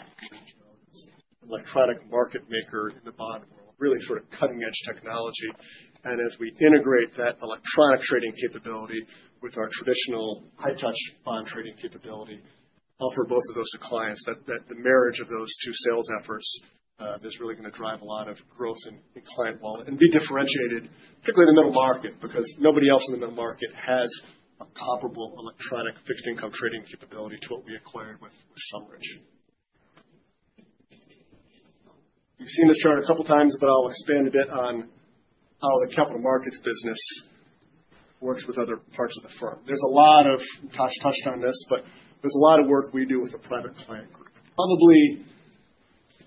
an electronic market maker in the bond world, really sort of cutting-edge technology. As we integrate that electronic trading capability with our traditional high-touch bond trading capability, offer both of those to clients, the marriage of those two sales efforts is really going to drive a lot of growth in client wallet and be differentiated, particularly in the middle market, because nobody else in the middle market has a comparable electronic fixed income trading capability to what we acquired with Sumridge. You've seen this chart a couple of times, but I'll expand a bit on how the capital markets business works with other parts of the firm. There's a lot of, and Tash touched on this, but there's a lot of work we do with the Private Client Group. Probably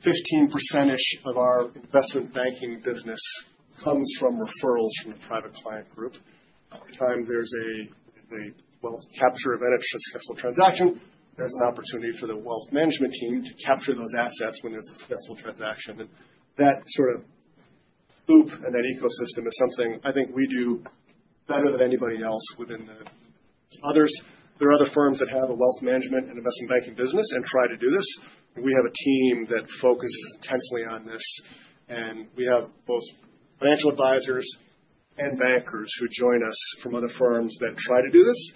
15%-ish of our investment banking business comes from referrals from the Private Client Group. Every time there's a wealth capture of any successful transaction, there's an opportunity for the wealth management team to capture those assets when there's a successful transaction. That sort of loop and that ecosystem is something I think we do better than anybody else within the others. There are other firms that have a wealth management and investment banking business and try to do this. We have a team that focuses intensely on this. We have both financial advisors and bankers who join us from other firms that try to do this.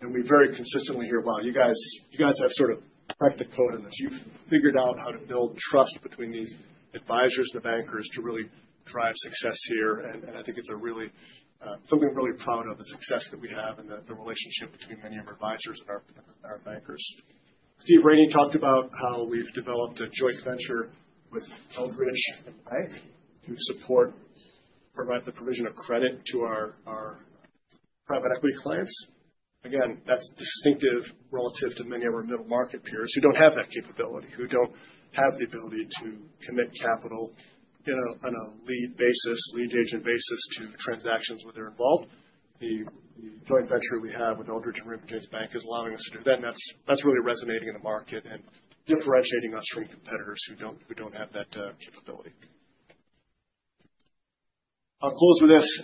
We very consistently hear, "Wow, you guys have sort of cracked the code on this. You've figured out how to build trust between these advisors and the bankers to really drive success here. I think it's really something we're really proud of, the success that we have and the relationship between many of our advisors and our bankers. Steve Raney talked about how we've developed a joint venture with Eldridge and Bank to support, provide the provision of credit to our private equity clients. Again, that's distinctive relative to many of our middle market peers who don't have that capability, who don't have the ability to commit capital on a lead basis, lead agent basis to transactions where they're involved. The joint venture we have with Eldridge and Raymond James Bank is allowing us to do that. That's really resonating in the market and differentiating us from competitors who don't have that capability. I'll close with this.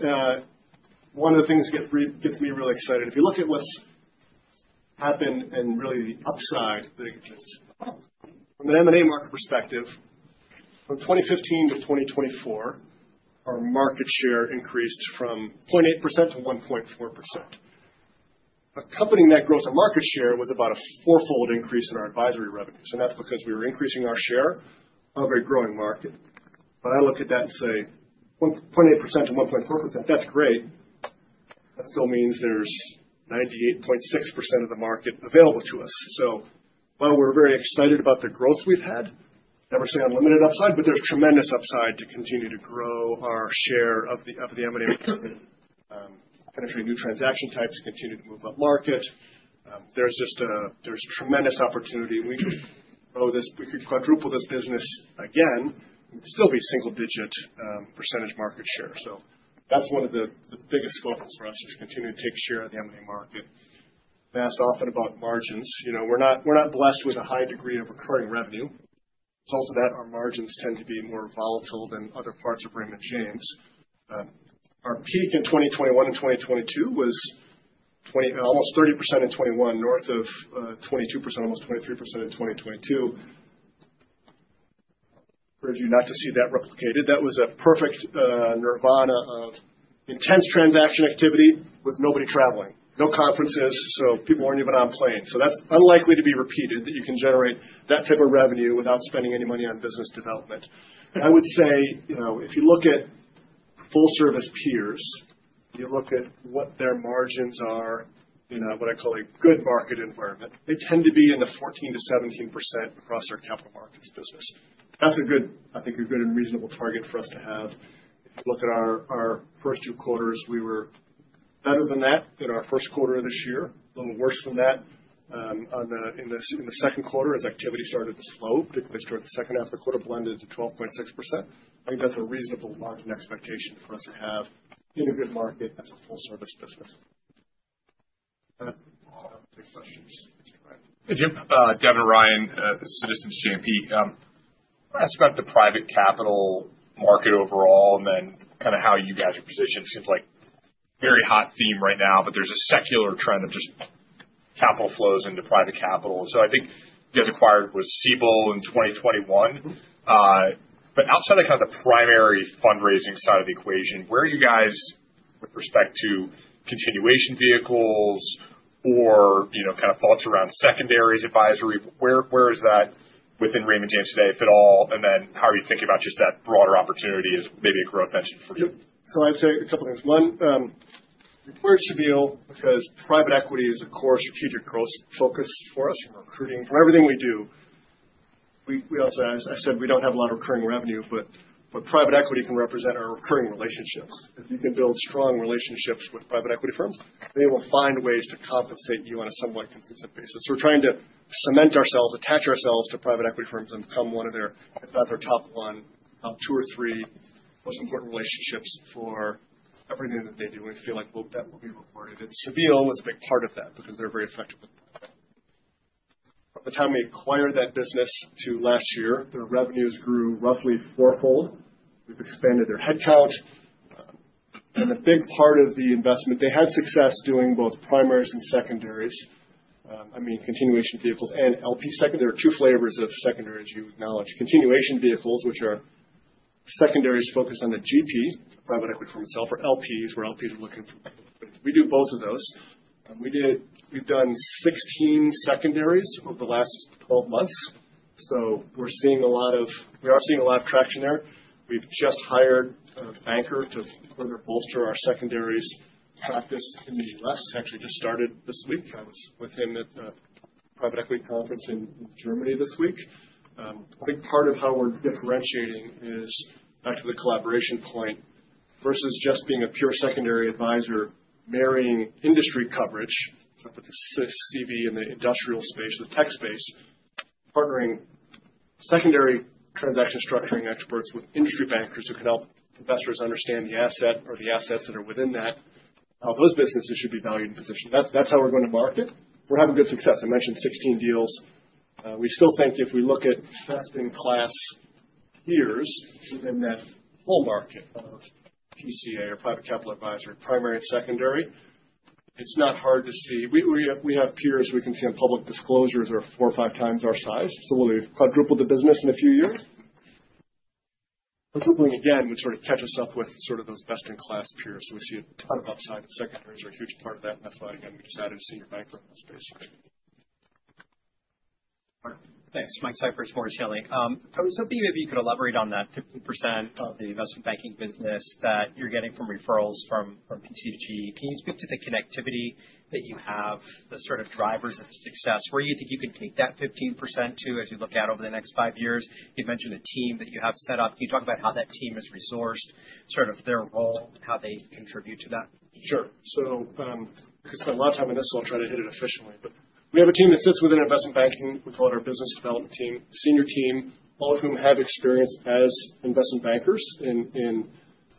One of the things that gets me really excited, if you look at what's happened and really the upside that it gives us. From an M&A market perspective, from 2015-2024, our market share increased from 0.8%-1.4%. Accompanying that growth in market share was about a fourfold increase in our advisory revenues. And that's because we were increasing our share of a growing market. But I look at that and say, "0.8%-1.4%, that's great." That still means there's 98.6% of the market available to us. So while we're very excited about the growth we've had, I never say unlimited upside, but there's tremendous upside to continue to grow our share of the M&A market, penetrate new transaction types, continue to move up market. There's tremendous opportunity. We could quadruple this business again. It would still be single-digit percentage market share. That's one of the biggest focus for us, is to continue to take share of the M&A market. I am asked often about margins. We're not blessed with a high degree of recurring revenue. As a result of that, our margins tend to be more volatile than other parts of Raymond James. Our peak in 2021 and 2022 was almost 30% in 2021, north of 22%, almost 23% in 2022. I encourage you not to see that replicated. That was a perfect nirvana of intense transaction activity with nobody traveling, no conferences, so people were not even on planes. That is unlikely to be repeated, that you can generate that type of revenue without spending any money on business development. I would say, if you look at full-service peers, you look at what their margins are in what I call a good market environment, they tend to be in the 14%-17% across our capital markets business. That is a good, I think a good and reasonable target for us to have. If you look at our first two quarters, we were better than that in our first quarter of this year, a little worse than that in the second quarter as activity started to slow, particularly toward the second half of the quarter, blended to 12.6%. I think that is a reasonable margin expectation for us to have in a good market as a full-service business. I do not have any questions. Thank you. Devin Ryan, Citizens JMP. I want to ask about the private capital market overall and then kind of how you guys are positioned. Seems like a very hot theme right now, but there's a secular trend of just capital flows into private capital. I think you guys acquired Siebel in 2021. Outside of kind of the primary fundraising side of the equation, where are you guys with respect to continuation vehicles or kind of thoughts around secondaries advisory? Where is that within Raymond James today, if at all? How are you thinking about just that broader opportunity as maybe a growth engine for you? I'd say a couple of things. One, we acquired Siebel because private equity is a core strategic growth focus for us from recruiting, from everything we do. We also, as I said, we do not have a lot of recurring revenue, but private equity can represent our recurring relationships. If you can build strong relationships with private equity firms, they will find ways to compensate you on a somewhat consistent basis. We are trying to cement ourselves, attach ourselves to private equity firms and become one of their, if not their top one, two or three most important relationships for everything that they do. We feel like that will be rewarded. Siebel was a big part of that because they are very effective with private equity. From the time we acquired that business to last year, their revenues grew roughly fourfold. We have expanded their headcount. A big part of the investment, they had success doing both primaries and secondaries. I mean, continuation vehicles and LP secondaries. There are two flavors of secondaries, you acknowledged. Continuation vehicles, which are secondaries focused on the GP, private equity firm itself, or LPs, where LPs are looking for people. We do both of those. We've done 16 secondaries over the last 12 months. We're seeing a lot of traction there. We've just hired a banker to further bolster our secondaries practice in the U.S. He actually just started this week. I was with him at a private equity conference in Germany this week. I think part of how we're differentiating is back to the collaboration point versus just being a pure secondary advisor, marrying industry coverage. So with the CV in the industrial space, the tech space, partnering secondary transaction structuring experts with industry bankers who can help investors understand the asset or the assets that are within that, how those businesses should be valued and positioned. That's how we're going to market. We're having good success. I mentioned 16 deals. We still think if we look at best-in-class peers within that full market of PCA or private capital advisory, primary and secondary, it's not hard to see. We have peers we can see on public disclosures are four or five times our size. So we'll quadruple the business in a few years. Quadrupling again would sort of catch us up with sort of those best-in-class peers. We see a ton of upside. The secondaries are a huge part of that. That's why, again, we just added a senior banker in that space. Thanks. Michael Cyprys for Stanley. I was hoping maybe you could elaborate on that 15% of the investment banking business that you're getting from referrals from PCG. Can you speak to the connectivity that you have, the sort of drivers of the success? Where do you think you could take that 15% to as you look out over the next five years? You've mentioned a team that you have set up. Can you talk about how that team is resourced, sort of their role, how they contribute to that? Sure. I spent a lot of time on this, so I'll try to hit it efficiently. We have a team that sits within investment banking. We call it our business development team, senior team, all of whom have experience as investment bankers in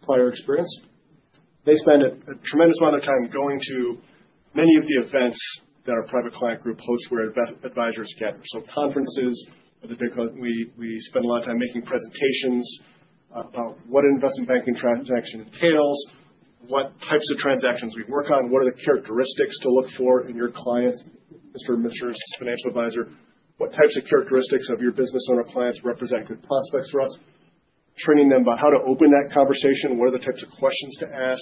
prior experience. They spend a tremendous amount of time going to many of the events that our Private Client Group hosts where advisors gather. Conferences are the big ones. We spend a lot of time making presentations about what an investment banking transaction entails, what types of transactions we work on, what are the characteristics to look for in your clients, Mr. and Mrs. Financial Advisor, what types of characteristics of your business owner clients represent good prospects for us, training them about how to open that conversation, what are the types of questions to ask,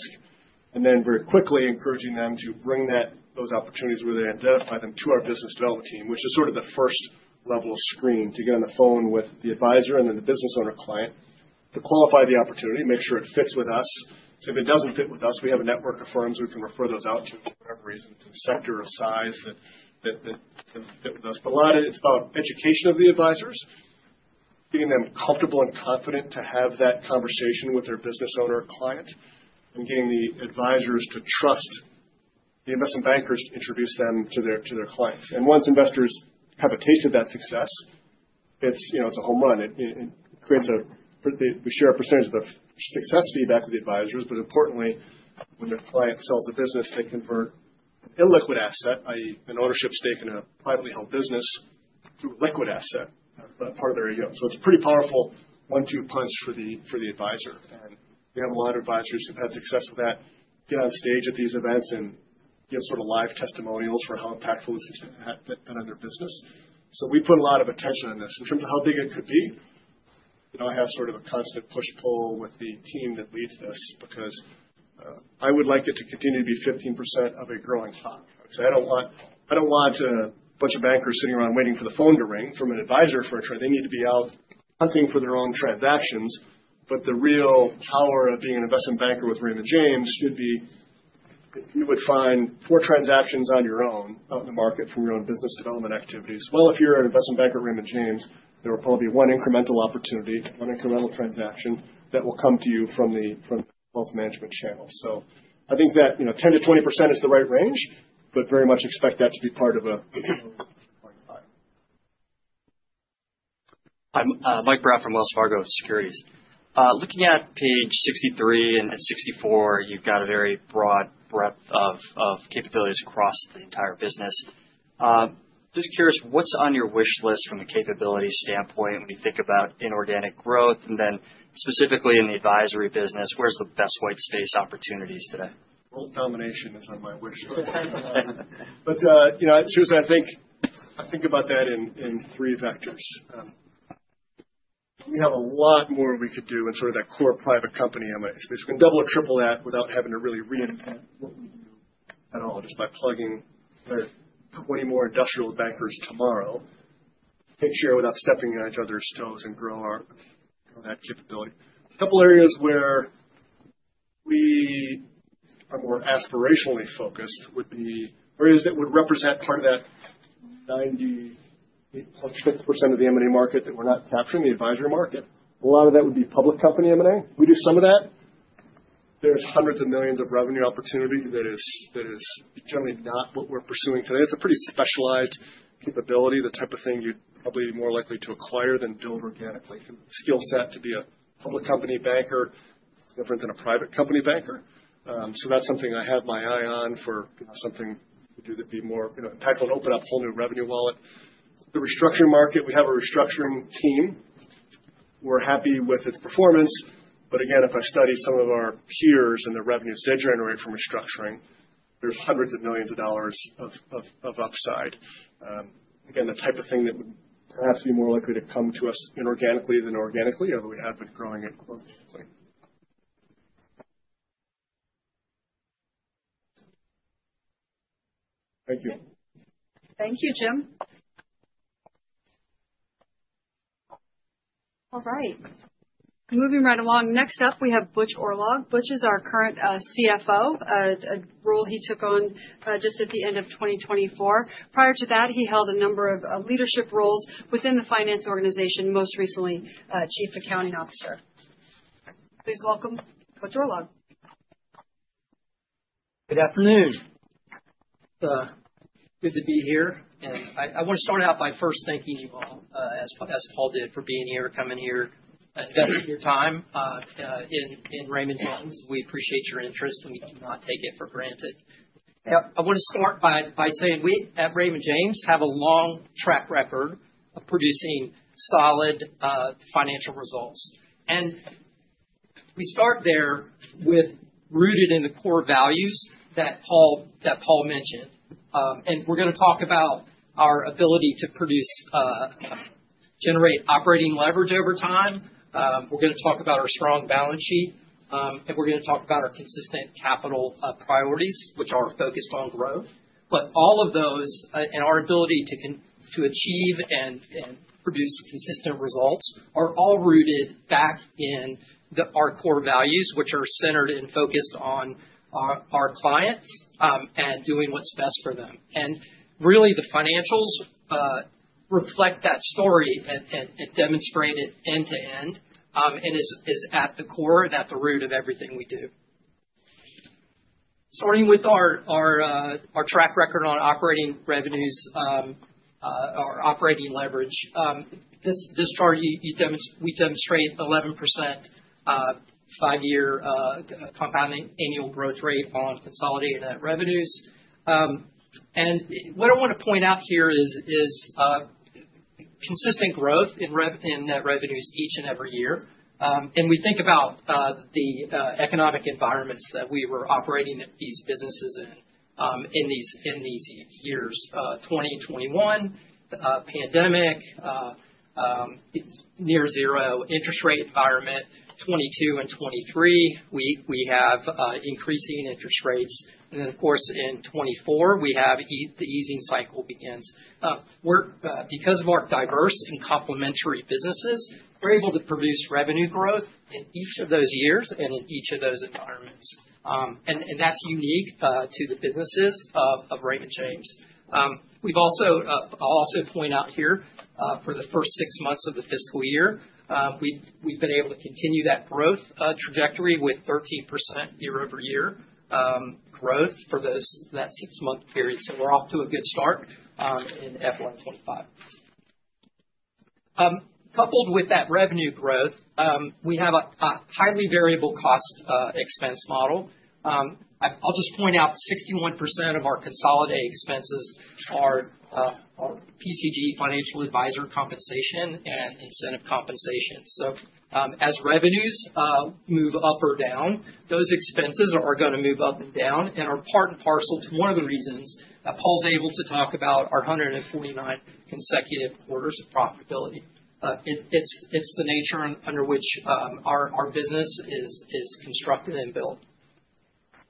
and then very quickly encouraging them to bring those opportunities where they identify them to our business development team, which is sort of the first level of screen to get on the phone with the advisor and then the business owner client to qualify the opportunity, make sure it fits with us. If it does not fit with us, we have a network of firms we can refer those out to for whatever reason. It's a sector of size that doesn't fit with us. A lot of it's about education of the advisors, getting them comfortable and confident to have that conversation with their business owner client, and getting the advisors to trust the investment bankers to introduce them to their clients. Once investors have a taste of that success, it's a home run. We share a percentage of the success feedback with the advisors, but importantly, when their client sells a business, they convert an illiquid asset, i.e., an ownership stake in a privately held business, to a liquid asset, a part of their EOM. It's a pretty powerful one-two punch for the advisor. We have a lot of advisors who've had success with that, get on stage at these events and give sort of live testimonials for how impactful this has been on their business. We put a lot of attention on this. In terms of how big it could be, I have sort of a constant push-pull with the team that leads this because I would like it to continue to be 15% of a growing stock. I do not want a bunch of bankers sitting around waiting for the phone to ring from an advisor for a trade. They need to be out hunting for their own transactions. The real power of being an investment banker with Raymond James should be if you would find four transactions on your own out in the market from your own business development activities. If you are an investment banker at Raymond James, there will probably be one incremental opportunity, one incremental transaction that will come to you from the wealth management channel. I think that 10%-20% is the right range, but very much expect that to be part of a growing client. I'm Mike Brown from Wells Fargo Securities. Looking at page 63 and 64, you've got a very broad breadth of capabilities across the entire business. Just curious, what's on your wish list from a capability standpoint when you think about inorganic growth and then specifically in the advisory business? Where's the best white space opportunities today? World domination is on my wish list. Seriously, I think about that in three vectors. We have a lot more we could do in sort of that core private company space. We can double or triple that without having to really reinvent what we do at all, just by plugging 20 more industrial bankers tomorrow, take share without stepping on each other's toes and grow that capability. A couple of areas where we are more aspirationally focused would be areas that would represent part of that 98.6% of the M&A market that we're not capturing, the advisory market. A lot of that would be public company M&A. We do some of that. There's hundreds of millions of revenue opportunity that is generally not what we're pursuing today. It's a pretty specialized capability, the type of thing you'd probably be more likely to acquire than build organically. Skill set to be a public company banker is different than a private company banker. That is something I have my eye on for something to do that'd be more impactful and open up a whole new revenue wallet. The restructuring market, we have a restructuring team. We're happy with its performance. But again, if I study some of our peers and the revenues they generate from restructuring, there is hundreds of millions of dollars of upside. Again, the type of thing that would perhaps be more likely to come to us inorganically than organically, although we have been growing it growth. Thank you. Thank you, Jim. All right. Moving right along. Next up, we have Butch Oorlog. Butch is our current CFO, a role he took on just at the end of 2024. Prior to that, he held a number of leadership roles within the finance organization, most recently Chief Accounting Officer. Please welcome Butch Oorlog. Good afternoon. It is good to be here. And I want to start out by first thanking you all, as Paul did, for being here, coming here, investing your time in Raymond James. We appreciate your interest, and we do not take it for granted. I want to start by saying we, at Raymond James, have a long track record of producing solid financial results. We start there with rooted in the core values that Paul mentioned. We are going to talk about our ability to generate operating leverage over time. We are going to talk about our strong balance sheet. We are going to talk about our consistent capital priorities, which are focused on growth. All of those and our ability to achieve and produce consistent results are all rooted back in our core values, which are centered and focused on our clients and doing what is best for them. Really, the financials reflect that story and demonstrate it end to end and is at the core and at the root of everything we do. Starting with our track record on operating revenues, our operating leverage, this chart we demonstrate 11% five-year compound annual growth rate on consolidated net revenues. What I want to point out here is consistent growth in net revenues each and every year. We think about the economic environments that we were operating these businesses in in these years, 2021, pandemic, near-zero interest rate environment, 2022 and 2023. We have increasing interest rates. Of course, in 2024, the easing cycle begins. Because of our diverse and complementary businesses, we're able to produce revenue growth in each of those years and in each of those environments. That's unique to the businesses of Raymond James. I'll also point out here, for the first six months of the fiscal year, we've been able to continue that growth trajectory with 13% year-over-year growth for that six-month period. We're off to a good start in FY 2025. Coupled with that revenue growth, we have a highly variable cost expense model. I'll just point out 61% of our consolidated expenses are PCG financial advisor compensation and incentive compensation. As revenues move up or down, those expenses are going to move up and down and are part and parcel to one of the reasons that Paul's able to talk about our 149 consecutive quarters of profitability. It's the nature under which our business is constructed and built.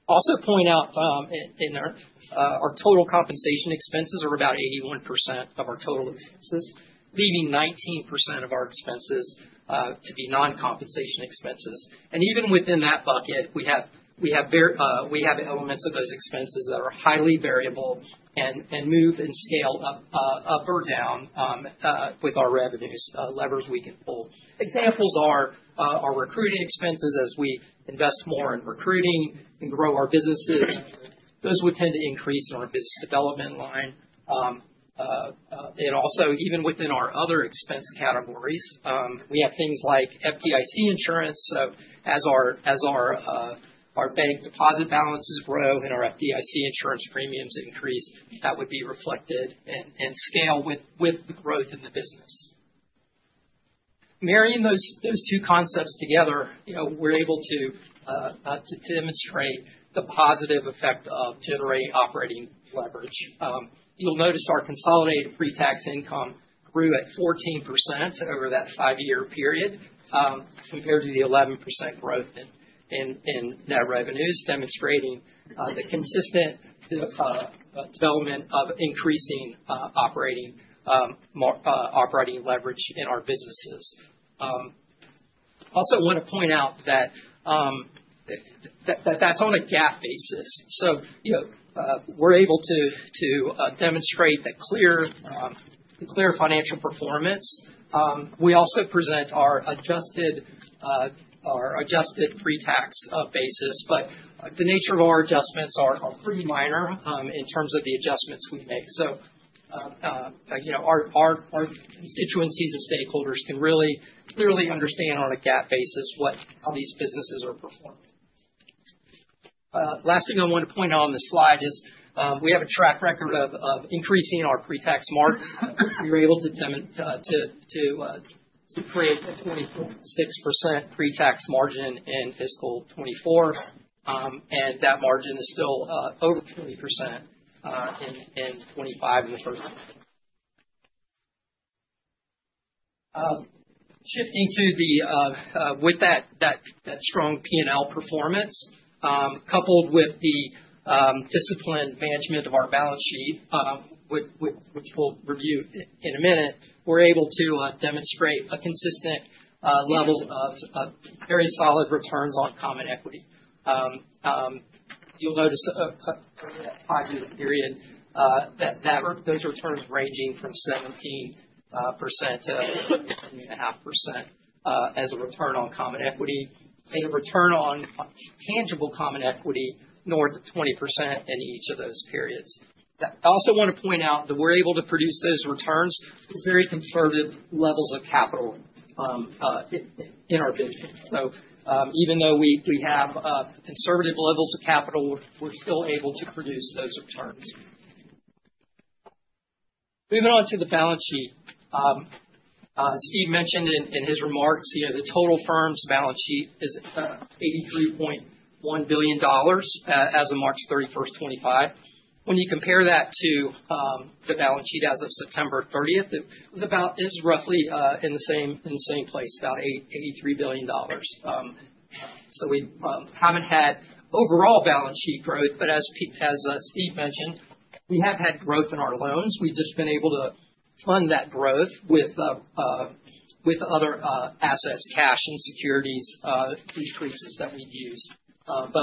I'll also point out, our total compensation expenses are about 81% of our total expenses, leaving 19% of our expenses to be non-compensation expenses. Even within that bucket, we have elements of those expenses that are highly variable and move and scale up or down with our revenues, levers we can pull. Examples are our recruiting expenses as we invest more in recruiting and grow our businesses. Those would tend to increase in our business development line. Also, even within our other expense categories, we have things like FDIC insurance. As our bank deposit balances grow and our FDIC insurance premiums increase, that would be reflected and scale with the growth in the business. Marrying those two concepts together, we're able to demonstrate the positive effect of generating operating leverage. You'll notice our consolidated pre-tax income grew at 14% over that five-year period compared to the 11% growth in net revenues, demonstrating the consistent development of increasing operating leverage in our businesses. Also, I want to point out that that's on a GAAP basis. We're able to demonstrate the clear financial performance. We also present our adjusted pre-tax basis. The nature of our adjustments are pretty minor in terms of the adjustments we make. Our constituencies and stakeholders can really clearly understand on a GAAP basis how these businesses are performing. Last thing I want to point out on the slide is we have a track record of increasing our pre-tax margin. We were able to create a 26% pre-tax margin in fiscal 2024. That margin is still over 20% in 2025 and the first quarter. Shifting to the, with that strong P&L performance, coupled with the disciplined management of our balance sheet, which we'll review in a minute, we're able to demonstrate a consistent level of very solid returns on common equity. You'll notice over that five-year period, those returns ranging from 17%-17.5% as a return on common equity and a return on tangible common equity north of 20% in each of those periods. I also want to point out that we're able to produce those returns with very conservative levels of capital in our business. Even though we have conservative levels of capital, we're still able to produce those returns. Moving on to the balance sheet. Steve mentioned in his remarks, the total firm's balance sheet is $83.1 billion as of March 31st, 2025. When you compare that to the balance sheet as of September 30th, it was roughly in the same place, about $83 billion. We haven't had overall balance sheet growth. As Steve mentioned, we have had growth in our loans. We've just been able to fund that growth with other assets, cash and securities, these freezes that we use.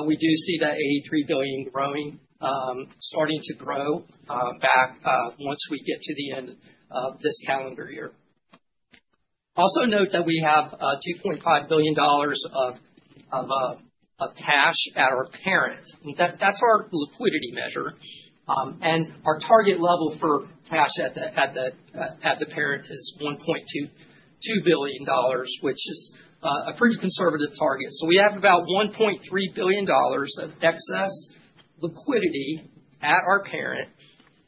We do see that $83 billion growing, starting to grow back once we get to the end of this calendar year. Also note that we have $2.5 billion of cash at our parent. That's our liquidity measure. Our target level for cash at the parent is $1.2 billion, which is a pretty conservative target. We have about $1.3 billion of excess liquidity at our parent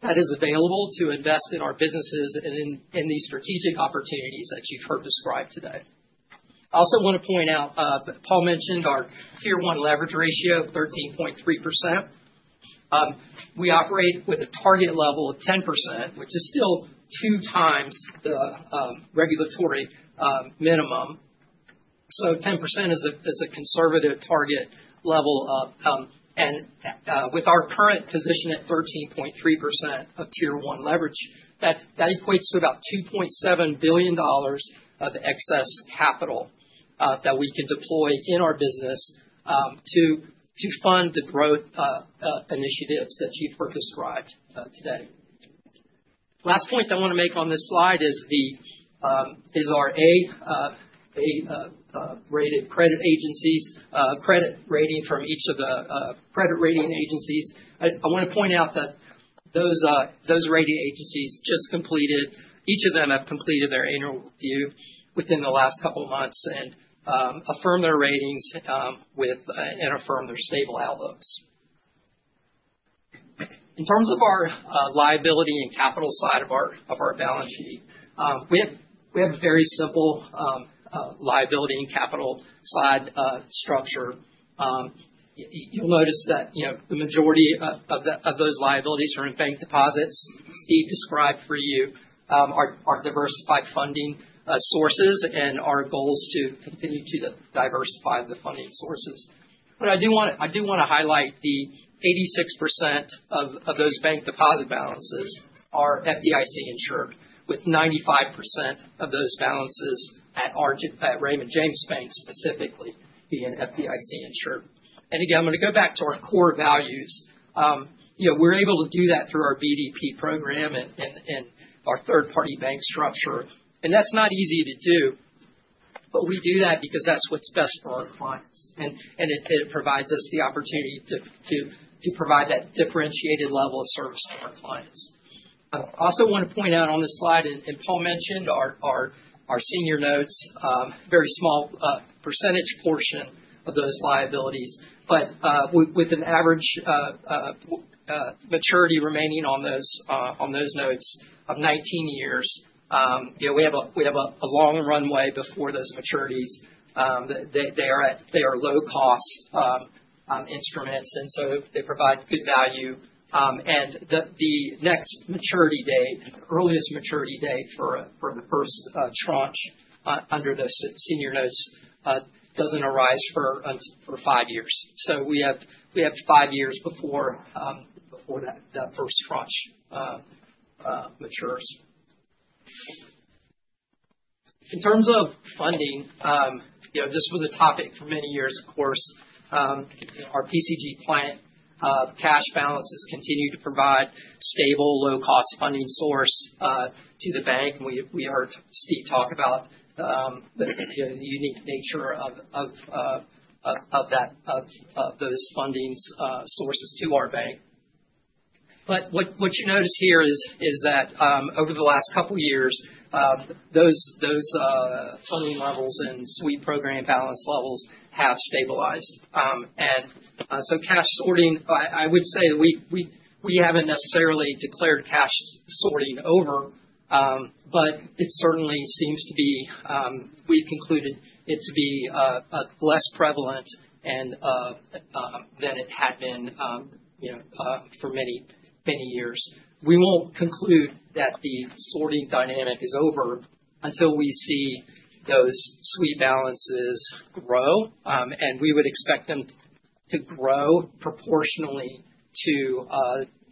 that is available to invest in our businesses and in these strategic opportunities that you've heard described today. I also want to point out, Paul mentioned our tier one leverage ratio, 13.3%. We operate with a target level of 10%, which is still two times the regulatory minimum. 10% is a conservative target level. With our current position at 13.3% of Tier 1 leverage, that equates to about $2.7 billion of excess capital that we can deploy in our business to fund the growth initiatives that you've heard described today. The last point I want to make on this slide is our A-rated credit rating from each of the credit rating agencies. I want to point out that those rating agencies just completed their annual review within the last couple of months and affirmed their ratings and affirmed their stable outlooks. In terms of our liability and capital side of our balance sheet, we have a very simple liability and capital side structure. You'll notice that the majority of those liabilities are in bank deposits. Steve described for you our diversified funding sources and our goals to continue to diversify the funding sources. I do want to highlight the 86% of those bank deposit balances are FDIC insured, with 95% of those balances at Raymond James Bank specifically being FDIC insured. I am going to go back to our core values. We are able to do that through our BDP program and our third-party bank structure. That is not easy to do. We do that because that is what is best for our clients. It provides us the opportunity to provide that differentiated level of service to our clients. I also want to point out on this slide, and Paul mentioned our senior notes, very small percentage portion of those liabilities. With an average maturity remaining on those notes of 19 years, we have a long runway before those maturities. They are low-cost instruments, and they provide good value. The next maturity date, earliest maturity date for the first tranche under those senior notes does not arise for five years. We have five years before that first tranche matures. In terms of funding, this was a topic for many years, of course. Our PCG client cash balances continue to provide a stable, low-cost funding source to the bank. We heard Steve talk about the unique nature of those funding sources to our bank. What you notice here is that over the last couple of years, those funding levels and sweep program balance levels have stabilized. Cash sorting, I would say that we have not necessarily declared cash sorting over, but it certainly seems to be we have concluded it to be less prevalent than it had been for many years. We will not conclude that the sorting dynamic is over until we see those sweep balances grow. We would expect them to grow proportionally to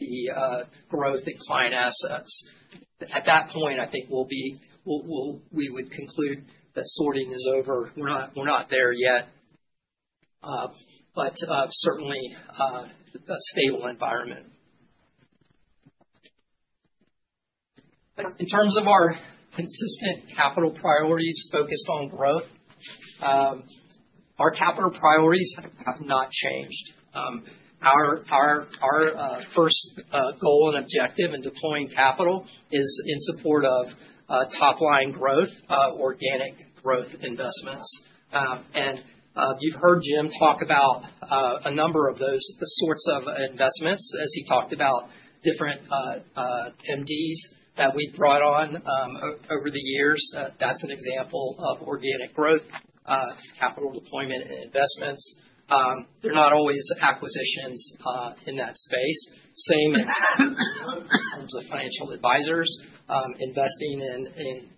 the growth in client assets. At that point, I think we would conclude that sorting is over. We're not there yet. Certainly a stable environment. In terms of our consistent capital priorities focused on growth, our capital priorities have not changed. Our first goal and objective in deploying capital is in support of top-line growth, organic growth investments. You've heard Jim talk about a number of those sorts of investments as he talked about different MDs that we've brought on over the years. That's an example of organic growth, capital deployment, and investments. They're not always acquisitions in that space. Same in terms of financial advisors, investing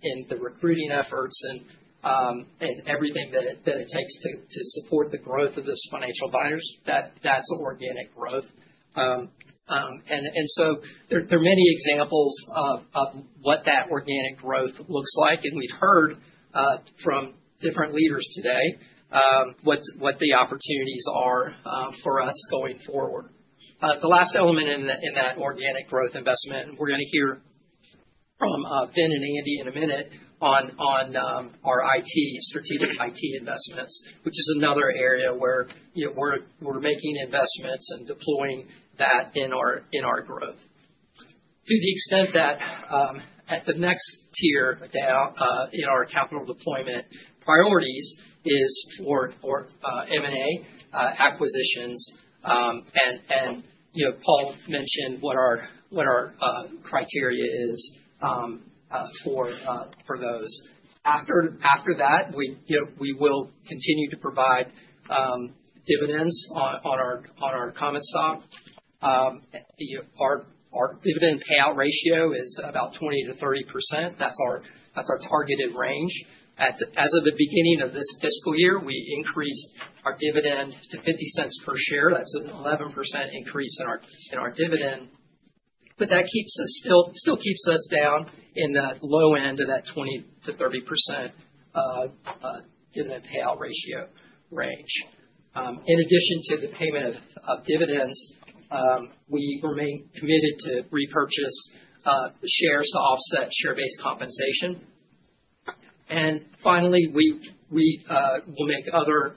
in the recruiting efforts and everything that it takes to support the growth of those financial advisors. That's organic growth. There are many examples of what that organic growth looks like. We have heard from different leaders today what the opportunities are for us going forward. The last element in that organic growth investment, we are going to hear from Finn and Andy in a minute on our IT, strategic IT investments, which is another area where we are making investments and deploying that in our growth. To the extent that at the next tier in our capital deployment priorities is for M&A acquisitions, and Paul mentioned what our criteria is for those. After that, we will continue to provide dividends on our common stock. Our dividend payout ratio is about 20%-30%. That is our targeted range. As of the beginning of this fiscal year, we increased our dividend to $0.50 per share. That is an 11% increase in our dividend. That still keeps us down in that low end of that 20%-30% dividend payout ratio range. In addition to the payment of dividends, we remain committed to repurchase shares to offset share-based compensation. Finally, we will make other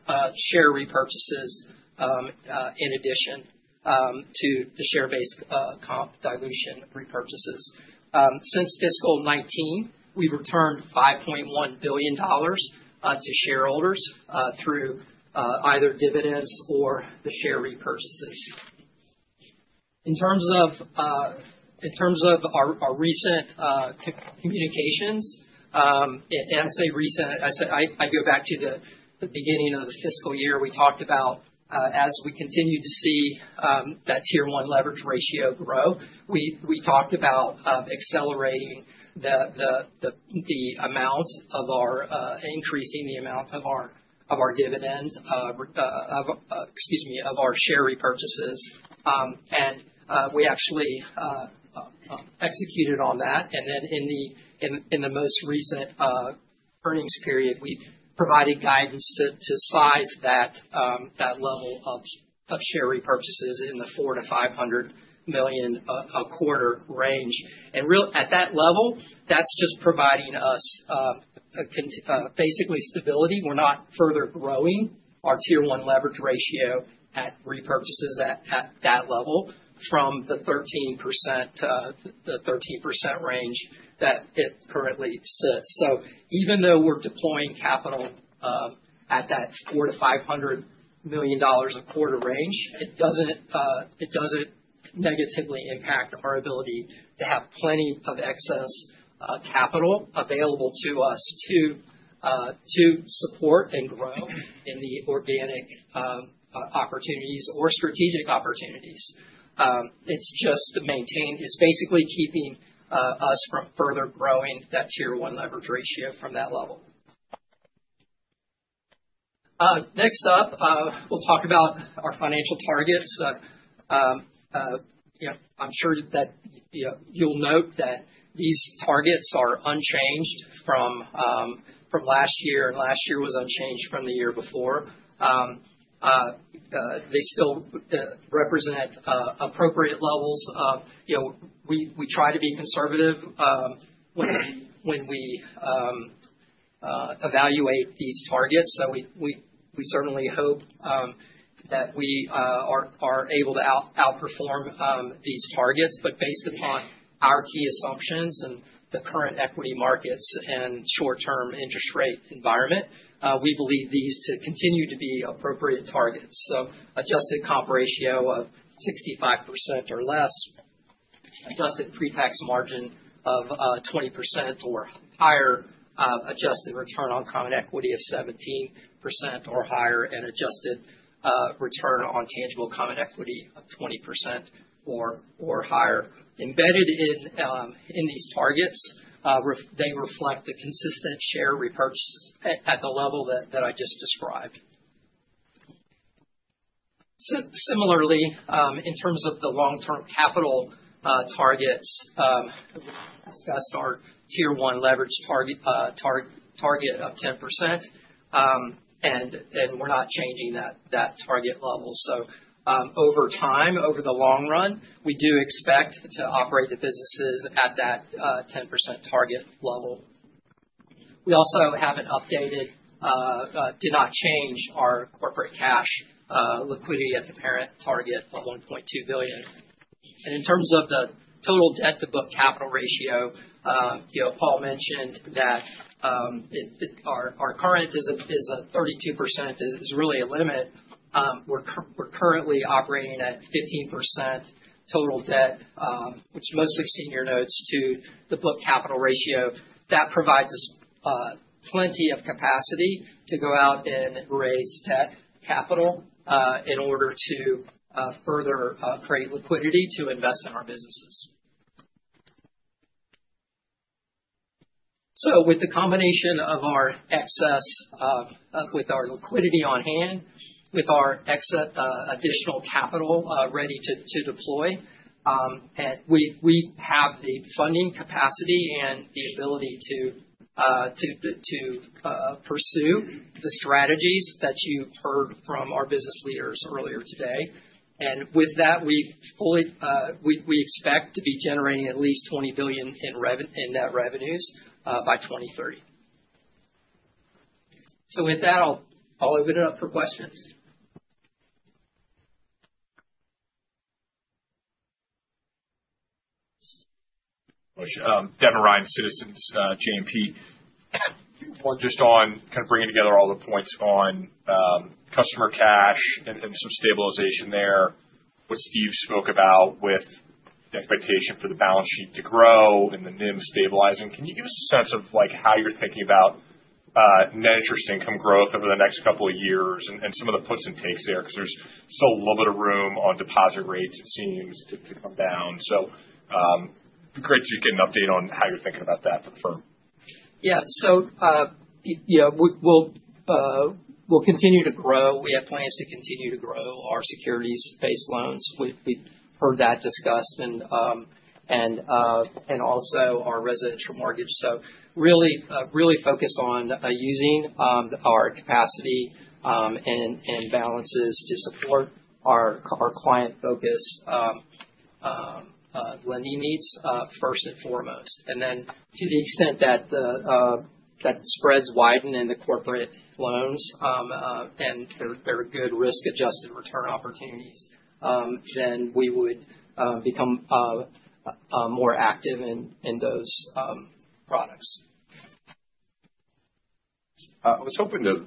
share in addition to the share-based comp dilution repurchases. Since fiscal 2019, we've returned $5.1 billion to shareholders through either dividends or the share repurchases. In terms of our recent communicrepurchases ations, and I say recent, I go back to the beginning of the fiscal year. We talked about, as we continue to see that tier one leverage ratio grow, we talked about accelerating the amount of our, increasing the amount of our dividend, excuse me, of our share repurchases. We actually executed on that. In the most recent earnings period, we provided guidance to size that level of share repurchases in the $400 million-$500 million a quarter range. At that level, that is just providing us basically stability. We are not further growing our tier one leverage ratio at repurchases at that level from the 13% range that it currently sits. Even though we are deploying capital at that $400 million-$500 million a quarter range, it does not negatively impact our ability to have plenty of excess capital available to us to support and grow in the organic opportunities or strategic opportunities. It is just maintained, it is basically keeping us from further growing that tier one leverage ratio from that level. Next up, we will talk about our financial targets. I am sure that you will note that these targets are unchanged from last year, and last year was unchanged from the year before. They still represent appropriate levels. We try to be conservative when we evaluate these targets. We certainly hope that we are able to outperform these targets. Based upon our key assumptions and the current equity markets and short-term interest rate environment, we believe these to continue to be appropriate targets. Adjusted comp ratio of 65% or less, adjusted pre-tax margin of 20% or higher, adjusted return on common equity of 17% or higher, and adjusted return on tangible common equity of 20% or higher. Embedded in these targets, they reflect the consistent share repurchases at the level that I just described. Similarly, in terms of the long-term capital targets, we discussed our tier one leverage target of 10%. We are not changing that target level. Over time, over the long run, we do expect to operate the businesses at that 10% target level. We also have not updated, did not change our corporate cash liquidity at the parent target of $1.2 billion. In terms of the total debt-to-book capital ratio, Paul mentioned that our current is a 32% is really a limit. We are currently operating at 15% total debt, which is mostly senior notes to the book capital ratio. That provides us plenty of capacity to go out and raise debt capital in order to further create liquidity to invest in our businesses. With the combination of our excess, with our liquidity on hand, with our additional capital ready to deploy, we have the funding capacity and the ability to pursue the strategies that you have heard from our business leaders earlier today. We expect to be generating at least $20 billion in net revenues by 2030. With that, I will open it up for questions. Devin Ryan, Citizens JMP. Just on kind of bringing together all the points on customer cash and some stabilization there, what Steve spoke about with the expectation for the balance sheet to grow and the NIM stabilizing. Can you give us a sense of how you're thinking about net interest income growth over the next couple of years and some of the puts and takes there? Because there's still a little bit of room on deposit rates, it seems, to come down. It'd be great to get an update on how you're thinking about that for the firm. Yeah. We'll continue to grow. We have plans to continue to grow our securities-based loans. We've heard that discussed and also our residential mortgage. Really focused on using our capacity and balances to support our client-focused lending needs first and foremost. To the extent that spreads widen in the corporate loans and there are good risk-adjusted return opportunities, then we would become more active in those products. I was hoping to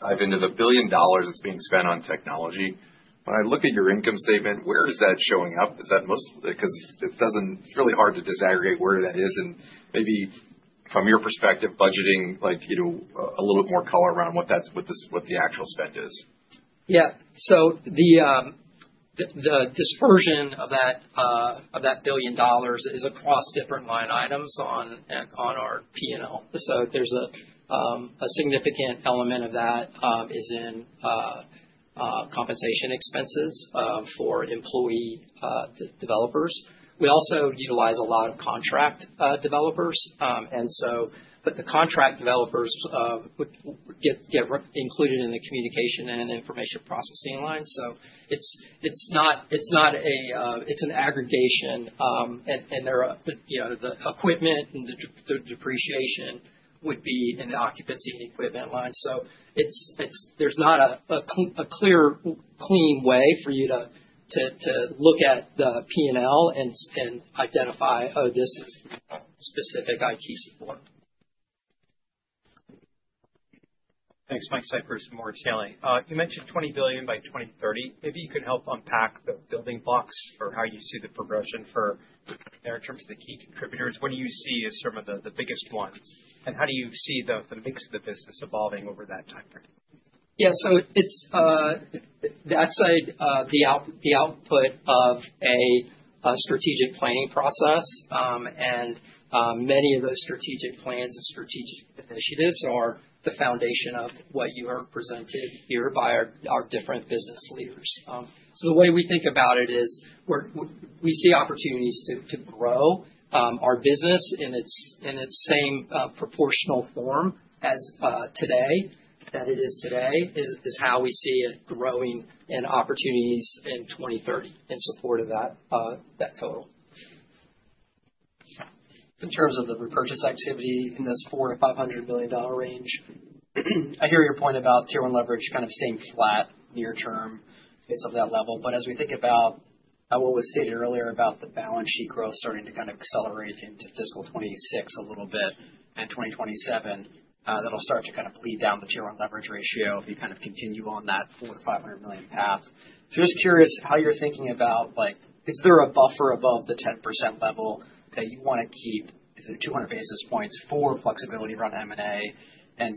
dive into the billion dollars that's being spent on technology. When I look at your income statement, where is that showing up? Because it's really hard to disaggregate where that is. Maybe from your perspective, budgeting a little bit more color around what the actual spend is. Yeah. The dispersion of that billion dollars is across different line items on our P&L. There is a significant element of that in compensation expenses for employee developers. We also utilize a lot of contract developers. The contract developers get included in the communication and information processing line. It's not an aggregation. The equipment and the depreciation would be in the occupancy and equipment line. There is not a clear, clean way for you to look at the P&L and identify, "Oh, this is specific IT support." Thanks. Michael Cypress from Morgan Stanley. You mentioned $20 billion by 2030. Maybe you could help unpack the building blocks for how you see the progression for there in terms of the key contributors. What do you see as some of the biggest ones? How do you see the mix of the business evolving over that timeframe? Yeah. That is the output of a strategic planning process. Many of those strategic plans and strategic initiatives are the foundation of what you are presented here by our different business leaders. The way we think about it is we see opportunities to grow our business in its same proportional form as today that it is today is how we see it growing in opportunities in 2030 in support of that total. In terms of the repurchase activity in this $400 million-$500 million range, I hear your point about tier one leverage kind of staying flat near term based off that level. As we think about what was stated earlier about the balance sheet growth starting to kind of accelerate into fiscal 2026 a little bit and 2027, that'll start to kind of bleed down the Tier 1 leverage ratio if you kind of continue on that $400 million-$500 million path. I'm just curious how you're thinking about, is there a buffer above the 10% level that you want to keep? Is it 200 basis points for flexibility around M&A? I'm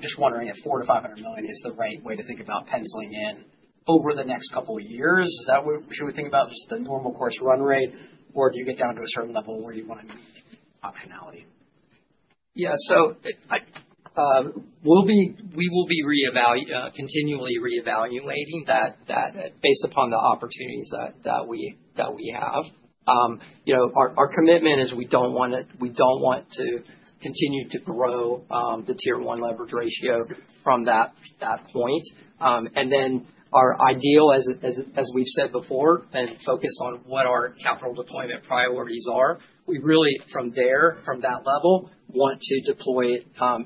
just wondering if $400 million-$500 million is the right way to think about penciling in over the next couple of years. Is that what we should think about, just the normal course run rate, or do you get down to a certain level where you want to meet optionality? Yeah. We will be continually reevaluating that based upon the opportunities that we have. Our commitment is we do not want to continue to grow the tier one leverage ratio from that point. Our ideal, as we have said before, and focused on what our capital deployment priorities are, we really, from there, from that level, want to deploy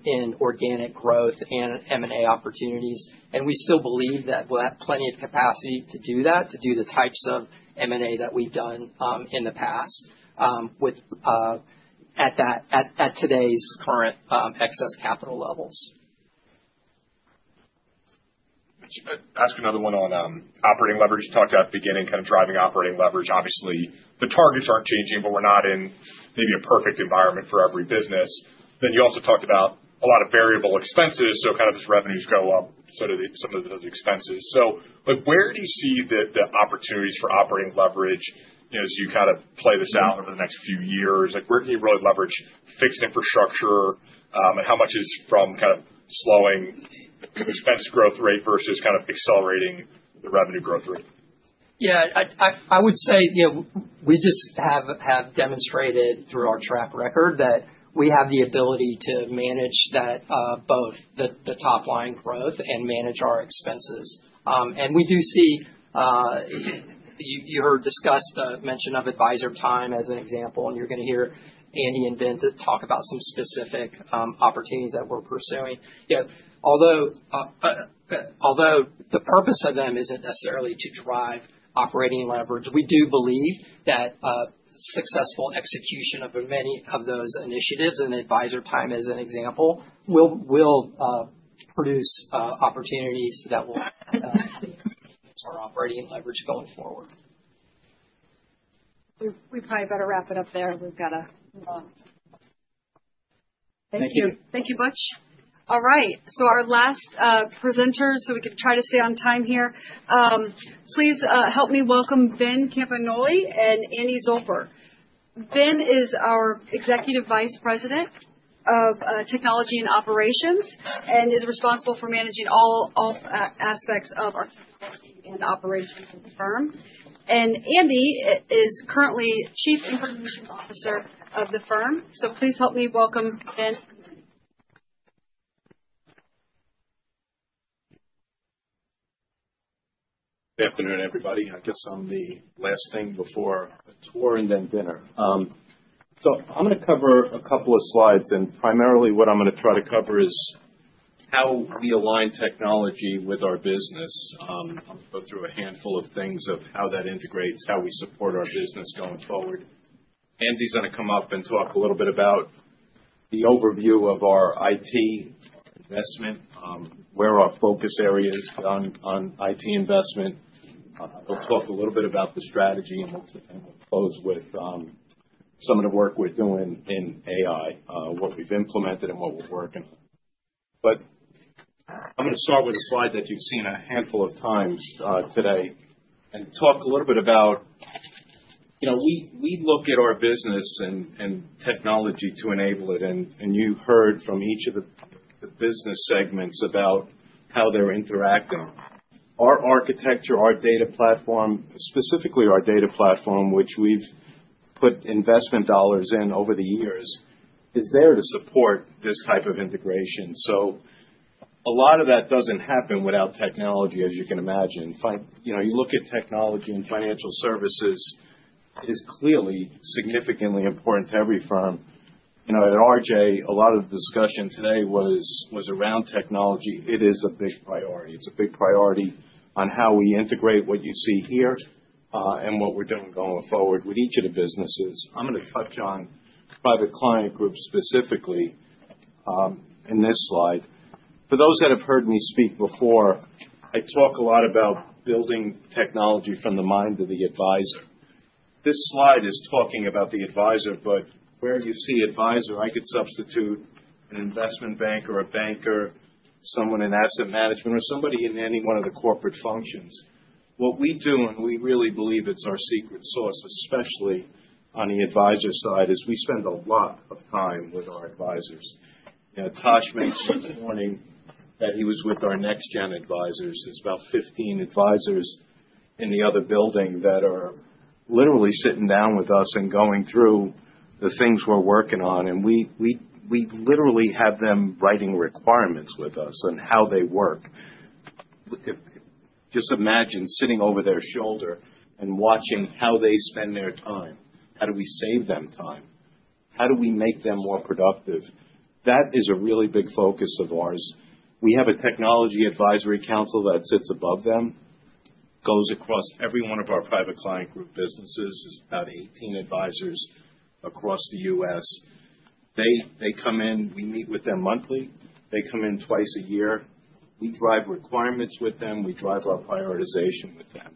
in organic growth and M&A opportunities. We still believe that we'll have plenty of capacity to do that, to do the types of M&A that we've done in the past at today's current excess capital levels. Ask another one on operating leverage. You talked at the beginning kind of driving operating leverage. Obviously, the targets aren't changing, but we're not in maybe a perfect environment for every business. You also talked about a lot of variable expenses. Kind of as revenues go up, some of those expenses. Where do you see the opportunities for operating leverage as you kind of play this out over the next few years? Where can you really leverage fixed infrastructure? How much is from kind of slowing expense growth rate versus kind of accelerating the revenue growth rate? Yeah. I would say we just have demonstrated through our track record that we have the ability to manage both the top line growth and manage our expenses. We do see you heard discussed the mention of Advisor Time as an example. You are going to hear Andy and Vin talk about some specific opportunities that we are pursuing. Although the purpose of them is not necessarily to drive operating leverage, we do believe that successful execution of many of those initiatives and Advisor Time as an example will produce opportunities that will enhance our operating leverage going forward. We probably better wrap it up there. Thank you. Thank you much. All right. Our last presenter, so we can try to stay on time here. Please help me welcome Vin Campagnoli and Andy Zilber. Vin is our Executive Vice President of Technology and Operations and is responsible for managing all aspects of our technology and operations of the firm. Andy is currently Chief Information Officer of the firm. Please help me welcome Vin. Good afternoon, everybody. I guess I'm the last thing before the tour and then dinner. I'm going to cover a couple of slides. Primarily, what I'm going to try to cover is how we align technology with our business. I'm going to go through a handful of things of how that integrates, how we support our business going forward. Andy's going to come up and talk a little bit about the overview of our IT investment, where our focus area is on IT investment. I'll talk a little bit about the strategy, and we'll close with some of the work we're doing in AI, what we've implemented, and what we're working on. I'm going to start with a slide that you've seen a handful of times today and talk a little bit about how we look at our business and technology to enable it. You heard from each of the business segments about how they're interacting. Our architecture, our data platform, specifically our data platform, which we've put investment dollars in over the years, is there to support this type of integration. A lot of that doesn't happen without technology, as you can imagine. You look at technology and financial services. It is clearly significantly important to every firm. At Raymond James, a lot of the discussion today was around technology. It is a big priority. It's a big priority on how we integrate what you see here and what we're doing going forward with each of the businesses. I'm going to touch on Private Client Group specifically in this slide. For those that have heard me speak before, I talk a lot about building technology from the mind of the advisor. This slide is talking about the advisor, but where you see advisor, I could substitute an investment bank or a banker, someone in asset management, or somebody in any one of the corporate functions. What we do, and we really believe it's our secret sauce, especially on the advisor side, is we spend a lot of time with our advisors. Tash mentioned this morning that he was with our next-gen advisors. There's about 15 advisors in the other building that are literally sitting down with us and going through the things we're working on. We literally have them writing requirements with us on how they work. Just imagine sitting over their shoulder and watching how they spend their time. How do we save them time? How do we make them more productive? That is a really big focus of ours. We have a technology advisory council that sits above them, goes across every one of our Private Client Group businesses. There are about 18 advisors across the U.S. They come in. We meet with them monthly. They come in twice a year. We drive requirements with them. We drive our prioritization with them.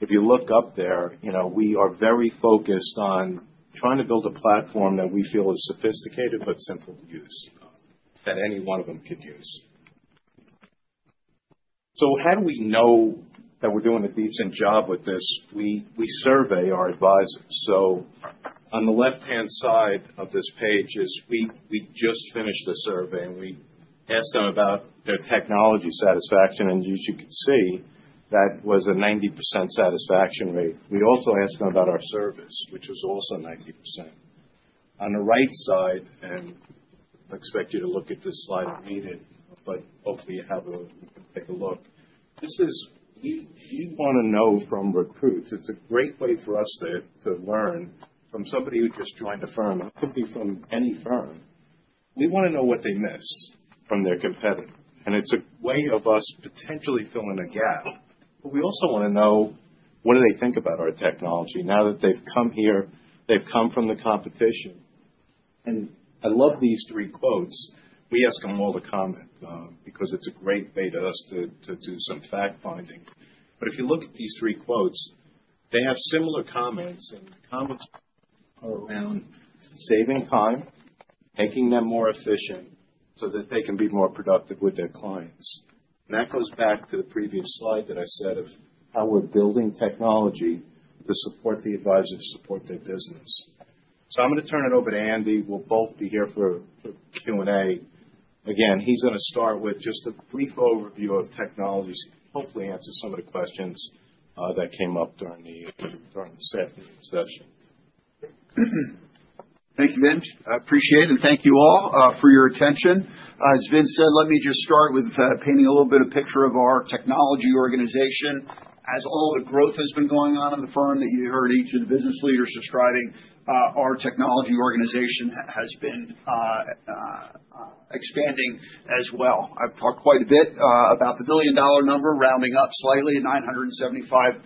If you look up there, we are very focused on trying to build a platform that we feel is sophisticated but simple to use that any one of them could use. How do we know that we are doing a decent job with this? We survey our advisors. On the left-hand side of this page, we just finished a survey, and we asked them about their technology satisfaction. As you can see, that was a 90% satisfaction rate. We also asked them about our service, which was also 90%. On the right side, and I do not expect you to look at this slide immediately, but hopefully, you have a—you can take a look. We want to know from recruits. It is a great way for us to learn from somebody who just joined a firm. It could be from any firm. We want to know what they miss from their competitor. It is a way of us potentially filling a gap. We also want to know, what do they think about our technology now that they have come here? They have come from the competition. I love these three quotes. We ask them all to comment because it's a great way for us to do some fact-finding. If you look at these three quotes, they have similar comments. The comments are around saving time, making them more efficient so that they can be more productive with their clients. That goes back to the previous slide that I said of how we're building technology to support the advisors, support their business. I'm going to turn it over to Andy. We'll both be here for Q&A. Again, he's going to start with just a brief overview of technologies and hopefully answer some of the questions that came up during the session. Thank you, Vin. I appreciate it. Thank you all for your attention. As Vin said, let me just start with painting a little bit of a picture of our technology organization. As all the growth has been going on in the firm that you heard each of the business leaders describing, our technology organization has been expanding as well. I've talked quite a bit about the billion-dollar number, rounding up slightly, a $975 million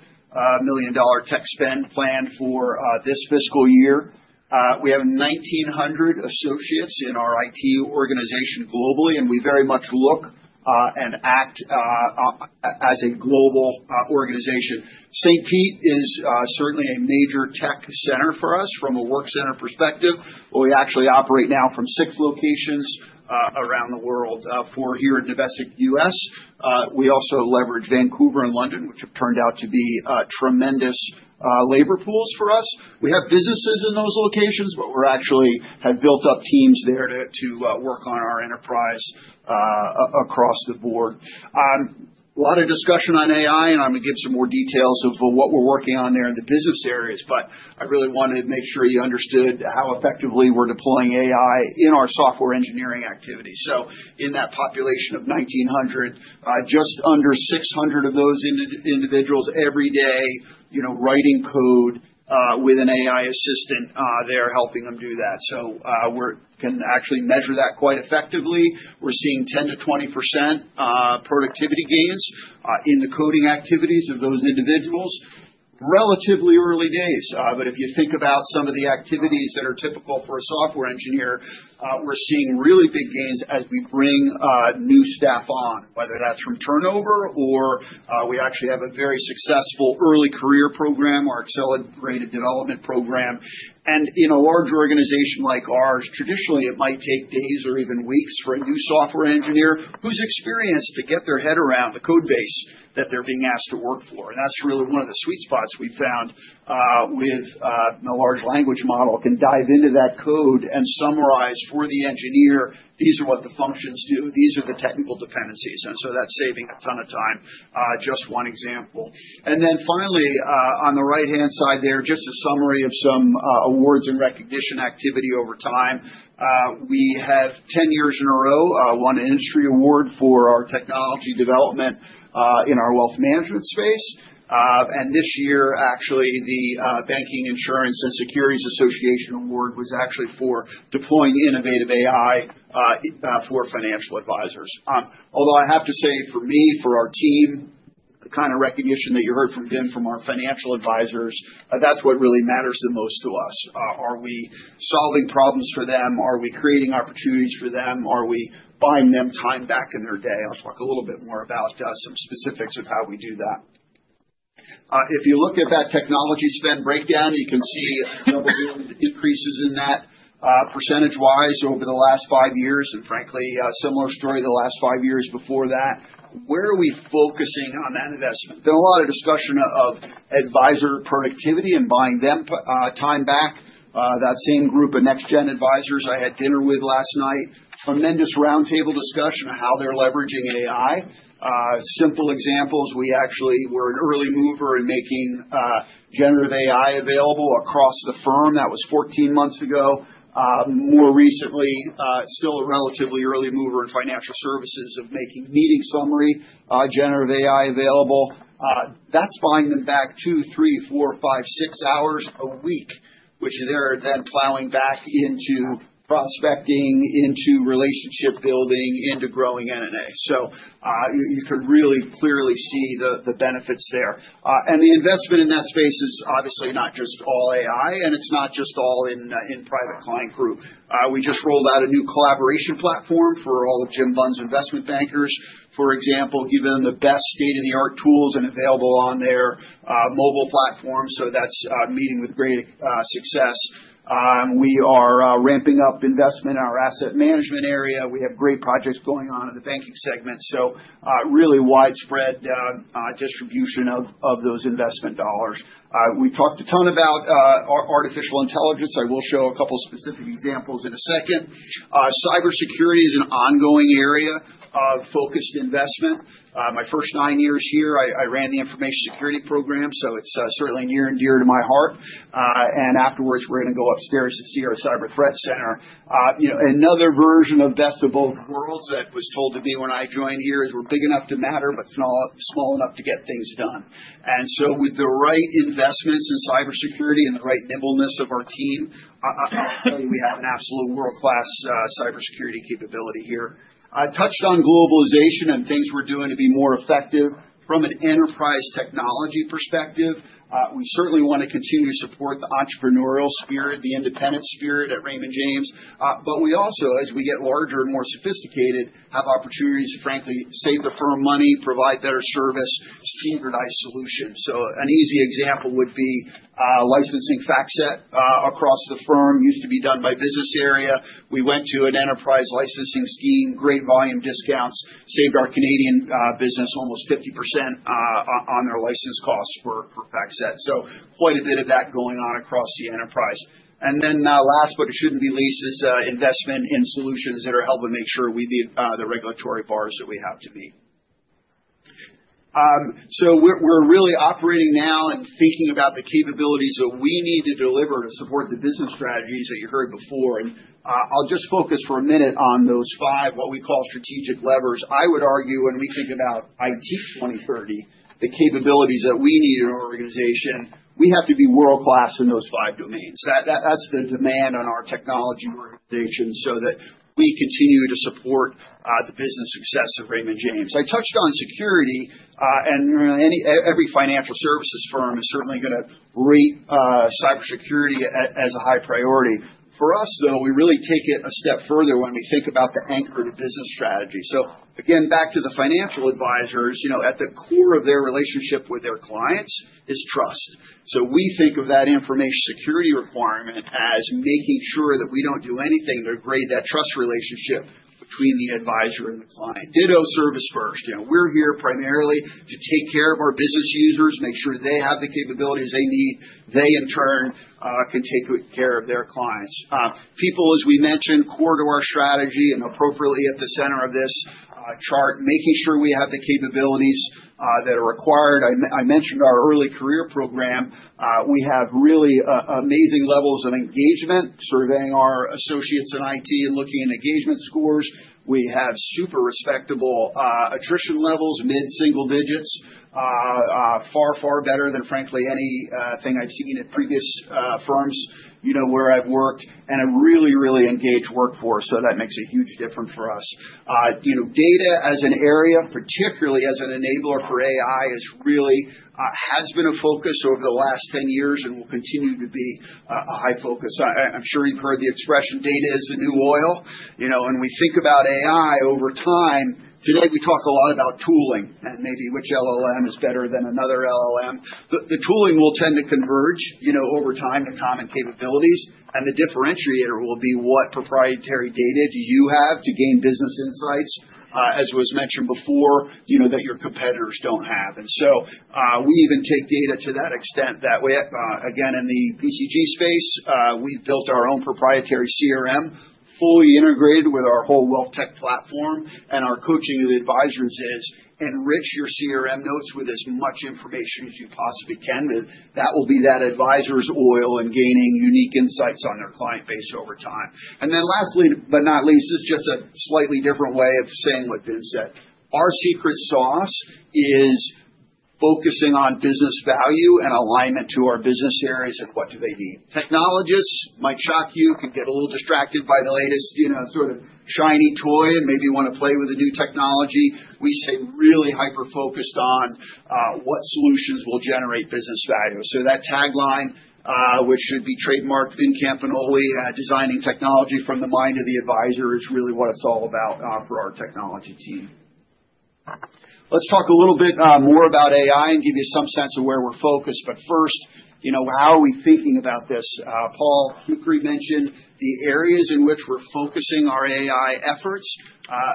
tech spend planned for this fiscal year. We have 1,900 associates in our IT organization globally, and we very much look and act as a global organization. St. Petersburg is certainly a major tech center for us from a work center perspective, but we actually operate now from six locations around the world here in the U.S. We also leverage Vancouver and London, which have turned out to be tremendous labor pools for us. We have businesses in those locations, but we actually have built up teams there to work on our enterprise across the board. A lot of discussion on AI, and I'm going to give some more details of what we're working on there in the business areas, but I really wanted to make sure you understood how effectively we're deploying AI in our software engineering activity. In that population of 1,900, just under 600 of those individuals every day writing code with an AI assistant, they're helping them do that. We can actually measure that quite effectively. We're seeing 10%-20% productivity gains in the coding activities of those individuals, relatively early days. If you think about some of the activities that are typical for a software engineer, we're seeing really big gains as we bring new staff on, whether that's from turnover or we actually have a very successful early career program, our accelerated development program. In a large organization like ours, traditionally, it might take days or even weeks for a new software engineer who's experienced to get their head around the code base that they're being asked to work for. That is really one of the sweet spots we found with a large language model. It can dive into that code and summarize for the engineer, "These are what the functions do. These are the technical dependencies." That is saving a ton of time, just one example. Finally, on the right-hand side there, just a summary of some awards and recognition activity over time. We have 10 years in a row won an industry award for our technology development in our wealth management space. This year, actually, the Banking Insurance and Securities Association Award was actually for deploying innovative AI for financial advisors. Although I have to say, for me, for our team, the kind of recognition that you heard from Vin from our financial advisors, that's what really matters the most to us. Are we solving problems for them? Are we creating opportunities for them? Are we buying them time back in their day? I'll talk a little bit more about some specifics of how we do that. If you look at that technology spend breakdown, you can see double-digit increases in that percentage wise over the last five years. Frankly, similar story the last five years before that. Where are we focusing on that investment? There's been a lot of discussion of advisor productivity and buying them time back. That same group of next-gen advisors I had dinner with last night, tremendous roundtable discussion on how they're leveraging AI. Simple examples, we actually were an early mover in making generative AI available across the firm. That was 14 months ago. More recently, still a relatively early mover in financial services of making meeting summary generative AI available. That is buying them back two, three, four, five, six hours a week, which they are then plowing back into prospecting, into relationship building, into growing NNA. You can really clearly see the benefits there. The investment in that space is obviously not just all AI, and it is not just all in Private Client Group. We just rolled out a new collaboration platform for all of Jim Bunn's investment bankers, for example, giving them the best state-of-the-art tools and available on their mobile platform. That is meeting with great success. We are ramping up investment in our asset management area. We have great projects going on in the banking segment. Really widespread distribution of those investment dollars. We talked a ton about artificial intelligence. I will show a couple of specific examples in a second. Cybersecurity is an ongoing area of focused investment. My first nine years here, I ran the information security program, so it is certainly near and dear to my heart. Afterwards, we are going to go upstairs to see our cyber threat center. Another version of best of both worlds that was told to me when I joined here is we are big enough to matter, but small enough to get things done. With the right investments in cybersecurity and the right nimbleness of our team, I will tell you we have an absolute world-class cybersecurity capability here. I touched on globalization and things we are doing to be more effective from an enterprise technology perspective. We certainly want to continue to support the entrepreneurial spirit, the independent spirit at Raymond James. We also, as we get larger and more sophisticated, have opportunities to, frankly, save the firm money, provide better service, standardized solutions. An easy example would be licensing FactSet across the firm, which used to be done by business area. We went to an enterprise licensing scheme, great volume discounts, saved our Canadian business almost 50% on their license costs for FactSet. Quite a bit of that is going on across the enterprise. Last, but it should not be least, is investment in solutions that are helping make sure we meet the regulatory bars that we have to meet. We are really operating now and thinking about the capabilities that we need to deliver to support the business strategies that you heard before. I'll just focus for a minute on those five, what we call strategic levers. I would argue, when we think about IT 2030, the capabilities that we need in our organization, we have to be world-class in those five domains. That's the demand on our technology organization so that we continue to support the business success of Raymond James. I touched on security, and every financial services firm is certainly going to rate cybersecurity as a high priority. For us, though, we really take it a step further when we think about the anchor to business strategy. Again, back to the financial advisors, at the core of their relationship with their clients is trust. We think of that information security requirement as making sure that we don't do anything to grade that trust relationship between the advisor and the client. Ditto service first. We're here primarily to take care of our business users, make sure they have the capabilities they need. They, in turn, can take good care of their clients. People, as we mentioned, core to our strategy and appropriately at the center of this chart, making sure we have the capabilities that are required. I mentioned our early career program. We have really amazing levels of engagement, surveying our associates in IT and looking at engagement scores. We have super respectable attrition levels, mid-single digits, far, far better than, frankly, anything I've seen at previous firms where I've worked and a really, really engaged workforce. That makes a huge difference for us. Data as an area, particularly as an enabler for AI, has really been a focus over the last 10 years and will continue to be a high focus. I'm sure you've heard the expression, "Data is the new oil." When we think about AI over time, today we talk a lot about tooling and maybe which LLM is better than another LLM. The tooling will tend to converge over time to common capabilities, and the differentiator will be what proprietary data do you have to gain business insights, as was mentioned before, that your competitors do not have. We even take data to that extent. Again, in the PCG space, we've built our own proprietary CRM fully integrated with our whole wealth tech platform. Our coaching to the advisors is enrich your CRM notes with as much information as you possibly can. That will be that advisor's oil and gaining unique insights on their client base over time. Lastly, but not least, this is just a slightly different way of saying what Vin said. Our secret sauce is focusing on business value and alignment to our business areas and what do they need. Technologists, might shock you, can get a little distracted by the latest sort of shiny toy and maybe want to play with a new technology. We stay really hyper-focused on what solutions will generate business value. That tagline, which should be trademarked, Vincamp and Oli, designing technology from the mind of the advisor, is really what it's all about for our technology team. Let's talk a little bit more about AI and give you some sense of where we're focused. First, how are we thinking about this? Paul Shoukry mentioned the areas in which we're focusing our AI efforts.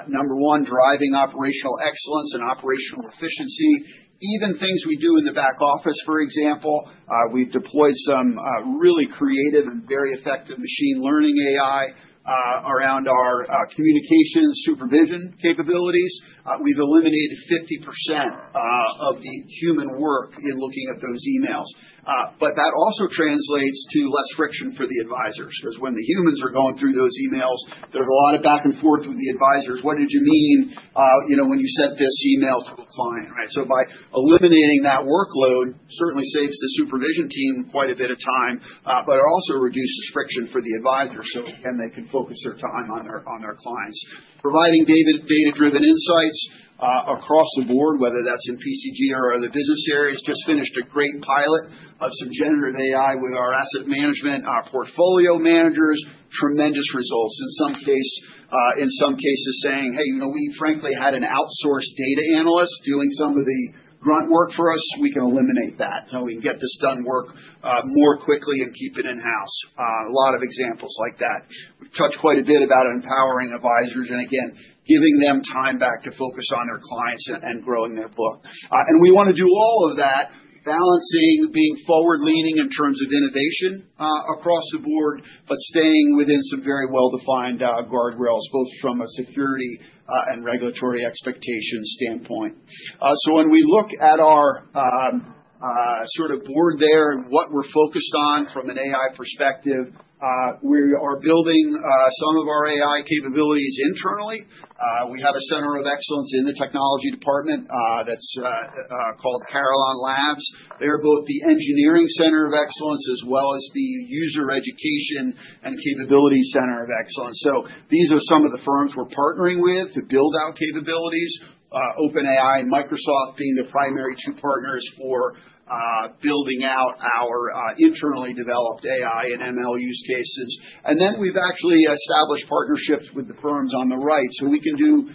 Number one, driving operational excellence and operational efficiency. Even things we do in the back office, for example, we've deployed some really creative and very effective machine learning AI around our communications supervision capabilities. We've eliminated 50% of the human work in looking at those emails. That also translates to less friction for the advisors because when the humans are going through those emails, there's a lot of back and forth with the advisors. "What did you mean when you sent this email to a client?" Right? By eliminating that workload, it certainly saves the supervision team quite a bit of time, but it also reduces friction for the advisors so they can focus their time on their clients. Providing data-driven insights across the board, whether that's in PCG or other business areas. Just finished a great pilot of some generative AI with our asset management, our portfolio managers, tremendous results. In some cases, saying, "Hey, we, frankly, had an outsourced data analyst doing some of the grunt work for us. We can eliminate that. We can get this done work more quickly and keep it in-house." A lot of examples like that. We've touched quite a bit about empowering advisors and, again, giving them time back to focus on their clients and growing their book. We want to do all of that, balancing, being forward-leaning in terms of innovation across the board, but staying within some very well-defined guardrails, both from a security and regulatory expectation standpoint. When we look at our sort of board there and what we're focused on from an AI perspective, we are building some of our AI capabilities internally. We have a center of excellence in the technology department that's called Carillon Labs. They're both the engineering center of excellence as well as the user education and capability center of excellence. These are some of the firms we're partnering with to build out capabilities, OpenAI and Microsoft being the primary two partners for building out our internally developed AI and ML use cases. We've actually established partnerships with the firms on the right. We can do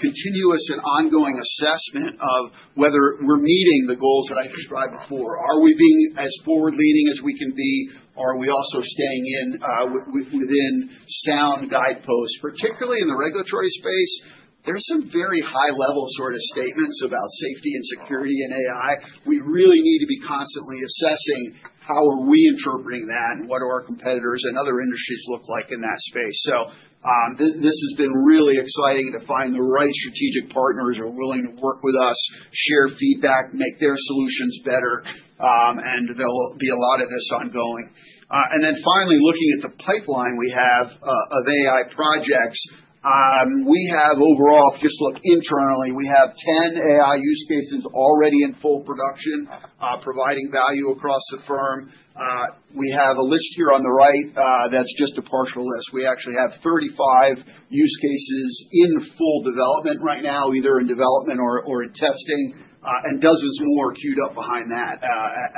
continuous and ongoing assessment of whether we're meeting the goals that I described before. Are we being as forward-leaning as we can be? Are we also staying within sound guideposts? Particularly in the regulatory space, there are some very high-level sort of statements about safety and security in AI. We really need to be constantly assessing how are we interpreting that and what do our competitors and other industries look like in that space. This has been really exciting to find the right strategic partners who are willing to work with us, share feedback, make their solutions better, and there will be a lot of this ongoing. Finally, looking at the pipeline we have of AI projects, we have overall, just look internally, we have 10 AI use cases already in full production, providing value across the firm. We have a list here on the right that is just a partial list. We actually have 35 use cases in full development right now, either in development or in testing, and dozens more queued up behind that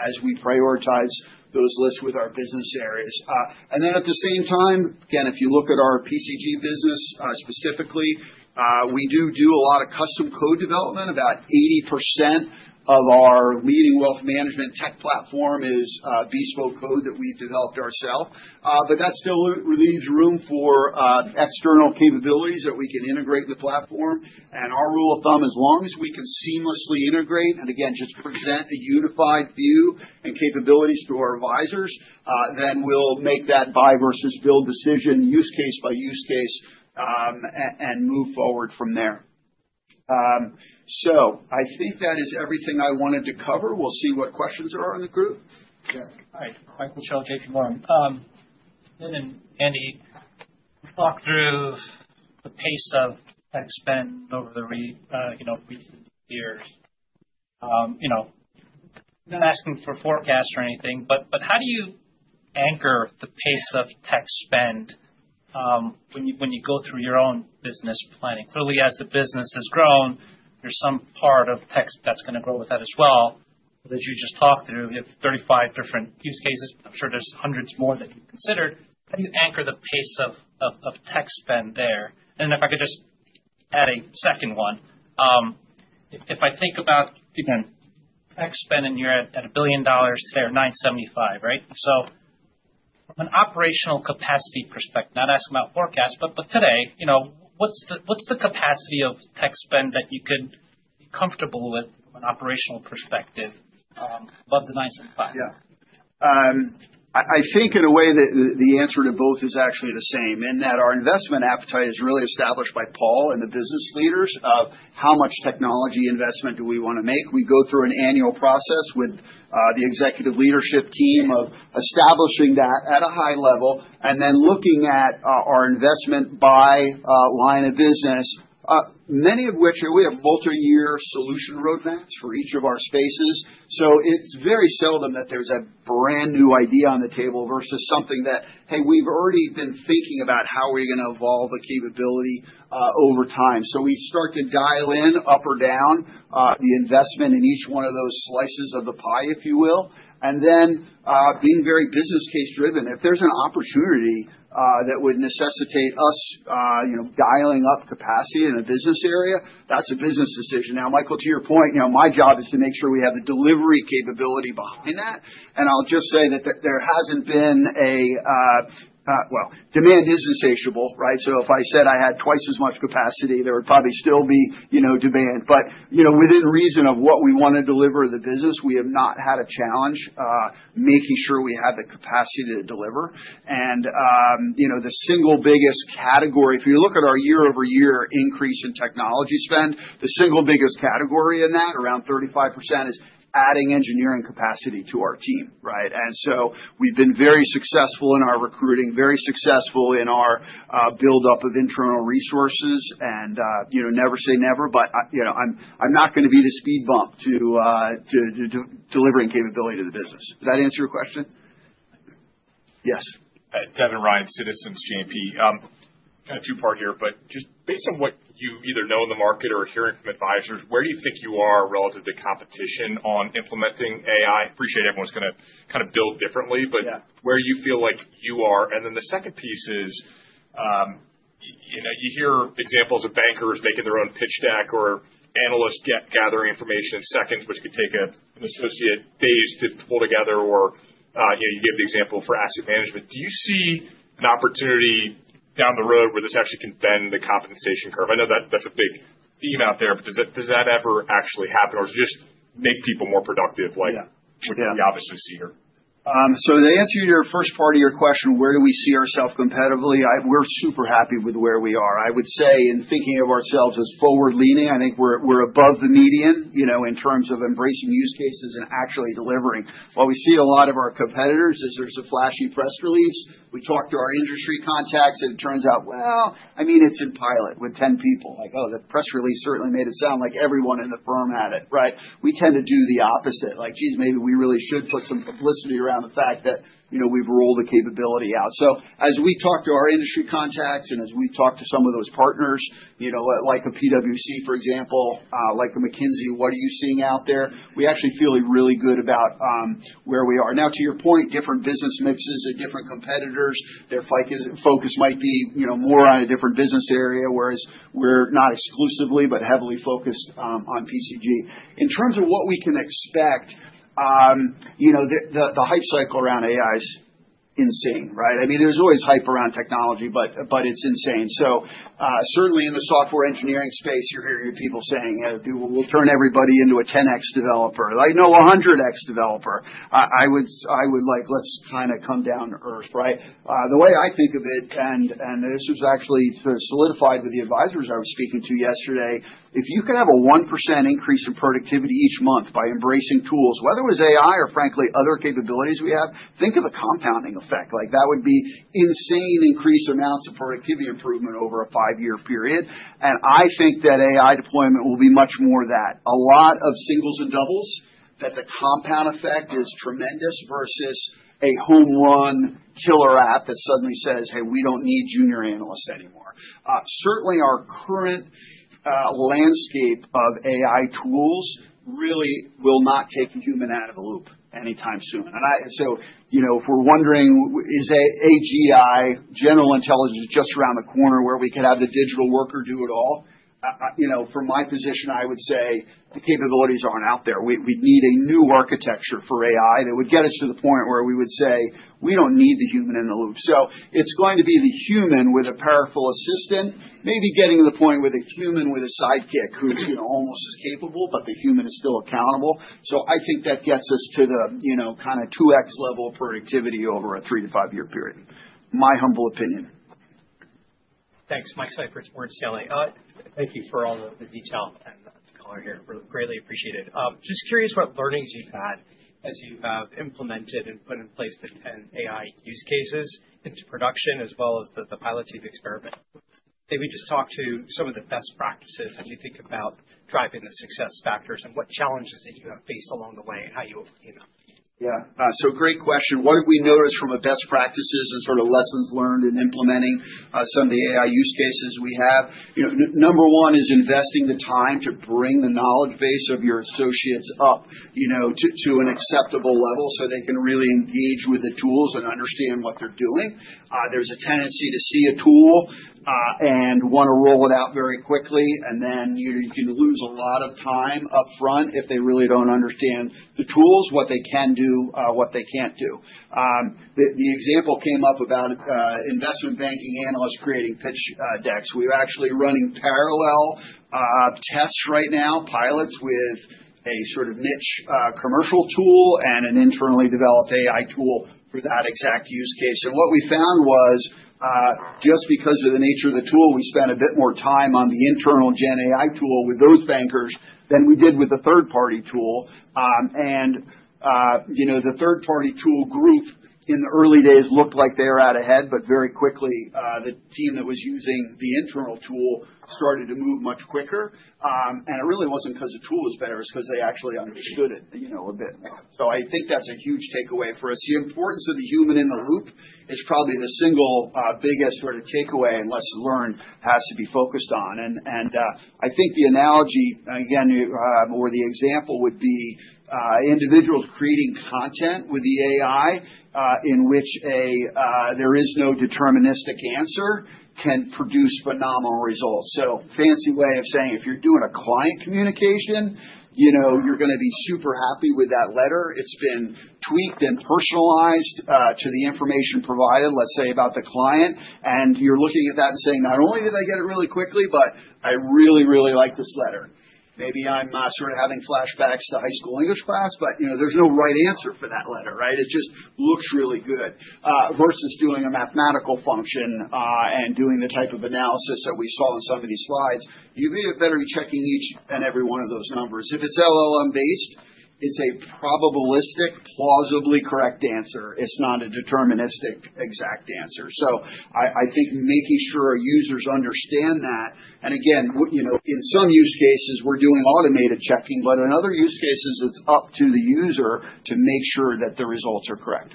as we prioritize those lists with our business areas. At the same time, again, if you look at our PCG business specifically, we do do a lot of custom code development. About 80% of our leading wealth management tech platform is bespoke code that we've developed ourself. That still leaves room for external capabilities that we can integrate with the platform. Our rule of thumb, as long as we can seamlessly integrate and, again, just present a unified view and capabilities to our advisors, then we'll make that buy versus build decision use case by use case and move forward from there. I think that is everything I wanted to cover. We'll see what questions there are in the group. Yeah. Hi. Michael Schell, JPMorgan. Vin and Andy, talk through the pace of tech spend over the recent years. I'm not asking for forecasts or anything, but how do you anchor the pace of tech spend when you go through your own business planning? Clearly, as the business has grown, there's some part of tech that's going to grow with that as well that you just talked through. You have 35 different use cases. I'm sure there's hundreds more that you've considered. How do you anchor the pace of tech spend there? If I could just add a second one. If I think about, again, tech spend, and you're at $1 billion today or $975 million, right? From an operational capacity perspective, not asking about forecasts, but today, what's the capacity of tech spend that you could be comfortable with from an operational perspective above the $975 million? Yeah. I think in a way that the answer to both is actually the same, in that our investment appetite is really established by Paul and the business leaders of how much technology investment do we want to make. We go through an annual process with the executive leadership team of establishing that at a high level and then looking at our investment by line of business, many of which we have multi-year solution roadmaps for each of our spaces. It is very seldom that there is a brand new idea on the table versus something that, hey, we have already been thinking about how are we going to evolve a capability over time. We start to dial in up or down the investment in each one of those slices of the pie, if you will, and then being very business case driven. If there is an opportunity that would necessitate us dialing up capacity in a business area, that is a business decision. Now, Michael, to your point, my job is to make sure we have the delivery capability behind that. I'll just say that there hasn't been a—demand is insatiable, right? If I said I had twice as much capacity, there would probably still be demand. Within reason of what we want to deliver the business, we have not had a challenge making sure we have the capacity to deliver. The single biggest category, if you look at our year-over-year increase in technology spend, the single biggest category in that, around 35%, is adding engineering capacity to our team, right? We've been very successful in our recruiting, very successful in our build-up of internal resources, and never say never, but I'm not going to be the speed bump to delivering capability to the business. Do yes that answer your question? Yes. Devin Ryan, Citizens JMP. Kind of two-part here, but just based on what you either know in the market or hearing from advisors, where do you think you are relative to competition on implementing AI? Appreciate everyone's going to kind of build differently, but where you feel like you are. The second piece is you hear examples of bankers making their own pitch deck or analysts gathering information in seconds, which could take an associate days to pull together, or you gave the example for asset management. Do you see an opportunity down the road where this actually can bend the compensation curve? I know that's a big theme out there, but does that ever actually happen, or does it just make people more productive? We obviously see your— To answer your first part of your question, where do we see ourselves competitively? We're super happy with where we are. I would say, in thinking of ourselves as forward-leaning, I think we're above the median in terms of embracing use cases and actually delivering. What we see a lot of our competitors is there's a flashy press release. We talk to our industry contacts, and it turns out, well, I mean, it's in pilot with 10 people. Like, oh, the press release certainly made it sound like everyone in the firm had it, right? We tend to do the opposite. Like, geez, maybe we really should put some publicity around the fact that we've rolled the capability out. As we talk to our industry contacts and as we talk to some of those partners, like a PwC, for example, like a McKinsey, what are you seeing out there? We actually feel really good about where we are. Now, to your point, different business mixes at different competitors, their focus might be more on a different business area, whereas we're not exclusively but heavily focused on PCG. In terms of what we can expect, the hype cycle around AI is insane, right? I mean, there's always hype around technology, but it's insane. Certainly in the software engineering space, you're hearing people saying, "We'll turn everybody into a 10x developer." I know a 100x developer. I would like, let's kind of come down to earth, right? The way I think of it, and this was actually solidified with the advisors I was speaking to yesterday, if you could have a 1% increase in productivity each month by embracing tools, whether it was AI or, frankly, other capabilities we have, think of a compounding effect. That would be an insane increase in amounts of productivity improvement over a five-year period. I think that AI deployment will be much more that. A lot of singles and doubles, that the compound effect is tremendous versus a home-run killer app that suddenly says, "Hey, we don't need junior analysts anymore." Certainly, our current landscape of AI tools really will not take a human out of the loop anytime soon. If we're wondering, is AGI, general intelligence, just around the corner where we could have the digital worker do it all? From my position, I would say the capabilities aren't out there. We'd need a new architecture for AI that would get us to the point where we would say, "We don't need the human in the loop." It is going to be the human with a powerful assistant, maybe getting to the point with a human with a sidekick who's almost as capable, but the human is still accountable. I think that gets us to the kind of 2X level of productivity over a three- to five-year period. My humble opinion. Thanks. Michael Cyprys, Morgan Stanley. Thank you for all the detail and the color here. We greatly appreciate it. Just curious what learnings you've had as you have implemented and put in place the 10 AI use cases into production, as well as the pilot team experiment. Maybe just talk to some of the best practices as you think about driving the success factors and what challenges that you have faced along the way and how you overcame them. Yeah. Great question. What have we noticed from the best practices and sort of lessons learned in implementing some of the AI use cases we have? Number one is investing the time to bring the knowledge base of your associates up to an acceptable level so they can really engage with the tools and understand what they're doing. There's a tendency to see a tool and want to roll it out very quickly, and then you can lose a lot of time upfront if they really do not understand the tools, what they can do, what they cannot do. The example came up about investment banking analysts creating pitch decks. We're actually running parallel tests right now, pilots with a sort of niche commercial tool and an internally developed AI tool for that exact use case. What we found was just because of the nature of the tool, we spent a bit more time on the internal GenAI tool with those bankers than we did with the third-party tool. The third-party tool group in the early days looked like they were out ahead, but very quickly, the team that was using the internal tool started to move much quicker. It really wasn't because the tool was better. It's because they actually understood it a bit. I think that's a huge takeaway for us. The importance of the human in the loop is probably the single biggest sort of takeaway and lesson learned has to be focused on. I think the analogy, again, or the example would be individuals creating content with the AI in which there is no deterministic answer can produce phenomenal results. A fancy way of saying, if you're doing a client communication, you're going to be super happy with that letter. It's been tweaked and personalized to the information provided, let's say, about the client. You're looking at that and saying, "Not only did I get it really quickly, but I really, really like this letter." Maybe I'm sort of having flashbacks to high school English class, but there's no right answer for that letter, right? It just looks really good versus doing a mathematical function and doing the type of analysis that we saw in some of these slides. You'd be better checking each and every one of those numbers. If it's LLM-based, it's a probabilistic, plausibly correct answer. It's not a deterministic exact answer. I think making sure users understand that. Again, in some use cases, we're doing automated checking, but in other use cases, it's up to the user to make sure that the results are correct.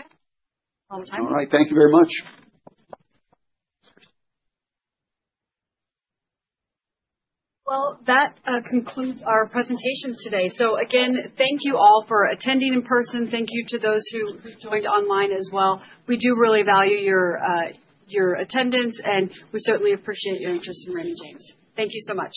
Okay. All the time. All right. Thank you very much. That concludes our presentations today. Again, thank you all for attending in person. Thank you to those who joined online as well. We do really value your attendance, and we certainly appreciate your interest in Raymond James. Thank you so much.